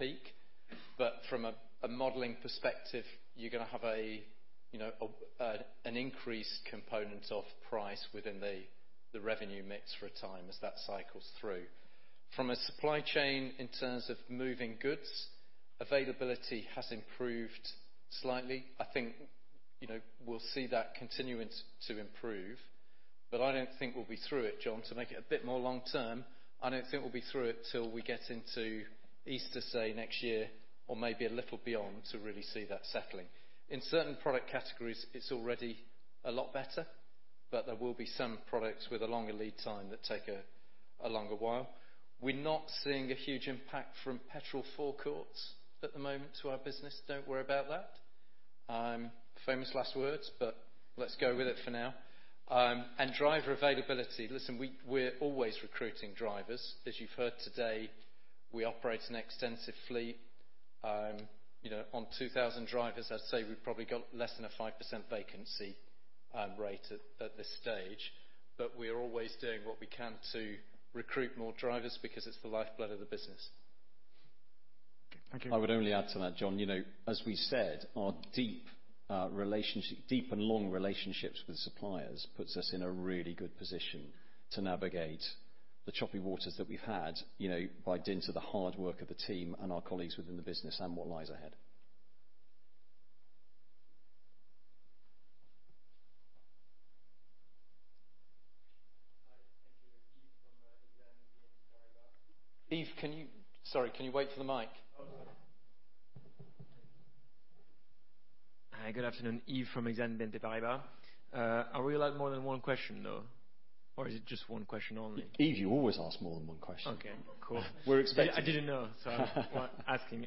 peak. From a modeling perspective, you're going to have an increased component of price within the revenue mix for a time as that cycles through. From a supply chain in terms of moving goods, availability has improved slightly. I think we'll see that continuance to improve. I don't think we'll be through it, John, to make it a bit more long-term, I don't think we'll be through it till we get into Easter, say, next year or maybe a little beyond to really see that settling. In certain product categories, it's already a lot better, but there will be some products with a longer lead time that take a longer while. We're not seeing a huge impact from petrol forecourts at the moment to our business. Don't worry about that. Famous last words, but let's go with it for now. Driver availability, listen, we're always recruiting drivers. As you've heard today, we operate an extensive fleet. On 2,000 drivers, I'd say we've probably got less than a 5% vacancy rate at this stage. We are always doing what we can to recruit more drivers because it's the lifeblood of the business. Thank you. I would only add to that, John, as we said, our deep and long relationships with suppliers puts us in a really good position to navigate the choppy waters that we've had by dint of the hard work of the team and our colleagues within the business and what lies ahead. Hi, thank you. Yves from Exane BNP Paribas. Yves, Sorry, can you wait for the mic? Oh, sorry. Hi, good afternoon. Yves from Exane BNP Paribas. Are we allowed more than one question, though? Is it just one question only? Yves, you always ask more than one question. Okay, cool. We're expecting. I didn't know, I was asking.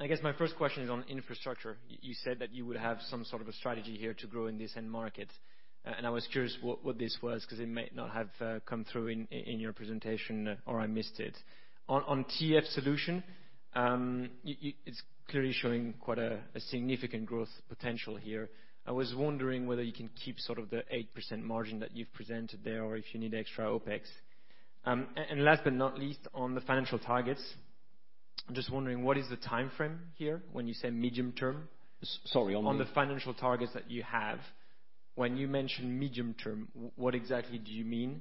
I guess my first question is on infrastructure. You said that you would have some sort of a strategy here to grow in this end market. I was curious what this was because it may not have come through in your presentation, or I missed it. On TF Solutions, it's clearly showing quite a significant growth potential here. I was wondering whether you can keep the 8% margin that you've presented there or if you need extra OpEx. Last but not least, on the financial targets, I'm just wondering, what is the timeframe here when you say medium term? Sorry. On the financial targets that you have. When you mention medium term, what exactly do you mean?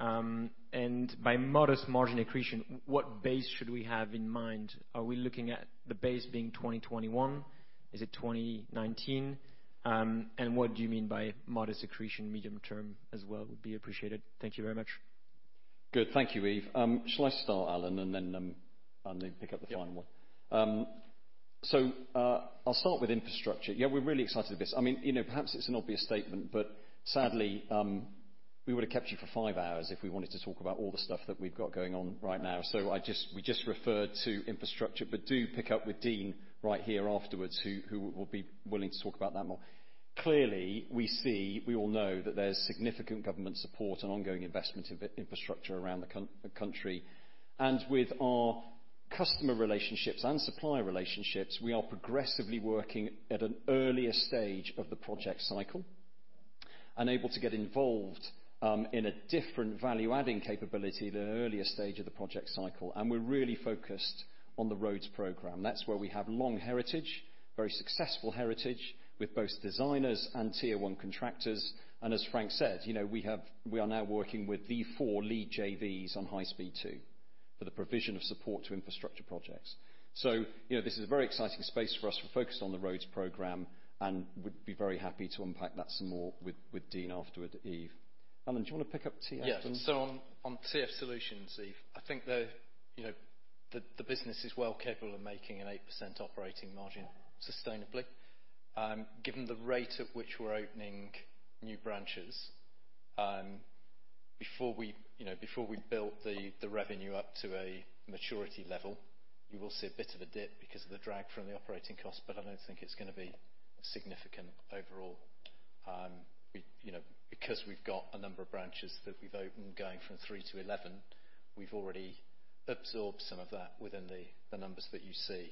By modest margin accretion, what base should we have in mind? Are we looking at the base being 2021? Is it 2019? What do you mean by modest accretion medium term as well would be appreciated. Thank you very much. Good. Thank you, Yves. Shall I start, Alan, and then pick up the final one? Yeah. I'll start with infrastructure. Yeah, we're really excited at this. Perhaps it's an obvious statement, but sadly, we would have kept you for 5 hours if we wanted to talk about all the stuff that we've got going on right now. We just referred to infrastructure, but do pick up with Dean right here afterwards who will be willing to talk about that more. Clearly, we all know that there's significant government support and ongoing investment in infrastructure around the country. With our customer relationships and supplier relationships, we are progressively working at an earlier stage of the project cycle and able to get involved in a different value-adding capability at an earlier stage of the project cycle. We're really focused on the roads program. That's where we have long heritage, very successful heritage with both designers and tier one contractors. As Frank said, we are now working with the four lead JVs on High Speed 2 for the provision of support to infrastructure projects. This is a very exciting space for us. We're focused on the roads program and would be very happy to unpack that some more with Dean afterward, Yves. Alan, do you want to pick up TF? On TF Solutions, Yves, I think the business is well capable of making an 8% operating margin sustainably. Given the rate at which we're opening new branches, before we build the revenue up to a maturity level, you will see a bit of a dip because of the drag from the operating cost, I don't think it's going to be significant overall. We've got a number of branches that we've opened going from 3 to 11, we've already absorbed some of that within the numbers that you see.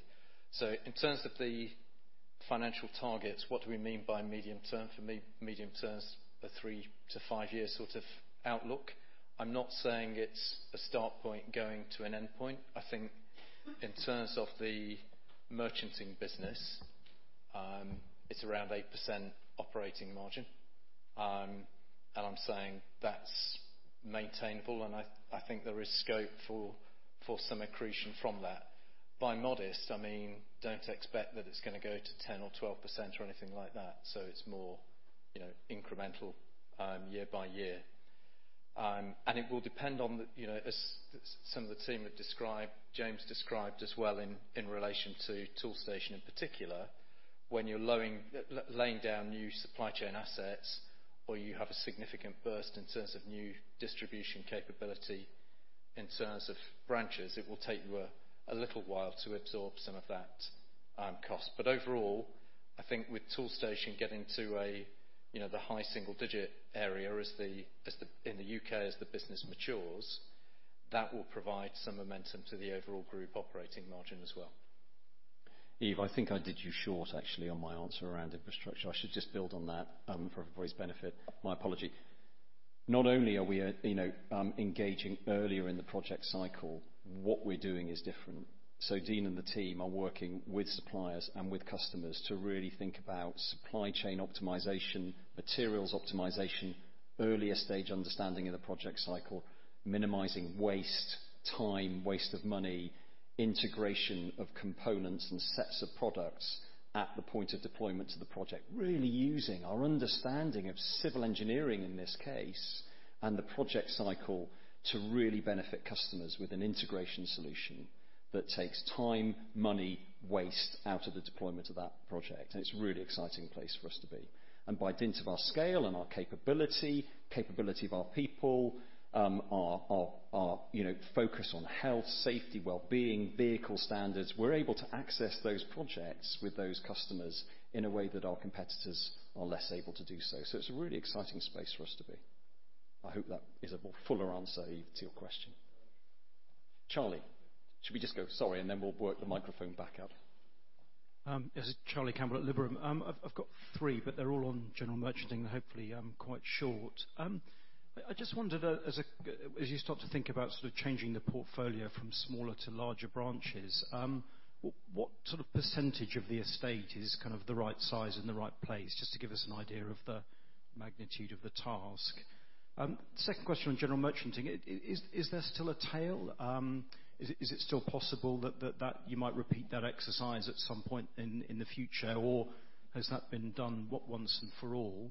In terms of the financial targets, what do we mean by medium term? For me, medium term's a three to five-year outlook. I'm not saying it's a start point going to an end point. I think in terms of the merchanting business. It's around 8% operating margin, and I'm saying that's maintainable, and I think there is scope for some accretion from that. By modest, I mean, don't expect that it's going to go to 10 or 12% or anything like that. It's more incremental year by year. It will depend on, as some of the team have described, James described as well in relation to Toolstation in particular, when you're laying down new supply chain assets or you have a significant burst in terms of new distribution capability in terms of branches, it will take you a little while to absorb some of that cost. Overall, I think with Toolstation getting to the high single-digit area in the U.K. as the business matures, that will provide some momentum to the overall group operating margin as well. Yves, I think I did you short, actually, on my answer around infrastructure. I should just build on that for everybody's benefit. My apology. Not only are we engaging earlier in the project cycle, what we're doing is different. Dean and the team are working with suppliers and with customers to really think about supply chain optimization, materials optimization, earlier stage understanding of the project cycle, minimizing waste, time, waste of money, integration of components and sets of products at the point of deployment to the project. Really using our understanding of civil engineering in this case and the project cycle to really benefit customers with an integration solution that takes time, money, waste out of the deployment of that project. It's a really exciting place for us to be. By dint of our scale and our capability, of our people, our focus on health, safety, wellbeing, vehicle standards, we're able to access those projects with those customers in a way that our competitors are less able to do so. It's a really exciting space for us to be. I hope that is a more fuller answer, Yves, to your question. Charlie, should we just go? Sorry, then we'll work the microphone back up. Yes. Charlie Campbell at Liberum. I have got three, but they are all on general merchanting, hopefully quite short. I just wondered, as you start to think about changing the portfolio from smaller to larger branches, what percentage of the estate is the right size and the right place? Just to give us an idea of the magnitude of the task. Second question on general merchanting. Is there still a tail? Is it still possible that you might repeat that exercise at some point in the future, or has that been done once and for all?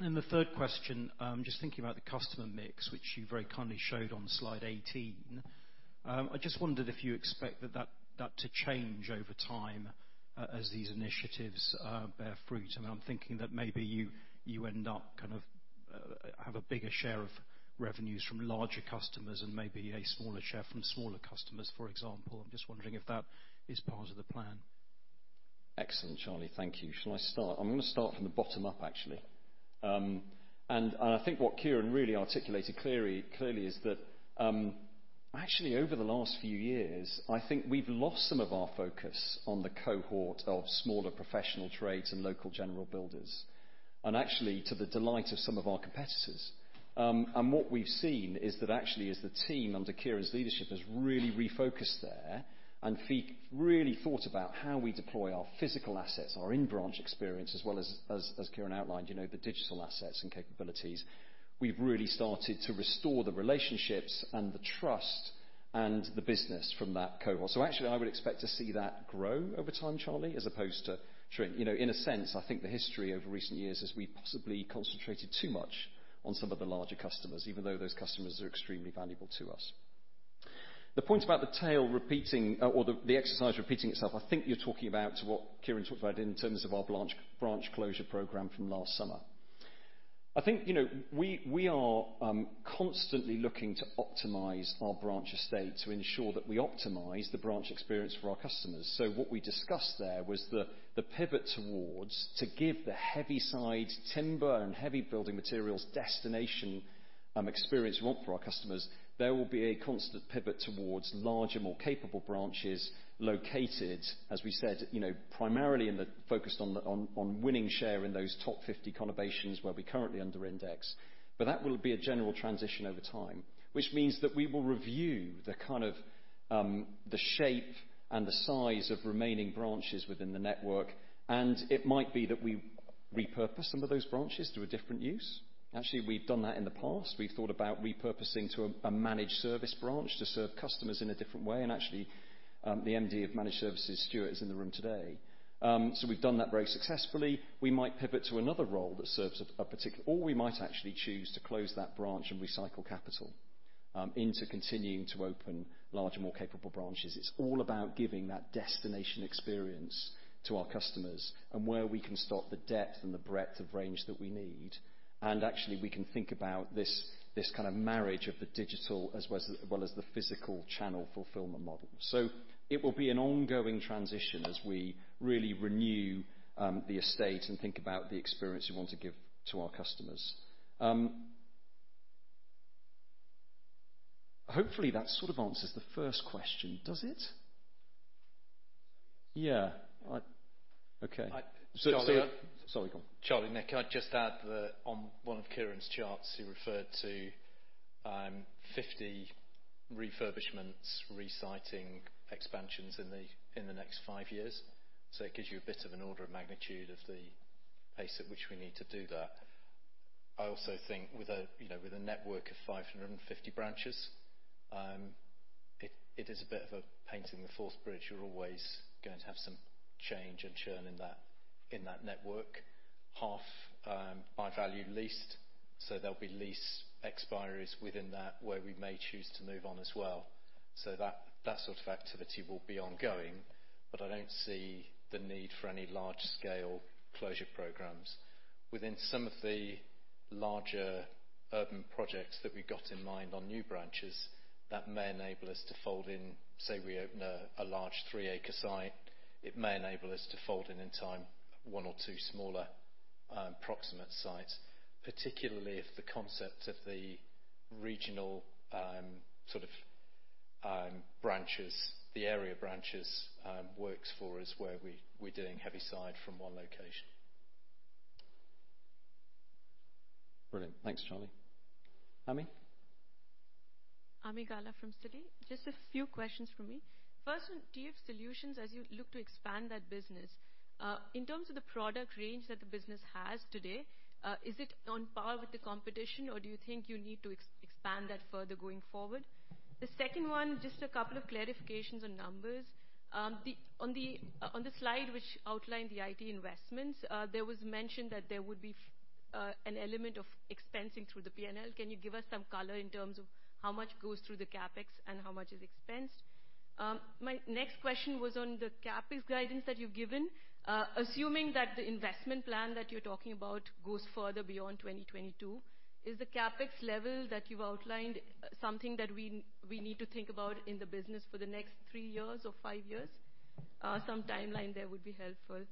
The third question, just thinking about the customer mix, which you very kindly showed on slide 18. I just wondered if you expect that to change over time as these initiatives bear fruit. I'm thinking that maybe you end up have a bigger share of revenues from larger customers and maybe a smaller share from smaller customers, for example. I'm just wondering if that is part of the plan. Excellent, Charlie. Thank you. Shall I start? I'm going to start from the bottom up, actually. I think what Kieran really articulated clearly is that actually over the last few years, I think we've lost some of our focus on the cohort of smaller professional trades and local general builders, and actually to the delight of some of our competitors. What we've seen is that actually as the team under Kieran's leadership has really refocused there and really thought about how we deploy our physical assets, our in-branch experience, as well as Kieran outlined, the digital assets and capabilities. We've really started to restore the relationships and the trust and the business from that cohort. Actually, I would expect to see that grow over time, Charlie, as opposed to shrink. In a sense, I think the history over recent years is we possibly concentrated too much on some of the larger customers, even though those customers are extremely valuable to us. The point about the tail repeating or the exercise repeating itself, I think you're talking about what Kieran talked about in terms of our branch closure program from last summer. I think we are constantly looking to optimize our branch estate to ensure that we optimize the branch experience for our customers. What we discussed there was the pivot towards to give the heavyside timber and heavy building materials destination experience we want for our customers, there will be a constant pivot towards larger, more capable branches located, as we said, primarily focused on winning share in those top 50 conurbations where we currently under index. That will be a general transition over time, which means that we will review the shape and the size of remaining branches within the network. It might be that we repurpose some of those branches to a different use. Actually, we've done that in the past. We've thought about repurposing to a managed service branch to serve customers in a different way. Actually, the MD of Managed Services, Stuart, is in the room today. We've done that very successfully. We might pivot to another role that serves a particular. We might actually choose to close that branch and recycle capital into continuing to open larger, more capable branches. It's all about giving that destination experience to our customers and where we can start the depth and the breadth of range that we need. Actually, we can think about this marriage of the digital as well as the physical channel fulfillment model. It will be an ongoing transition as we really renew the estate and think about the experience we want to give to our customers. Hopefully, that sort of answers the first question. Does it? Yeah. Okay. Charlie Sorry, go on. Charlie, Nick, can I just add that on one of Kieran's charts, he referred to 50 refurbishments, resiting expansions in the next five years. It gives you a bit of an order of magnitude of the pace at which we need to do that. I also think with a network of 550 branches it is a bit of a painting the Forth Bridge. You're always going to have some change and churn in that network. Half by value leased, so there'll be lease expiries within that where we may choose to move on as well. That sort of activity will be ongoing, but I don't see the need for any large-scale closure programs. Within some of the larger urban projects that we've got in mind on new branches, that may enable us to fold in, say we open a large three acre site, it may enable us to fold in in time, one or two smaller proximate sites. Particularly if the concept of the regional branches, the area branches works for us where we're doing heavyside from one location. Brilliant. Thanks, Charlie. Ami? Ami Galla from Citi. Just a few questions from me. First one, TF Solutions as you look to expand that business, in terms of the product range that the business has today, is it on par with the competition or do you think you need to expand that further going forward? The second one, just a couple of clarifications on numbers. On the slide which outlined the IT investments, there was mention that there would be an element of expensing through the P&L. Can you give us some color in terms of how much goes through the CapEx and how much is expensed? My next question was on the CapEx guidance that you've given. Assuming that the investment plan that you're talking about goes further beyond 2022, is the CapEx level that you've outlined something that we need to think about in the business for the next three years or five years? Some timeline there would be helpful.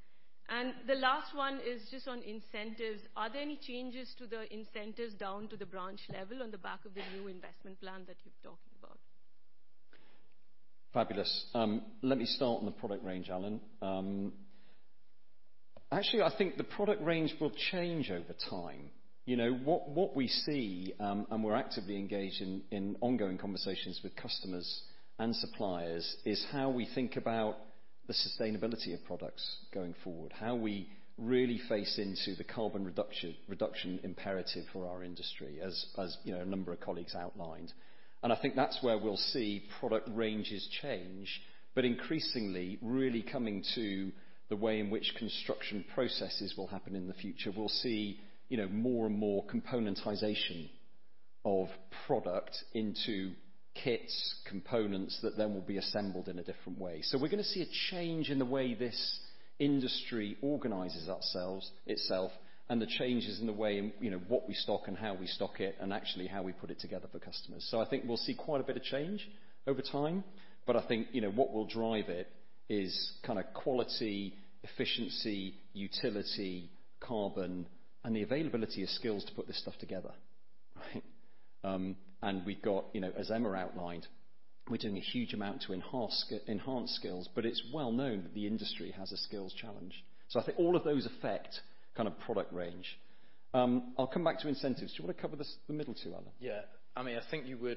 The last one is just on incentives. Are there any changes to the incentives down to the branch level on the back of the new investment plan that you're talking about? Fabulous. Let me start on the product range, Alan. Actually, I think the product range will change over time. What we see and we're actively engaged in ongoing conversations with customers and suppliers, is how we think about the sustainability of products going forward. How we really face into the carbon reduction imperative for our industry. As a number of colleagues outlined. I think that's where we'll see product ranges change, but increasingly really coming to the way in which construction processes will happen in the future. We'll see more and more componentization of product into kits, components that then will be assembled in a different way. We're going to see a change in the way this industry organizes itself and the changes in the way what we stock and how we stock it, and actually how we put it together for customers. I think we'll see quite a bit of change over time, but I think what will drive it is quality, efficiency, utility, carbon and the availability of skills to put this stuff together. Right? We've got, as Emma outlined, we're doing a huge amount to enhance skills, but it's well known that the industry has a skills challenge. I think all of those affect product range. I'll come back to incentives. Do you want to cover the middle two, Alan? Yeah. Ami, I think you were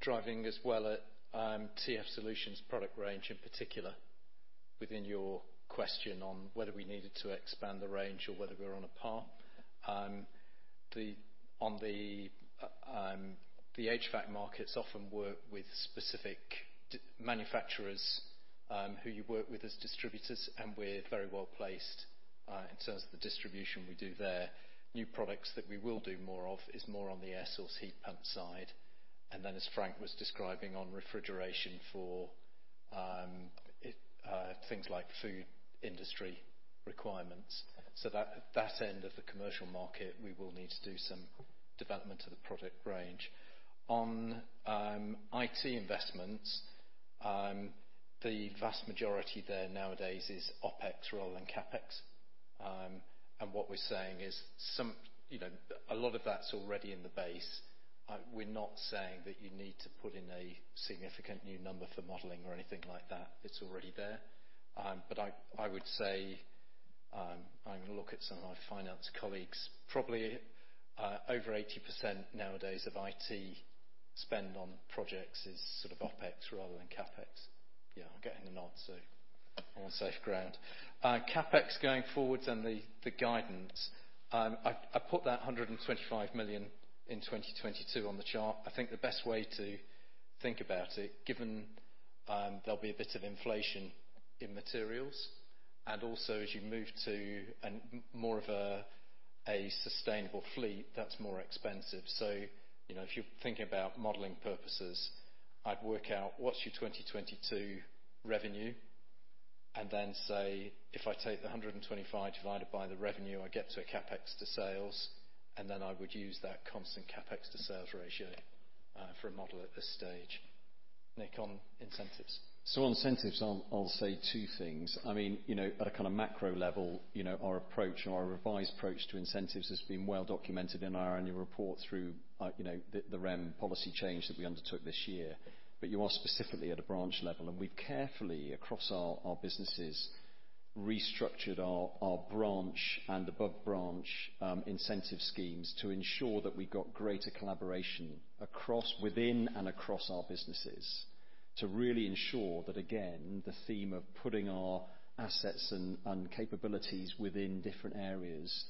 driving as well at TF Solutions product range in particular within your question on whether we needed to expand the range or whether we're on a par. The HVAC markets often work with specific manufacturers who you work with as distributors and we're very well-placed in terms of the distribution we do there. New products that we will do more of is more on the air source heat pump side. As Frank was describing on refrigeration for things like food industry requirements. That end of the commercial market we will need to do some development of the product range. On IT investments, the vast majority there nowadays is OpEx rather than CapEx. What we're saying is a lot of that's already in the base. We're not saying that you need to put in a significant new number for modeling or anything like that, it's already there. I would say, I'm going to look at some of my finance colleagues, probably over 80% nowadays of IT spend on projects is sort of OpEx rather than CapEx. Yeah, I'm getting the nod so I'm on safe ground. CapEx going forwards and the guidance, I put that 125 million in 2022 on the chart. I think the best way to think about it given there'll be a bit of inflation in materials and also as you move to more of a sustainable fleet that's more expensive. If you're thinking about modeling purposes, I'd work out what's your 2022 revenue and then say if I take the 125 divided by the revenue, I get to a CapEx to sales and then I would use that constant CapEx to sales ratio for a model at this stage. Nick, on incentives. On incentives I'll say two things. At a kind of macro level our approach and our revised approach to incentives has been well documented in our annual report through the REM policy change that we undertook this year. You are specifically at a branch level and we carefully across our businesses restructured our branch and above branch incentive schemes to ensure that we got greater collaboration within and across our businesses to really ensure that, again, the theme of putting our assets and capabilities within different areas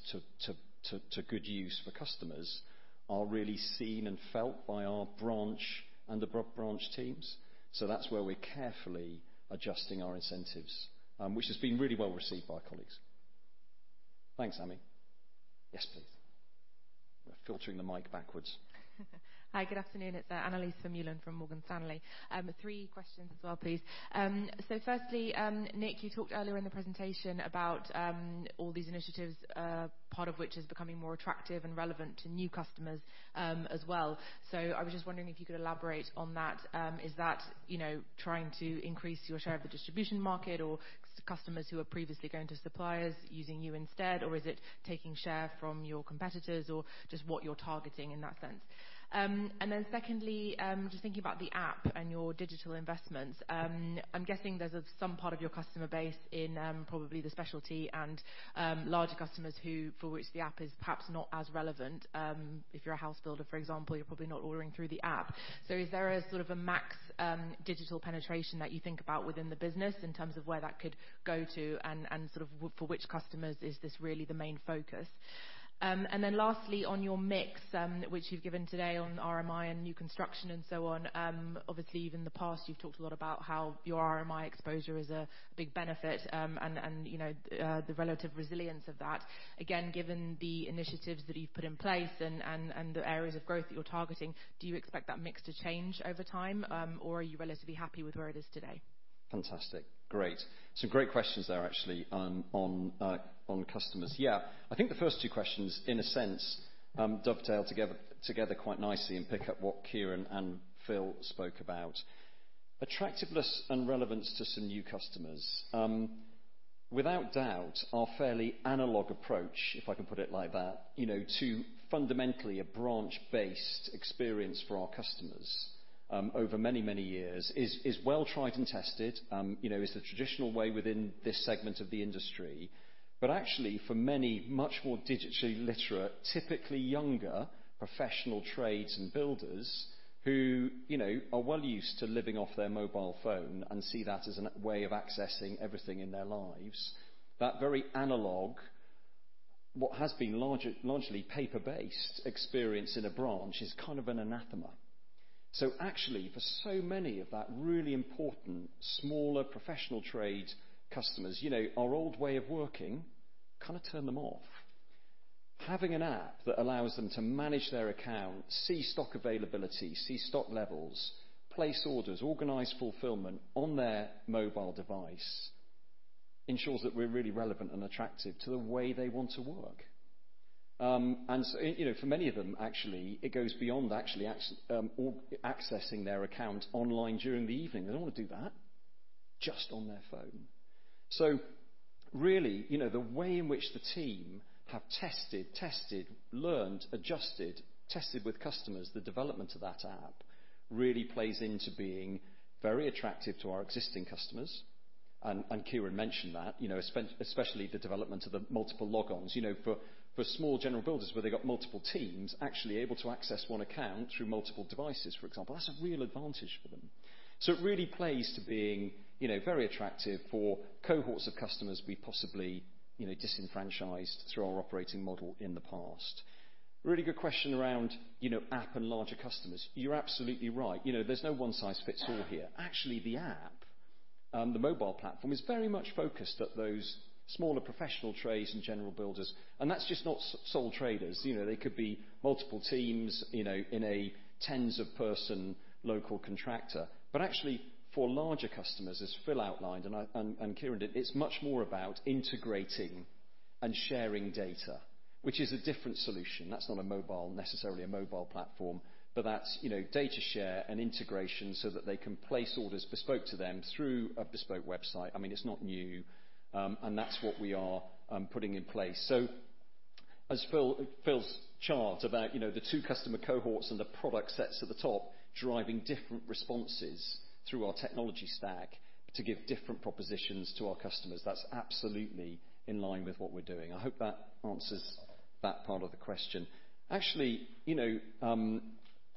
to good use for customers are really seen and felt by our branch and above branch teams. That's where we're carefully adjusting our incentives, which has been really well-received by colleagues. Thanks, Ami. Yes, please. We're filtering the mic backwards. Hi, good afternoon. It's Annalise Mullin from Morgan Stanley. Three questions as well, please. firstly, Nick, you talked earlier in the presentation about all these initiatives, part of which is becoming more attractive and relevant to new customers as well. I was just wondering if you could elaborate on that. Is that trying to increase your share of the distribution market or customers who are previously going to suppliers using you instead, or is it taking share from your competitors, or just what you're targeting in that sense? secondly, just thinking about the app and your digital investments. I'm guessing there's some part of your customer base in probably the specialty and larger customers for which the app is perhaps not as relevant. If you're a house builder, for example, you're probably not ordering through the app. Is there a max digital penetration that you think about within the business in terms of where that could go to and, for which customers is this really the main focus? Lastly, on your mix, which you've given today on RMI and new construction and so on. Even in the past, you've talked a lot about how your RMI exposure is a big benefit and the relative resilience of that. Given the initiatives that you've put in place and the areas of growth that you're targeting, do you expect that mix to change over time? Or are you relatively happy with where it is today? Fantastic. Great. Some great questions there, actually, on customers. Yeah. I think the first two questions, in a sense, dovetail together quite nicely and pick up what Kieran and Phil spoke about. Attractiveness and relevance to some new customers. Without doubt, our fairly analog approach, if I can put it like that, to fundamentally a branch-based experience for our customers over many, many years is well tried and tested, is the traditional way within this segment of the industry. Actually, for many much more digitally literate, typically younger, professional trades and builders who are well-used to living off their mobile phone and see that as a way of accessing everything in their lives, that very analog, what has been largely paper-based experience in a branch, is kind of an anathema. Actually, for so many of that really important smaller professional trade customers, our old way of working kind of turn them off. Having an app that allows them to manage their account, see stock availability, see stock levels, place orders, organize fulfillment on their mobile device ensures that we're really relevant and attractive to the way they want to work. For many of them, actually, it goes beyond actually accessing their account online during the evening. They don't want to do that. Just on their phone. Really, the way in which the team have tested, learned, adjusted, tested with customers, the development of that app really plays into being very attractive to our existing customers, and Kieran mentioned that, especially the development of the multiple logons. For small general builders, where they got multiple teams actually able to access one account through multiple devices, for example, that's a real advantage for them. It really plays to being very attractive for cohorts of customers we possibly disenfranchised through our operating model in the past. Really good question around app and larger customers. You're absolutely right. There's no one size fits all here. Actually, the app and the mobile platform is very much focused at those smaller professional trades and general builders, and that's just not sole traders. They could be multiple teams in a 10s of person local contractor. Actually, for larger customers, as Phil Tenney outlined and Kieran Griffin did, it's much more about integrating and sharing data, which is a different solution. That's not necessarily a mobile platform. That's data share and integration so that they can place orders bespoke to them through a bespoke website. I mean, it's not new. That's what we are putting in place. Phil's chart about the two customer cohorts and the product sets at the top driving different responses through our technology stack to give different propositions to our customers, that's absolutely in line with what we're doing. I hope that answers that part of the question. Actually,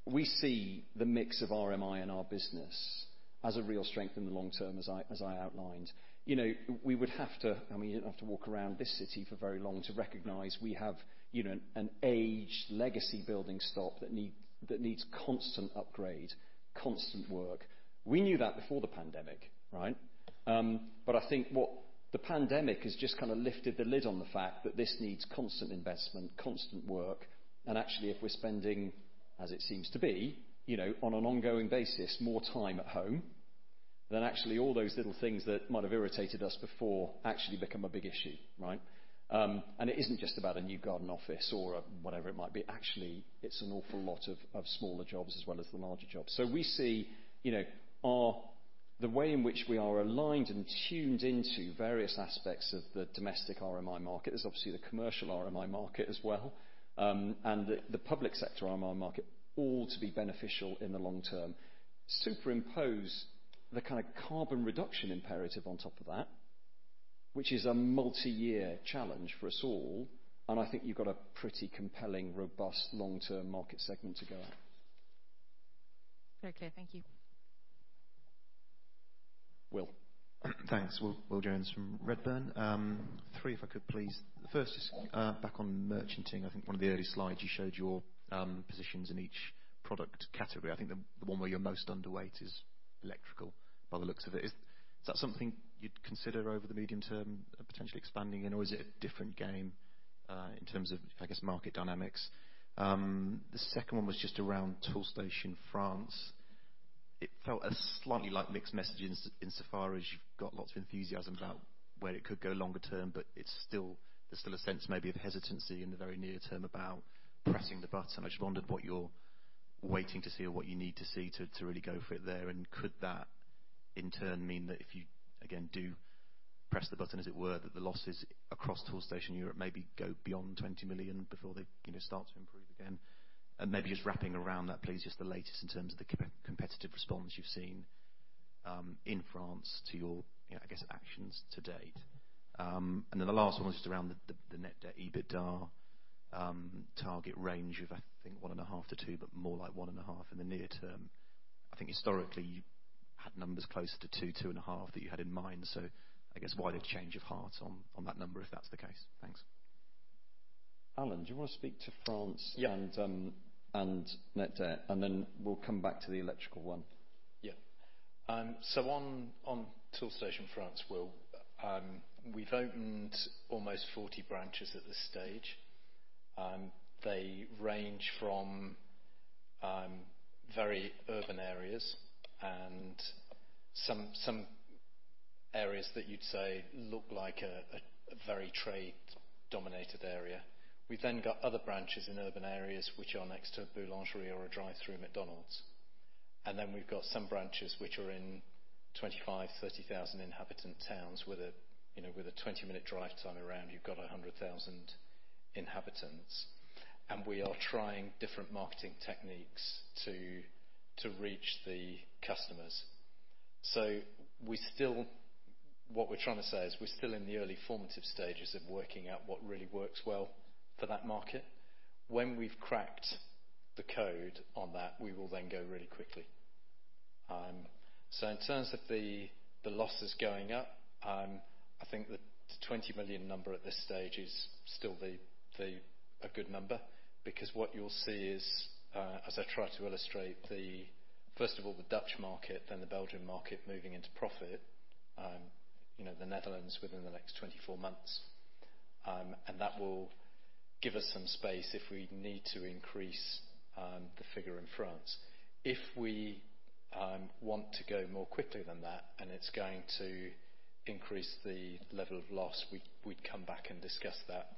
we see the mix of RMI in our business as a real strength in the long term, as I outlined. You don't have to walk around this city for very long to recognize we have an aged legacy building stock that needs constant upgrade, constant work. We knew that before the pandemic, right? I think what the pandemic has just kind of lifted the lid on the fact that this needs constant investment, constant work, and actually, if we're spending, as it seems to be, on an ongoing basis, more time at home, then actually all those little things that might have irritated us before actually become a big issue, right? It isn't just about a new garden office or whatever it might be. Actually, it's an awful lot of smaller jobs as well as the larger jobs. We see the way in which we are aligned and tuned into various aspects of the domestic RMI market. There's obviously the commercial RMI market as well, and the public sector RMI market, all to be beneficial in the long term. Superimpose the kind of carbon reduction imperative on top of that, which is a multi-year challenge for us all, and I think you've got a pretty compelling, robust long-term market segment to go at. Very clear. Thank you. Will. Thanks. Will Jones from Redburn. Three, if I could please. The first is back on merchanting. I think one of the early slides you showed your positions in each product category. I think the one where you're most underweight is electrical, by the looks of it. Is that something you'd consider over the medium term potentially expanding in, or is it a different game, in terms of, I guess, market dynamics? The second one was just around Toolstation France. It felt a slightly like mixed message insofar as you've got lots of enthusiasm about where it could go longer term, but there's still a sense maybe of hesitancy in the very near term about pressing the button. I just wondered what you're waiting to see or what you need to see to really go for it there. Could that in turn mean that if you, again, do press the button, as it were, that the losses across Toolstation Europe maybe go beyond 20 million before they start to improve again? Maybe just wrapping around that, please, just the latest in terms of the competitive response you've seen in France to your, I guess, actions to date. The last one was just around the net debt EBITDA target range of, I think, 1.5-2, but more like 1.5 in the near term. I think historically, you had numbers closer to 2-2.5 that you had in mind. I guess why the change of heart on that number, if that's the case? Thanks. Alan, do you want to speak to France Yeah Net debt, and then we'll come back to the electrical one. Yeah. On Toolstation France, Will, we've opened almost 40 branches at this stage. They range from very urban areas and some areas that you'd say look like a very trade-dominated area. We've got other branches in urban areas which are next to a boulangerie or a drive-through McDonald's. We've got some branches which are in 25,000, 30,000 inhabitant towns with a 20-minute drive time around, you've got 100,000 inhabitants. We are trying different marketing techniques to reach the customers. What we're trying to say is we're still in the early formative stages of working out what really works well for that market. When we've cracked the code on that, we will then go really quickly. In terms of the losses going up, I think the 20 million number at this stage is still a good number because what you'll see is, as I try to illustrate, first of all, the Dutch market, then the Belgian market moving into profit, the Netherlands within the next 24 months. That will give us some space if we need to increase the figure in France. If we want to go more quickly than that and it's going to increase the level of loss, we would come back and discuss that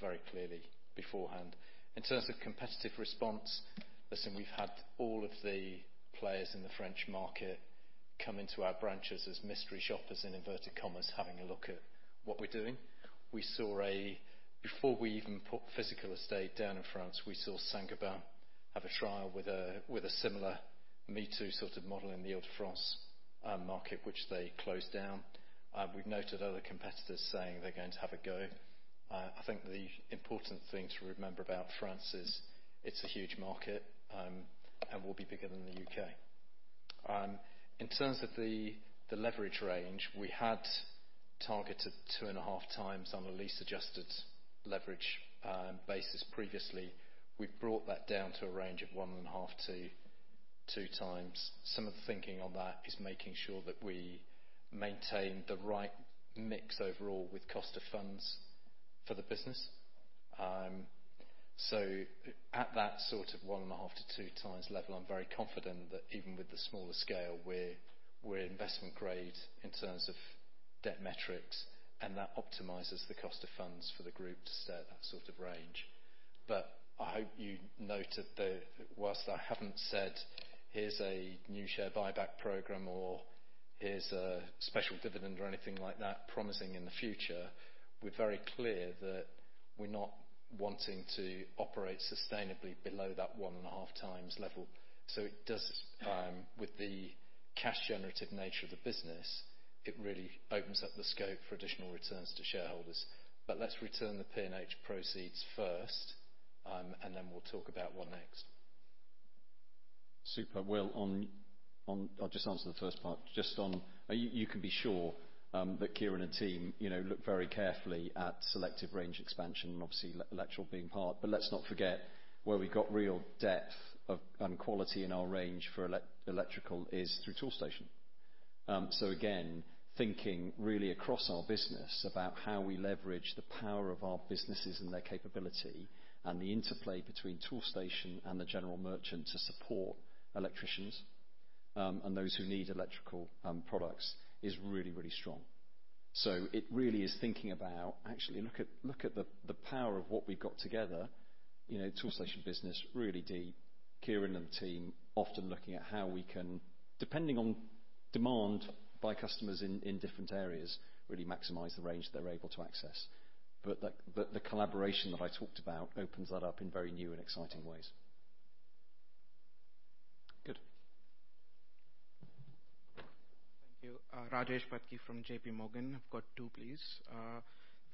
very clearly beforehand. In terms of competitive response, listen, we have had all of the players in the French market come into our branches as mystery shoppers, in inverted commas, having a look at what we are doing. Before we even put physical estate down in France, we saw Saint-Gobain have a trial with a similar me-too sort of model in the Île-de-France market, which they closed down. We've noted other competitors saying they're going to have a go. I think the important thing to remember about France is it's a huge market, and will be bigger than the U.K. In terms of the leverage range, we had targeted 2.5x on a lease-adjusted leverage basis previously. We've brought that down to a range of 1.5-2x. Some of the thinking on that is making sure that we maintain the right mix overall with cost of funds for the business. At that sort of 1.5x-2x level, I'm very confident that even with the smaller scale, we're investment grade in terms of debt metrics, and that optimizes the cost of funds for the group to set that sort of range. I hope you noted that while I haven't said, "Here's a new share buyback program," or, "Here's a special dividend," or anything like that promising in the future, we're very clear that we're not wanting to operate sustainably below that 1.5x level. With the cash generative nature of the business, it really opens up the scope for additional returns to shareholders. Let's return the P&H proceeds first, and then we'll talk about what next. Super. Will, I'll just answer the first part. You can be sure that Kieran and team look very carefully at selective range expansion, and obviously electrical being part. Let's not forget where we got real depth and quality in our range for electrical is through Toolstation. Again, thinking really across our business about how we leverage the power of our businesses and their capability and the interplay between Toolstation and the general merchant to support electricians, and those who need electrical products is really, really strong. It really is thinking about actually look at the power of what we've got together. Toolstation business, really deep. Kieran and the team often looking at how we can, depending on demand by customers in different areas, really maximize the range they're able to access. The collaboration that I talked about opens that up in very new and exciting ways. Good. Thank you. Rajesh Patki from JPMorgan. I've got two, please.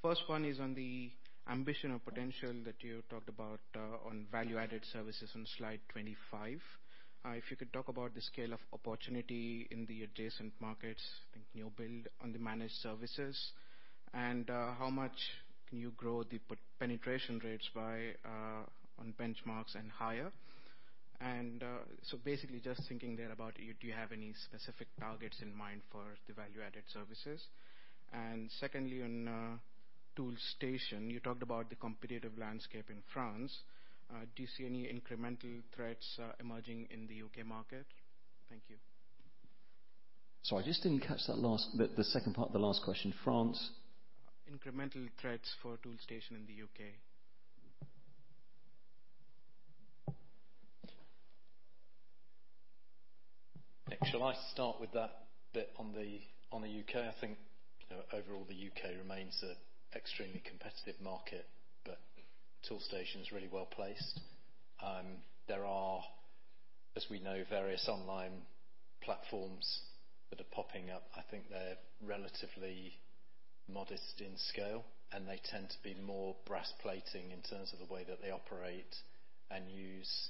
First one is on the ambition or potential that you talked about on value-added services on slide 25. If you could talk about the scale of opportunity in the adjacent markets, can you build on the managed services? How much can you grow the penetration rates by on Benchmarx and hire? Basically just thinking there about do you have any specific targets in mind for the value-added services? Secondly, on Toolstation, you talked about the competitive landscape in France. Do you see any incremental threats emerging in the U.K. market? Thank you. Sorry, just didn't catch that last, the second part of the last question. France? Incremental threats for Toolstation in the U.K. Nick, shall I start with that bit on the U.K.? I think overall the U.K. remains an extremely competitive market. Toolstation is really well-placed. There are, as we know, various online platforms that are popping up. I think they're relatively modest in scale, and they tend to be more brass plating in terms of the way that they operate and use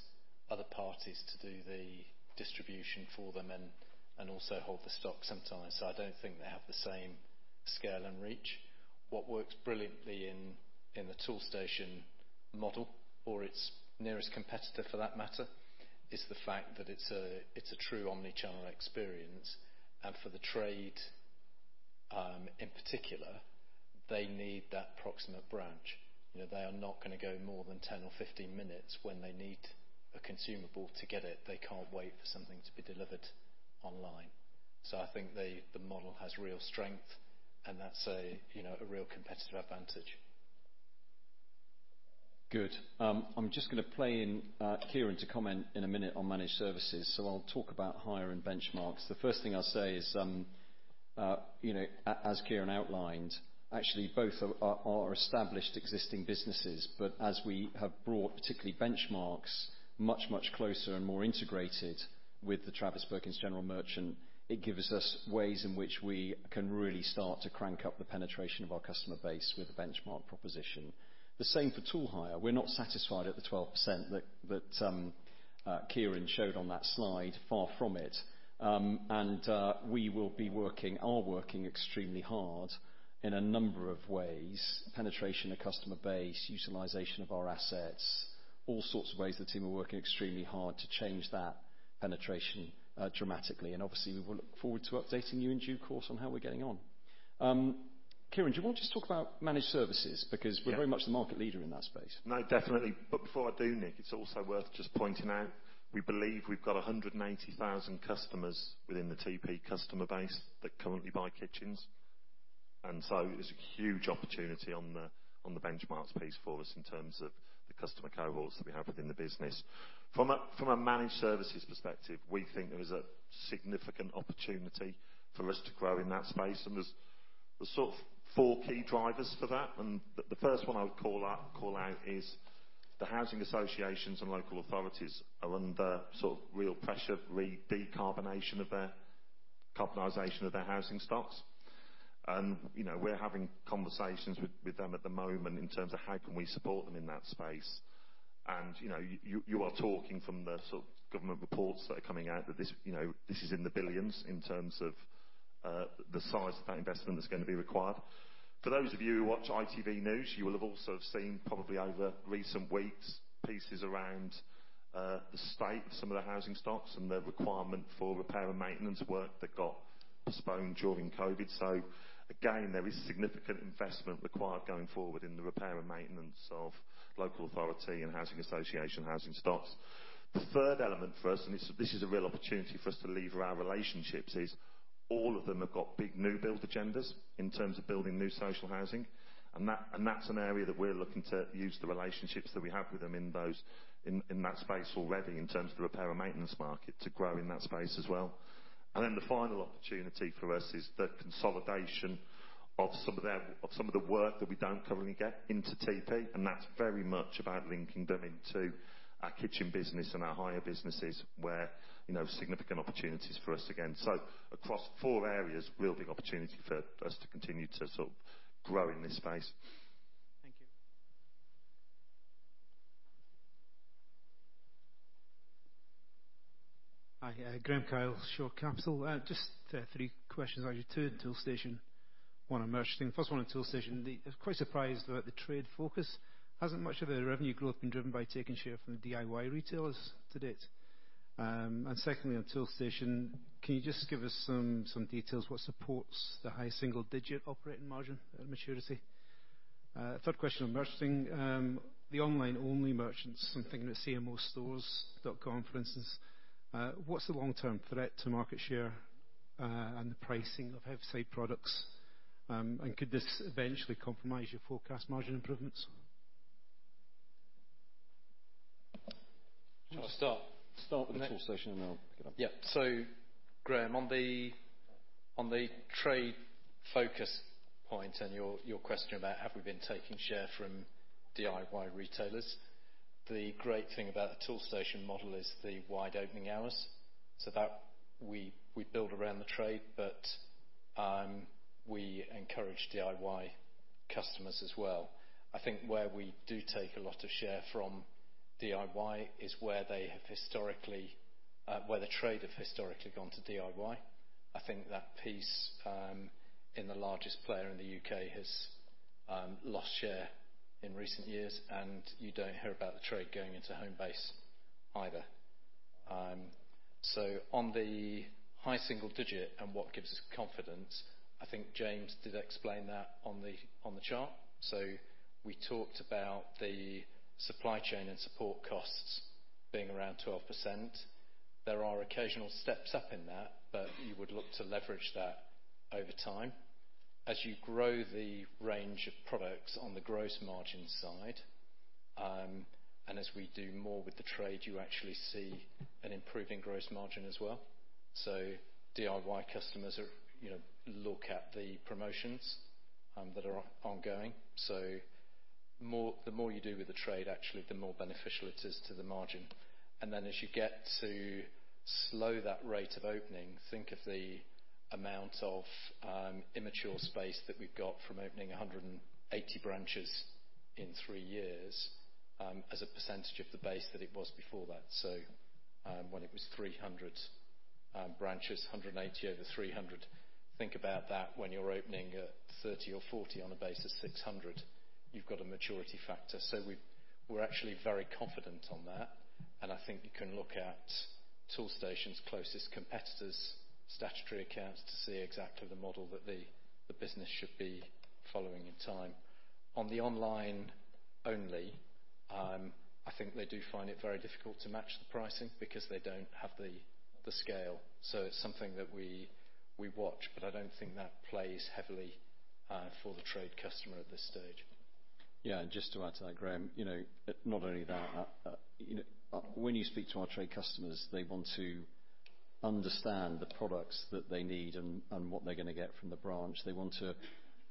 other parties to do the distribution for them and also hold the stock sometimes. I don't think they have the same scale and reach. What works brilliantly in the Toolstation model, or its nearest competitor for that matter, is the fact that it's a true omni-channel experience. For the trade, in particular, they need that proximate branch. They are not going to go more than 10 or 15 minutes when they need a consumable to get it. They can't wait for something to be delivered online. I think the model has real strength, and that's a real competitive advantage. Good. I'm just going to play in Kieran to comment in a minute on managed services. I'll talk about hire and Benchmarx. The first thing I'll say is, as Kieran outlined, actually both are established existing businesses. As we have brought, particularly Benchmarx, much, much closer and more integrated with the Travis Perkins General Merchant, it gives us ways in which we can really start to crank up the penetration of our customer base with a Benchmarx proposition. The same for tool hire. We're not satisfied at the 12% that Kieran showed on that slide, far from it. We are working extremely hard in a number of ways, penetration of customer base, utilization of our assets, all sorts of ways the team are working extremely hard to change that penetration dramatically. Obviously, we will look forward to updating you in due course on how we're getting on. Kieran, do you want to just talk about managed services? We're very much the market leader in that space. No, definitely. Before I do, Nick, it's also worth just pointing out, we believe we've got 180,000 customers within the TP customer base that currently buy kitchens. So there's a huge opportunity on the Benchmarx piece for us in terms of the customer cohorts that we have within the business. From a managed services perspective, we think there is a significant opportunity for us to grow in that space, there's sort of four key drivers for that. The first one I would call out is the housing associations and local authorities are under real pressure, decarbonization of their housing stocks. We're having conversations with them at the moment in terms of how can we support them in that space. You are talking from the government reports that are coming out that this is in the billions in terms of the size of that investment that's going to be required. For those of you who watch ITV News, you will have also seen, probably over recent weeks, pieces around the state of some of the housing stocks and the requirement for repair and maintenance work that got postponed during COVID. Again, there is significant investment required going forward in the repair and maintenance of local authority and housing association housing stocks. The third element for us, and this is a real opportunity for us to lever our relationships, is all of them have got big new build agendas in terms of building new social housing. That's an area that we're looking to use the relationships that we have with them in that space already in terms of the repair and maintenance market to grow in that space as well. The final opportunity for us is the consolidation of some of the work that we don't currently get into TP, and that's very much about linking them into our kitchen business and our hire businesses where significant opportunities for us again. Across four areas, real big opportunity for us to continue to grow in this space. Thank you. Hi. Graeme Kyle, Shore Capital. Just three questions. Two on Toolstation, one on Merchting. First one on Toolstation. Quite surprised about the trade focus. Hasn't much of the revenue growth been driven by taking share from the DIY retailers to date? Secondly, on Toolstation, can you just give us some details, what supports the high single-digit operating margin at maturity? Third question on Merchting. The online-only merchants, so I'm thinking of cmostores.com, for instance. What's the long-term threat to market share and the pricing of? [inaudible] Could this eventually compromise your forecast margin improvements? Do you want to start? Start with Toolstation, and then I'll pick it up. Yeah. Graeme, on the. On the trade focus point and your question about have we been taking share from DIY retailers, the great thing about the Toolstation model is the wide opening hours, so that we build around the trade, but we encourage DIY customers as well. I think where we do take a lot of share from DIY is where the trade have historically gone to DIY. I think that piece in the largest player in the U.K. has lost share in recent years, and you don't hear about the trade going into Homebase either. On the high single-digit and what gives us confidence, I think James did explain that on the chart. We talked about the supply chain and support costs being around 12%. There are occasional steps up in that, but you would look to leverage that over time. As you grow the range of products on the gross margin side, and as we do more with the trade, you actually see an improving gross margin as well. DIY customers look at the promotions that are ongoing. The more you do with the trade, actually, the more beneficial it is to the margin. Then as you get to slow that rate of opening, think of the amount of immature space that we've got from opening 180 branches in three years, as a percentage of the base that it was before that. When it was 300 branches, 180 over 300. Think about that when you're opening at 30 or 40 on a base of 600, you've got a maturity factor. We're actually very confident on that, and I think you can look at Toolstation's closest competitors' statutory accounts to see exactly the model that the business should be following in time. On the online only, I think they do find it very difficult to match the pricing because they don't have the scale. It's something that we watch, but I don't think that plays heavily for the trade customer at this stage. Yeah. Just to add to that, Graeme, not only that, when you speak to our trade customers, they want to understand the products that they need and what they're going to get from the branch. They want to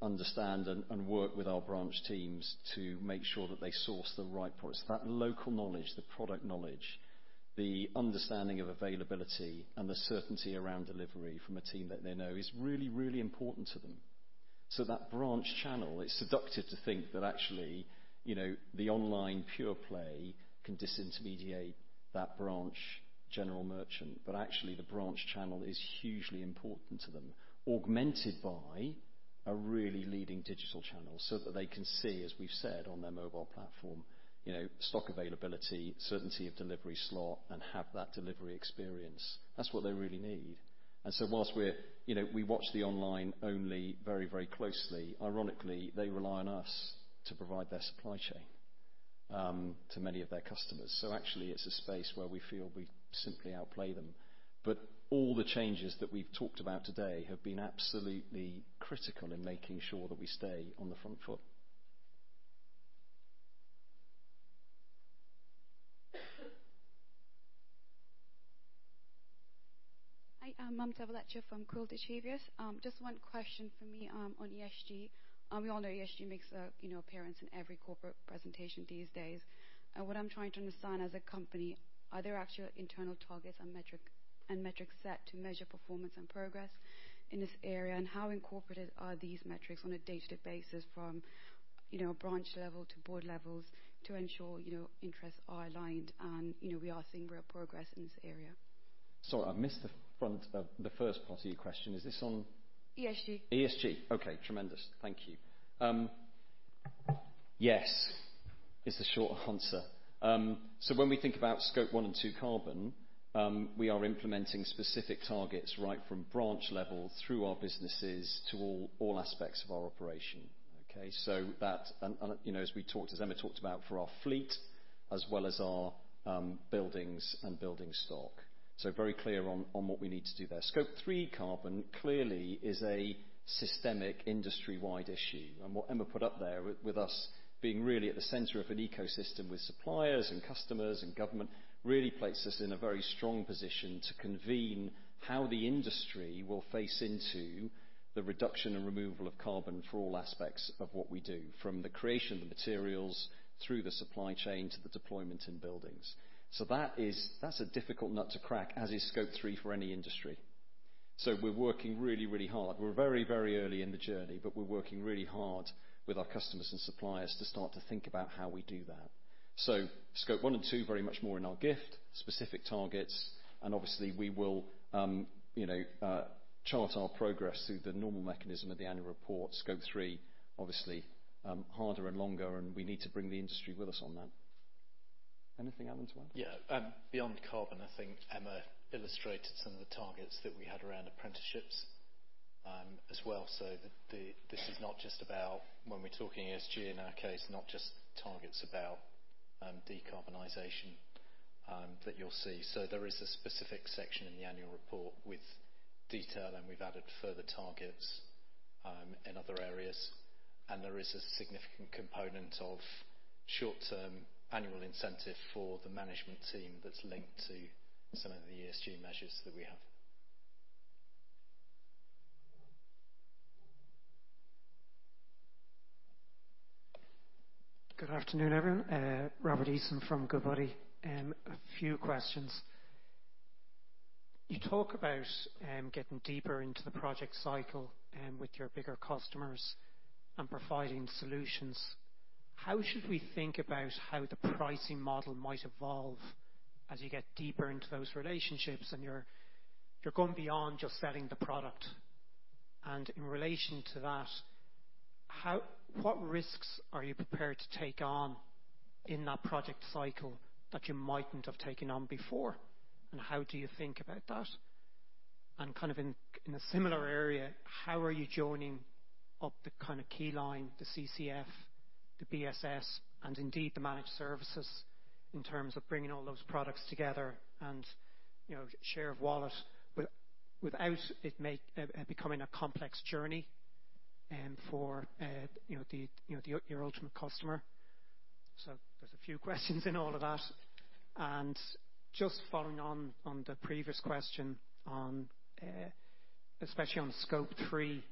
understand and work with our branch teams to make sure that they source the right products. That local knowledge, the product knowledge, the understanding of availability, and the certainty around delivery from a team that they know is really, really important to them. That branch channel, it's seductive to think that actually, the online pure play can disintermediate that branch general merchant, but actually the branch channel is hugely important to them, augmented by a really leading digital channel so that they can see, as we've said, on their mobile platform, stock availability, certainty of delivery slot, and have that delivery experience. That's what they really need. Whilst we watch the online only very, very closely, ironically, they rely on us to provide their supply chain to many of their customers. Actually, it's a space where we feel we simply outplay them. All the changes that we've talked about today have been absolutely critical in making sure that we stay on the front foot. Hi, I'm Mamta Valecha from Quilter Cheviot. Just one question from me on ESG. We all know ESG makes an appearance in every corporate presentation these days. What I'm trying to understand as a company, are there actual internal targets and metrics set to measure performance and progress in this area? How incorporated are these metrics on a day-to-day basis from branch level to board levels to ensure interests are aligned and we are seeing real progress in this area? Sorry, I missed the front of the first part of your question. Is this on ESG ESG. Okay, tremendous. Thank you. Yes is the short answer. When we think about Scope 1 and 2 carbon, we are implementing specific targets right from branch level through our businesses to all aspects of our operation. Okay. As Emma talked about for our fleet as well as our buildings and building stock. Very clear on what we need to do there. Scope 3 carbon clearly is a systemic industry-wide issue. What Emma put up there with us being really at the center of an ecosystem with suppliers and customers and government, really places us in a very strong position to convene how the industry will face into the reduction and removal of carbon for all aspects of what we do, from the creation of the materials through the supply chain to the deployment in buildings. That's a difficult nut to crack as is Scope 3 for any industry. We're working really, really hard. We're very, very early in the journey, but we're working really hard with our customers and suppliers to start to think about how we do that. Scope 1 and 2 very much more in our gift, specific targets, and obviously we will chart our progress through the normal mechanism of the annual report. Scope 3 obviously harder and longer and we need to bring the industry with us on that. Anything, Alan, to add? Yeah. Beyond carbon, I think Emma illustrated some of the targets that we had around apprenticeships as well. This is not just about when we're talking ESG in our case, not just targets about decarbonization that you'll see. There is a specific section in the annual report with detail and we've added further targets in other areas, and there is a significant component of short-term annual incentive for the management team that's linked to some of the ESG measures that we have. Good afternoon, everyone. Robert Eason from Goodbody. A few questions. You talk about getting deeper into the project cycle with your bigger customers and providing solutions. How should we think about how the pricing model might evolve as you get deeper into those relationships and you're going beyond just selling the product? In relation to that, what risks are you prepared to take on in that project cycle that you mightn't have taken on before, and how do you think about that? In a similar area, how are you joining up the Keyline, the CCF, the BSS, and indeed the managed services in terms of bringing all those products together and share of wallet without it becoming a complex journey for your ultimate customer? There's a few questions in all of that. Just following on the previous question, especially on Scope 3,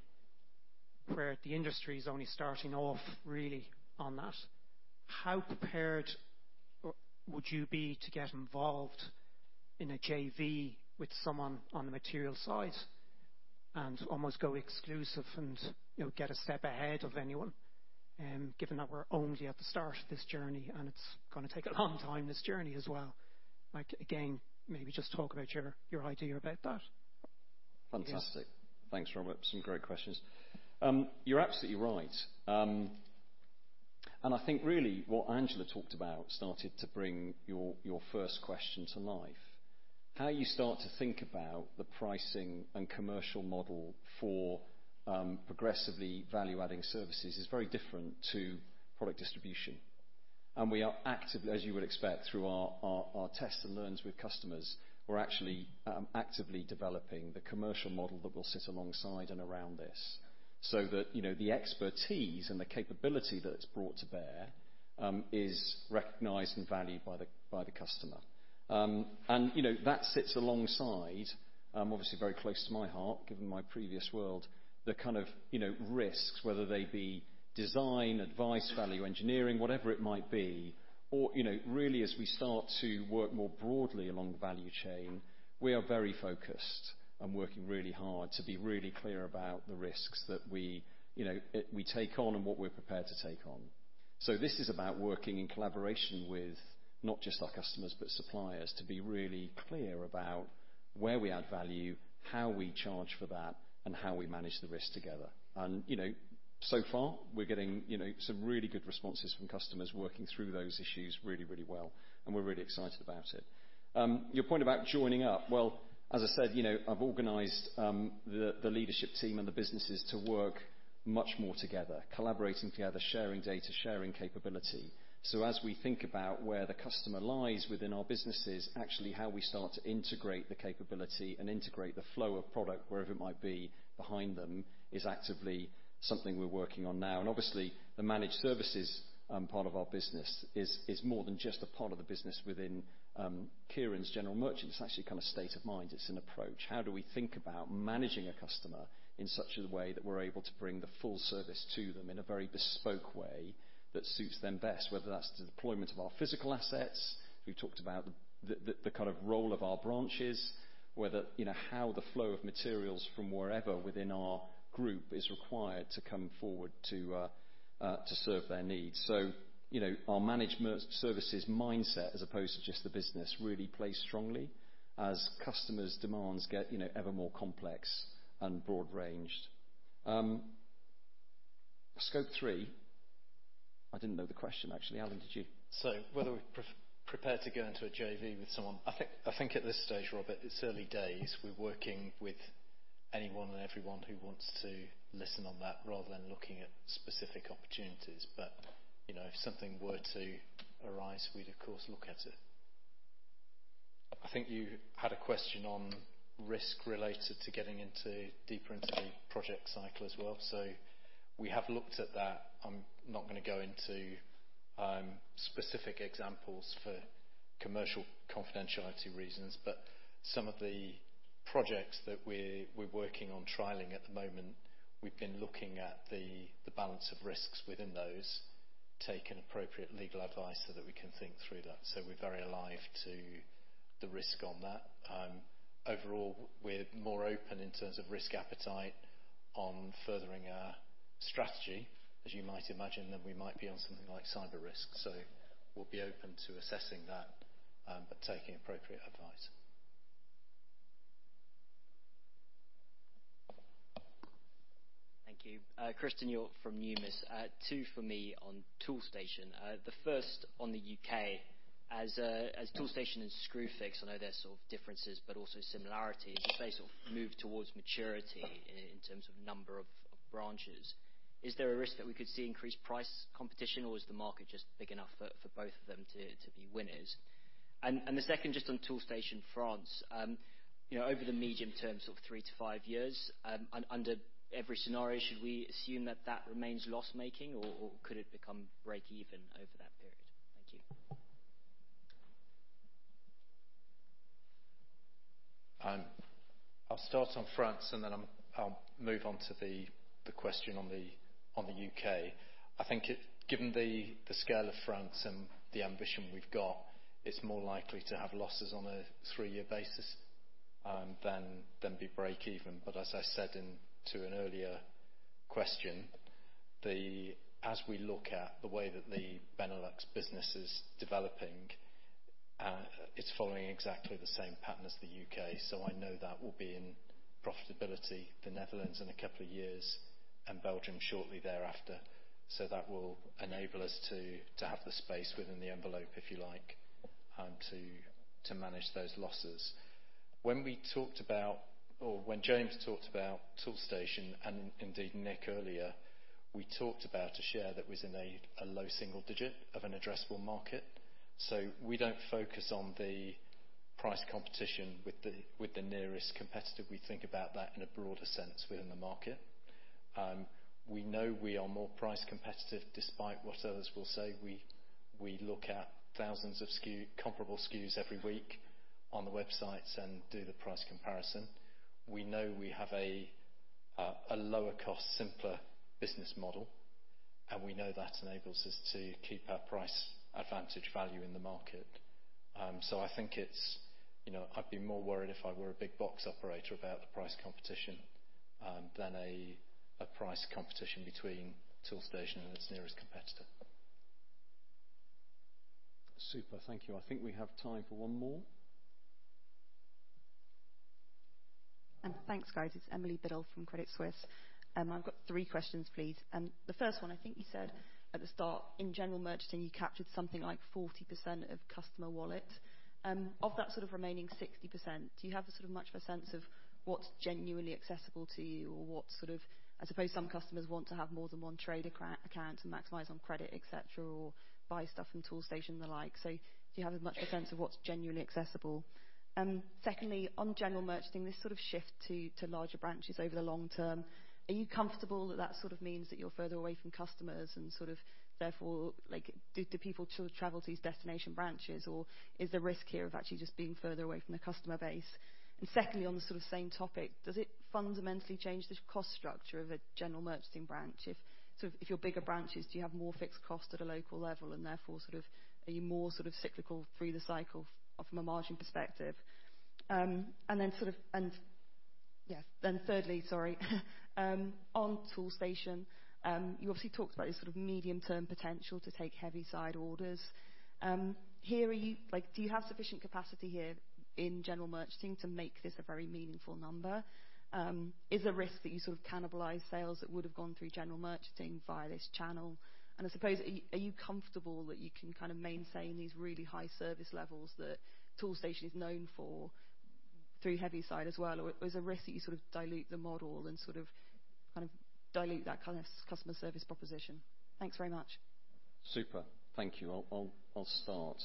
where the industry's only starting off really on that, how prepared would you be to get involved in a JV with someone on the material side and almost go exclusive and get a step ahead of anyone, given that we're only at the start of this journey and it's going to take a long time, this journey as well? Maybe just talk about your idea about that. Fantastic. Thanks, Robert. Some great questions. You're absolutely right. I think really what Angela Rushforth talked about started to bring your first question to life. How you start to think about the pricing and commercial model for progressively value-adding services is very different to product distribution. We are actively, as you would expect, through our test and learns with customers, we're actually actively developing the commercial model that will sit alongside and around this, so that the expertise and the capability that it's brought to bear is recognized and valued by the customer. That sits alongside, obviously very close to my heart, given my previous world, the kind of risks, whether they be design, advice, value engineering, whatever it might be, or really as we start to work more broadly along the value chain, we are very focused on working really hard to be really clear about the risks that we take on and what we're prepared to take on. This is about working in collaboration with not just our customers, but suppliers, to be really clear about where we add value, how we charge for that, and how we manage the risk together. So far, we're getting some really good responses from customers working through those issues really, really well, and we're really excited about it. Your point about joining up. Well, as I said, I've organized the leadership team and the businesses to work much more together, collaborating together, sharing data, sharing capability. As we think about where the customer lies within our businesses, actually how we start to integrate the capability and integrate the flow of product, wherever it might be behind them, is actively something we're working on now. Obviously, the managed services part of our business is more than just a part of the business within Kieran's General Merchant. It's actually kind of state of mind. It's an approach. How do we think about managing a customer in such a way that we're able to bring the full service to them in a very bespoke way that suits them best, whether that's the deployment of our physical assets. We've talked about the role of our branches, whether how the flow of materials from wherever within our group is required to come forward to serve their needs. Our managed services mindset, as opposed to just the business, really plays strongly as customers' demands get ever more complex and broad ranged. Scope 3, I didn't know the question, actually. Alan, did you? Whether we're prepared to go into a JV with someone, I think at this stage, Robert, it's early days. We're working with anyone and everyone who wants to listen on that rather than looking at specific opportunities. If something were to arise, we'd of course look at it. I think you had a question on risk related to getting deeper into the project cycle as well. We have looked at that. I'm not going to go into specific examples for commercial confidentiality reasons, but some of the projects that we're working on trialing at the moment, we've been looking at the balance of risks within those, taken appropriate legal advice so that we can think through that. We're very alive to the risk on that. Overall, we're more open in terms of risk appetite on furthering our strategy, as you might imagine, than we might be on something like cyber risk. We'll be open to assessing that, but taking appropriate advice. Thank you. Christen Hjorth from Numis. Two for me on Toolstation. The first on the U.K. As Toolstation and Screwfix, I know there's sort of differences, but also similarities. They sort of move towards maturity in terms of number of branches. Is there a risk that we could see increased price competition, or is the market just big enough for both of them to be winners? The second, just on Toolstation France. Over the medium term, three to five years, under every scenario, should we assume that that remains loss-making, or could it become break even over that period? Thank you. I'll start on France, and then I'll move on to the question on the U.K. I think given the scale of France and the ambition we've got, it's more likely to have losses on a three-year basis than be break even. As I said to an earlier question, as we look at the way that the Benelux business is developing, it's following exactly the same pattern as the U.K., so I know that will be in profitability, the Netherlands in a couple of years and Belgium shortly thereafter. That will enable us to have the space within the envelope, if you like, to manage those losses. When James talked about Toolstation and indeed Nick earlier, we talked about a share that was in a low single digit of an addressable market. We don't focus on the price competition with the nearest competitor. We think about that in a broader sense within the market. We know we are more price competitive despite what others will say. We look at thousands of comparable SKUs every week on the websites and do the price comparison. We know we have a lower cost, simpler business model, and we know that enables us to keep our price advantage value in the market. I'd be more worried if I were a big box operator about the price competition than a price competition between Toolstation and its nearest competitor. Super. Thank you. I think we have time for one more. Thanks, guys. It's Ami Galla from Credit Suisse. I've got three questions, please. The first one, I think you said at the start, in general merchanting, you captured something like 40% of customer wallet. Of that remaining 60%, do you have much of a sense of what's genuinely accessible to you or what I suppose some customers want to have more than one trade account to maximize on credit, et cetera, or buy stuff from Toolstation and the like. Do you have as much of a sense of what's genuinely accessible? On general merchanting, this sort of shift to larger branches over the long term, are you comfortable that that sort of means that you're further away from customers and therefore, do people travel to these destination branches, or is there risk here of actually just being further away from the customer base? Secondly, on the sort of same topic, does it fundamentally change the cost structure of a general merchanting branch? If you're bigger branches, do you have more fixed cost at a local level and therefore are you more cyclical through the cycle from a margin perspective? Thirdly, sorry. On Toolstation, you obviously talked about this sort of medium term potential to take heavyside orders. Do you have sufficient capacity here in general merchanting to make this a very meaningful number? Is there risk that you cannibalize sales that would have gone through general merchanting via this channel? I suppose, are you comfortable that you can maintain these really high service levels that Toolstation is known for through heavyside as well, or is there risk that you dilute the model and dilute that customer service proposition? Thanks very much. Super. Thank you. I'll start.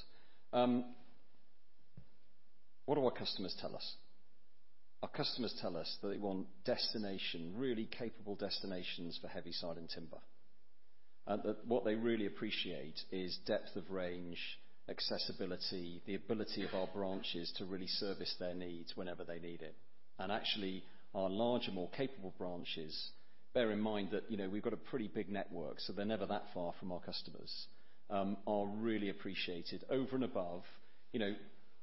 What do our customers tell us? Our customers tell us that they want destination, really capable destinations for heavyside and timber. That what they really appreciate is depth of range, accessibility, the ability of our branches to really service their needs whenever they need it. Actually, our larger, more capable branches, bear in mind that we've got a pretty big network, so they're never that far from our customers, are really appreciated over and above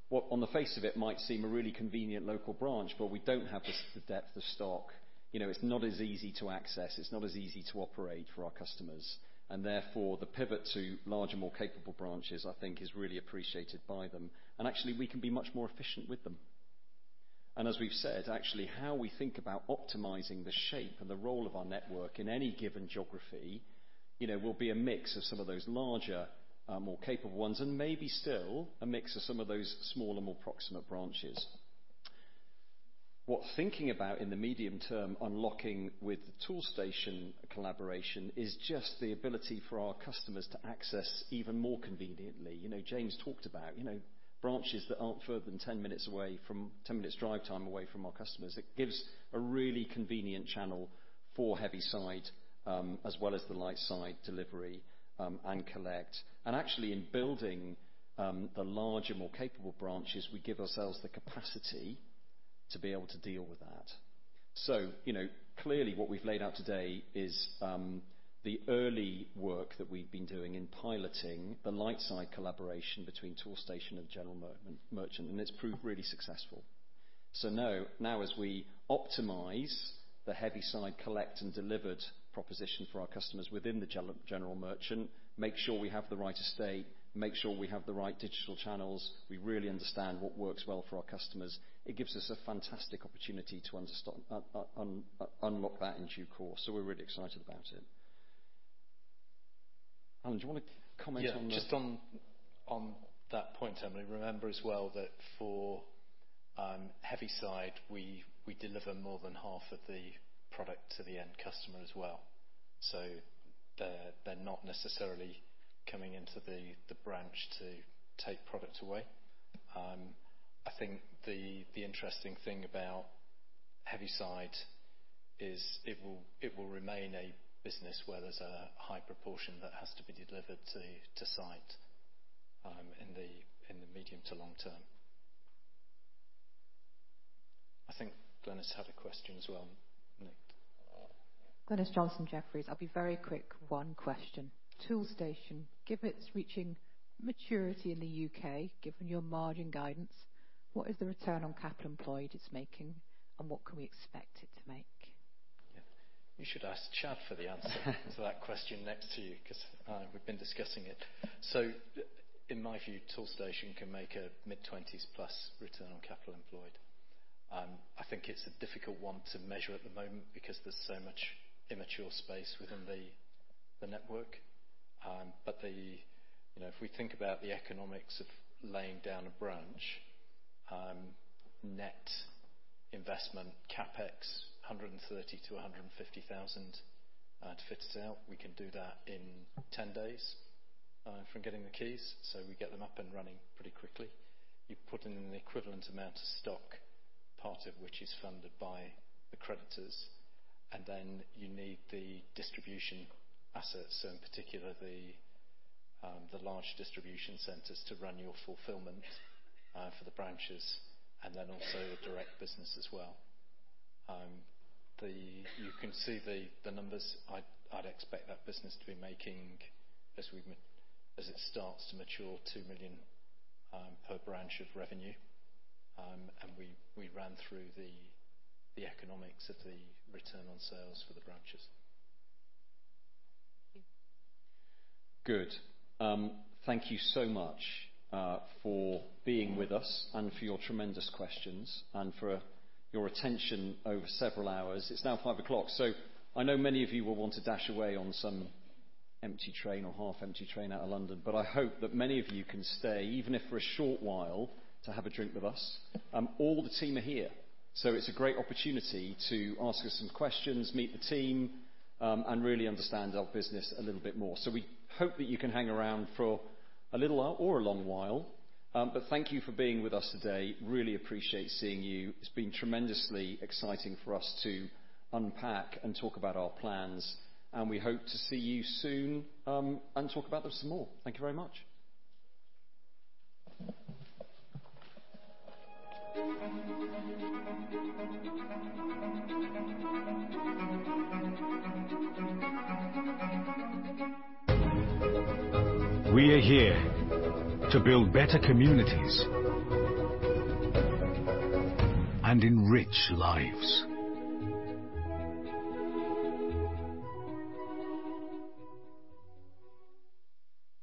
what on the face of it might seem a really convenient local branch, but we don't have the depth of stock. It's not as easy to access. It's not as easy to operate for our customers. Therefore, the pivot to larger, more capable branches, I think is really appreciated by them. Actually, we can be much more efficient with them. As we've said, actually, how we think about optimizing the shape and the role of our network in any given geography will be a mix of some of those larger, more capable ones and maybe still a mix of some of those smaller, more proximate branches. What thinking about in the medium term unlocking with the Toolstation collaboration is just the ability for our customers to access even more conveniently. James talked about branches that aren't further than 10 minutes drive time away from our customers. It gives a really convenient channel for heavyside as well as the lightside delivery and collect. Actually, in building the larger, more capable branches, we give ourselves the capacity to be able to deal with that. Clearly what we've laid out today is the early work that we've been doing in piloting the lightside collaboration between Toolstation and General Merchant, and it's proved really successful. Now as we optimize the heavyside collect and delivered proposition for our customers within the General Merchant, make sure we have the right estate, make sure we have the right digital channels, we really understand what works well for our customers. It gives us a fantastic opportunity to unlock that in due course. We're really excited about it. Alan, do you want to comment on the Yeah, just on that point, Ami Galla, remember as well that for heavyside, we deliver more than half of the product to the end customer as well. They're not necessarily coming into the branch to take product away. I think the interesting thing about heavyside is it will remain a business where there's a high proportion that has to be delivered to site in the medium to long term. I think Glynis Johnson had a question as well, Nick. Glynis Johnson, Jefferies. I'll be very quick. One question. Toolstation, given it's reaching maturity in the U.K., given your margin guidance, what is the return on capital employed it's making and what can we expect it to make? You should ask Chad for the answer to that question next to you because we've been discussing it. In my view, Toolstation can make a mid-20s plus return on capital employed. I think it's a difficult one to measure at the moment because there's so much immature space within the network. If we think about the economics of laying down a branch, net investment, CapEx, 130,000-150,000 to fit it out. We can do that in 10 days from getting the keys, so we get them up and running pretty quickly. You put in an equivalent amount of stock, part of which is funded by the creditors, and then you need the distribution assets, so in particular the large distribution centers to run your fulfillment for the branches and then also direct business as well. You can see the numbers. I'd expect that business to be making, as it starts to mature, 2 million per branch of revenue. We ran through the economics of the return on sales for the branches. Thank you. Good. Thank you so much for being with us and for your tremendous questions and for your attention over several hours. It's now 5:00 P.M. I know many of you will want to dash away on some empty train or half empty train out of London. I hope that many of you can stay, even if for a short while, to have a drink with us. All the team are here, so it's a great opportunity to ask us some questions, meet the team, and really understand our business a little bit more. We hope that you can hang around for a little or a long while. Thank you for being with us today. Really appreciate seeing you. It's been tremendously exciting for us to unpack and talk about our plans, and we hope to see you soon, and talk about them some more. Thank you very much.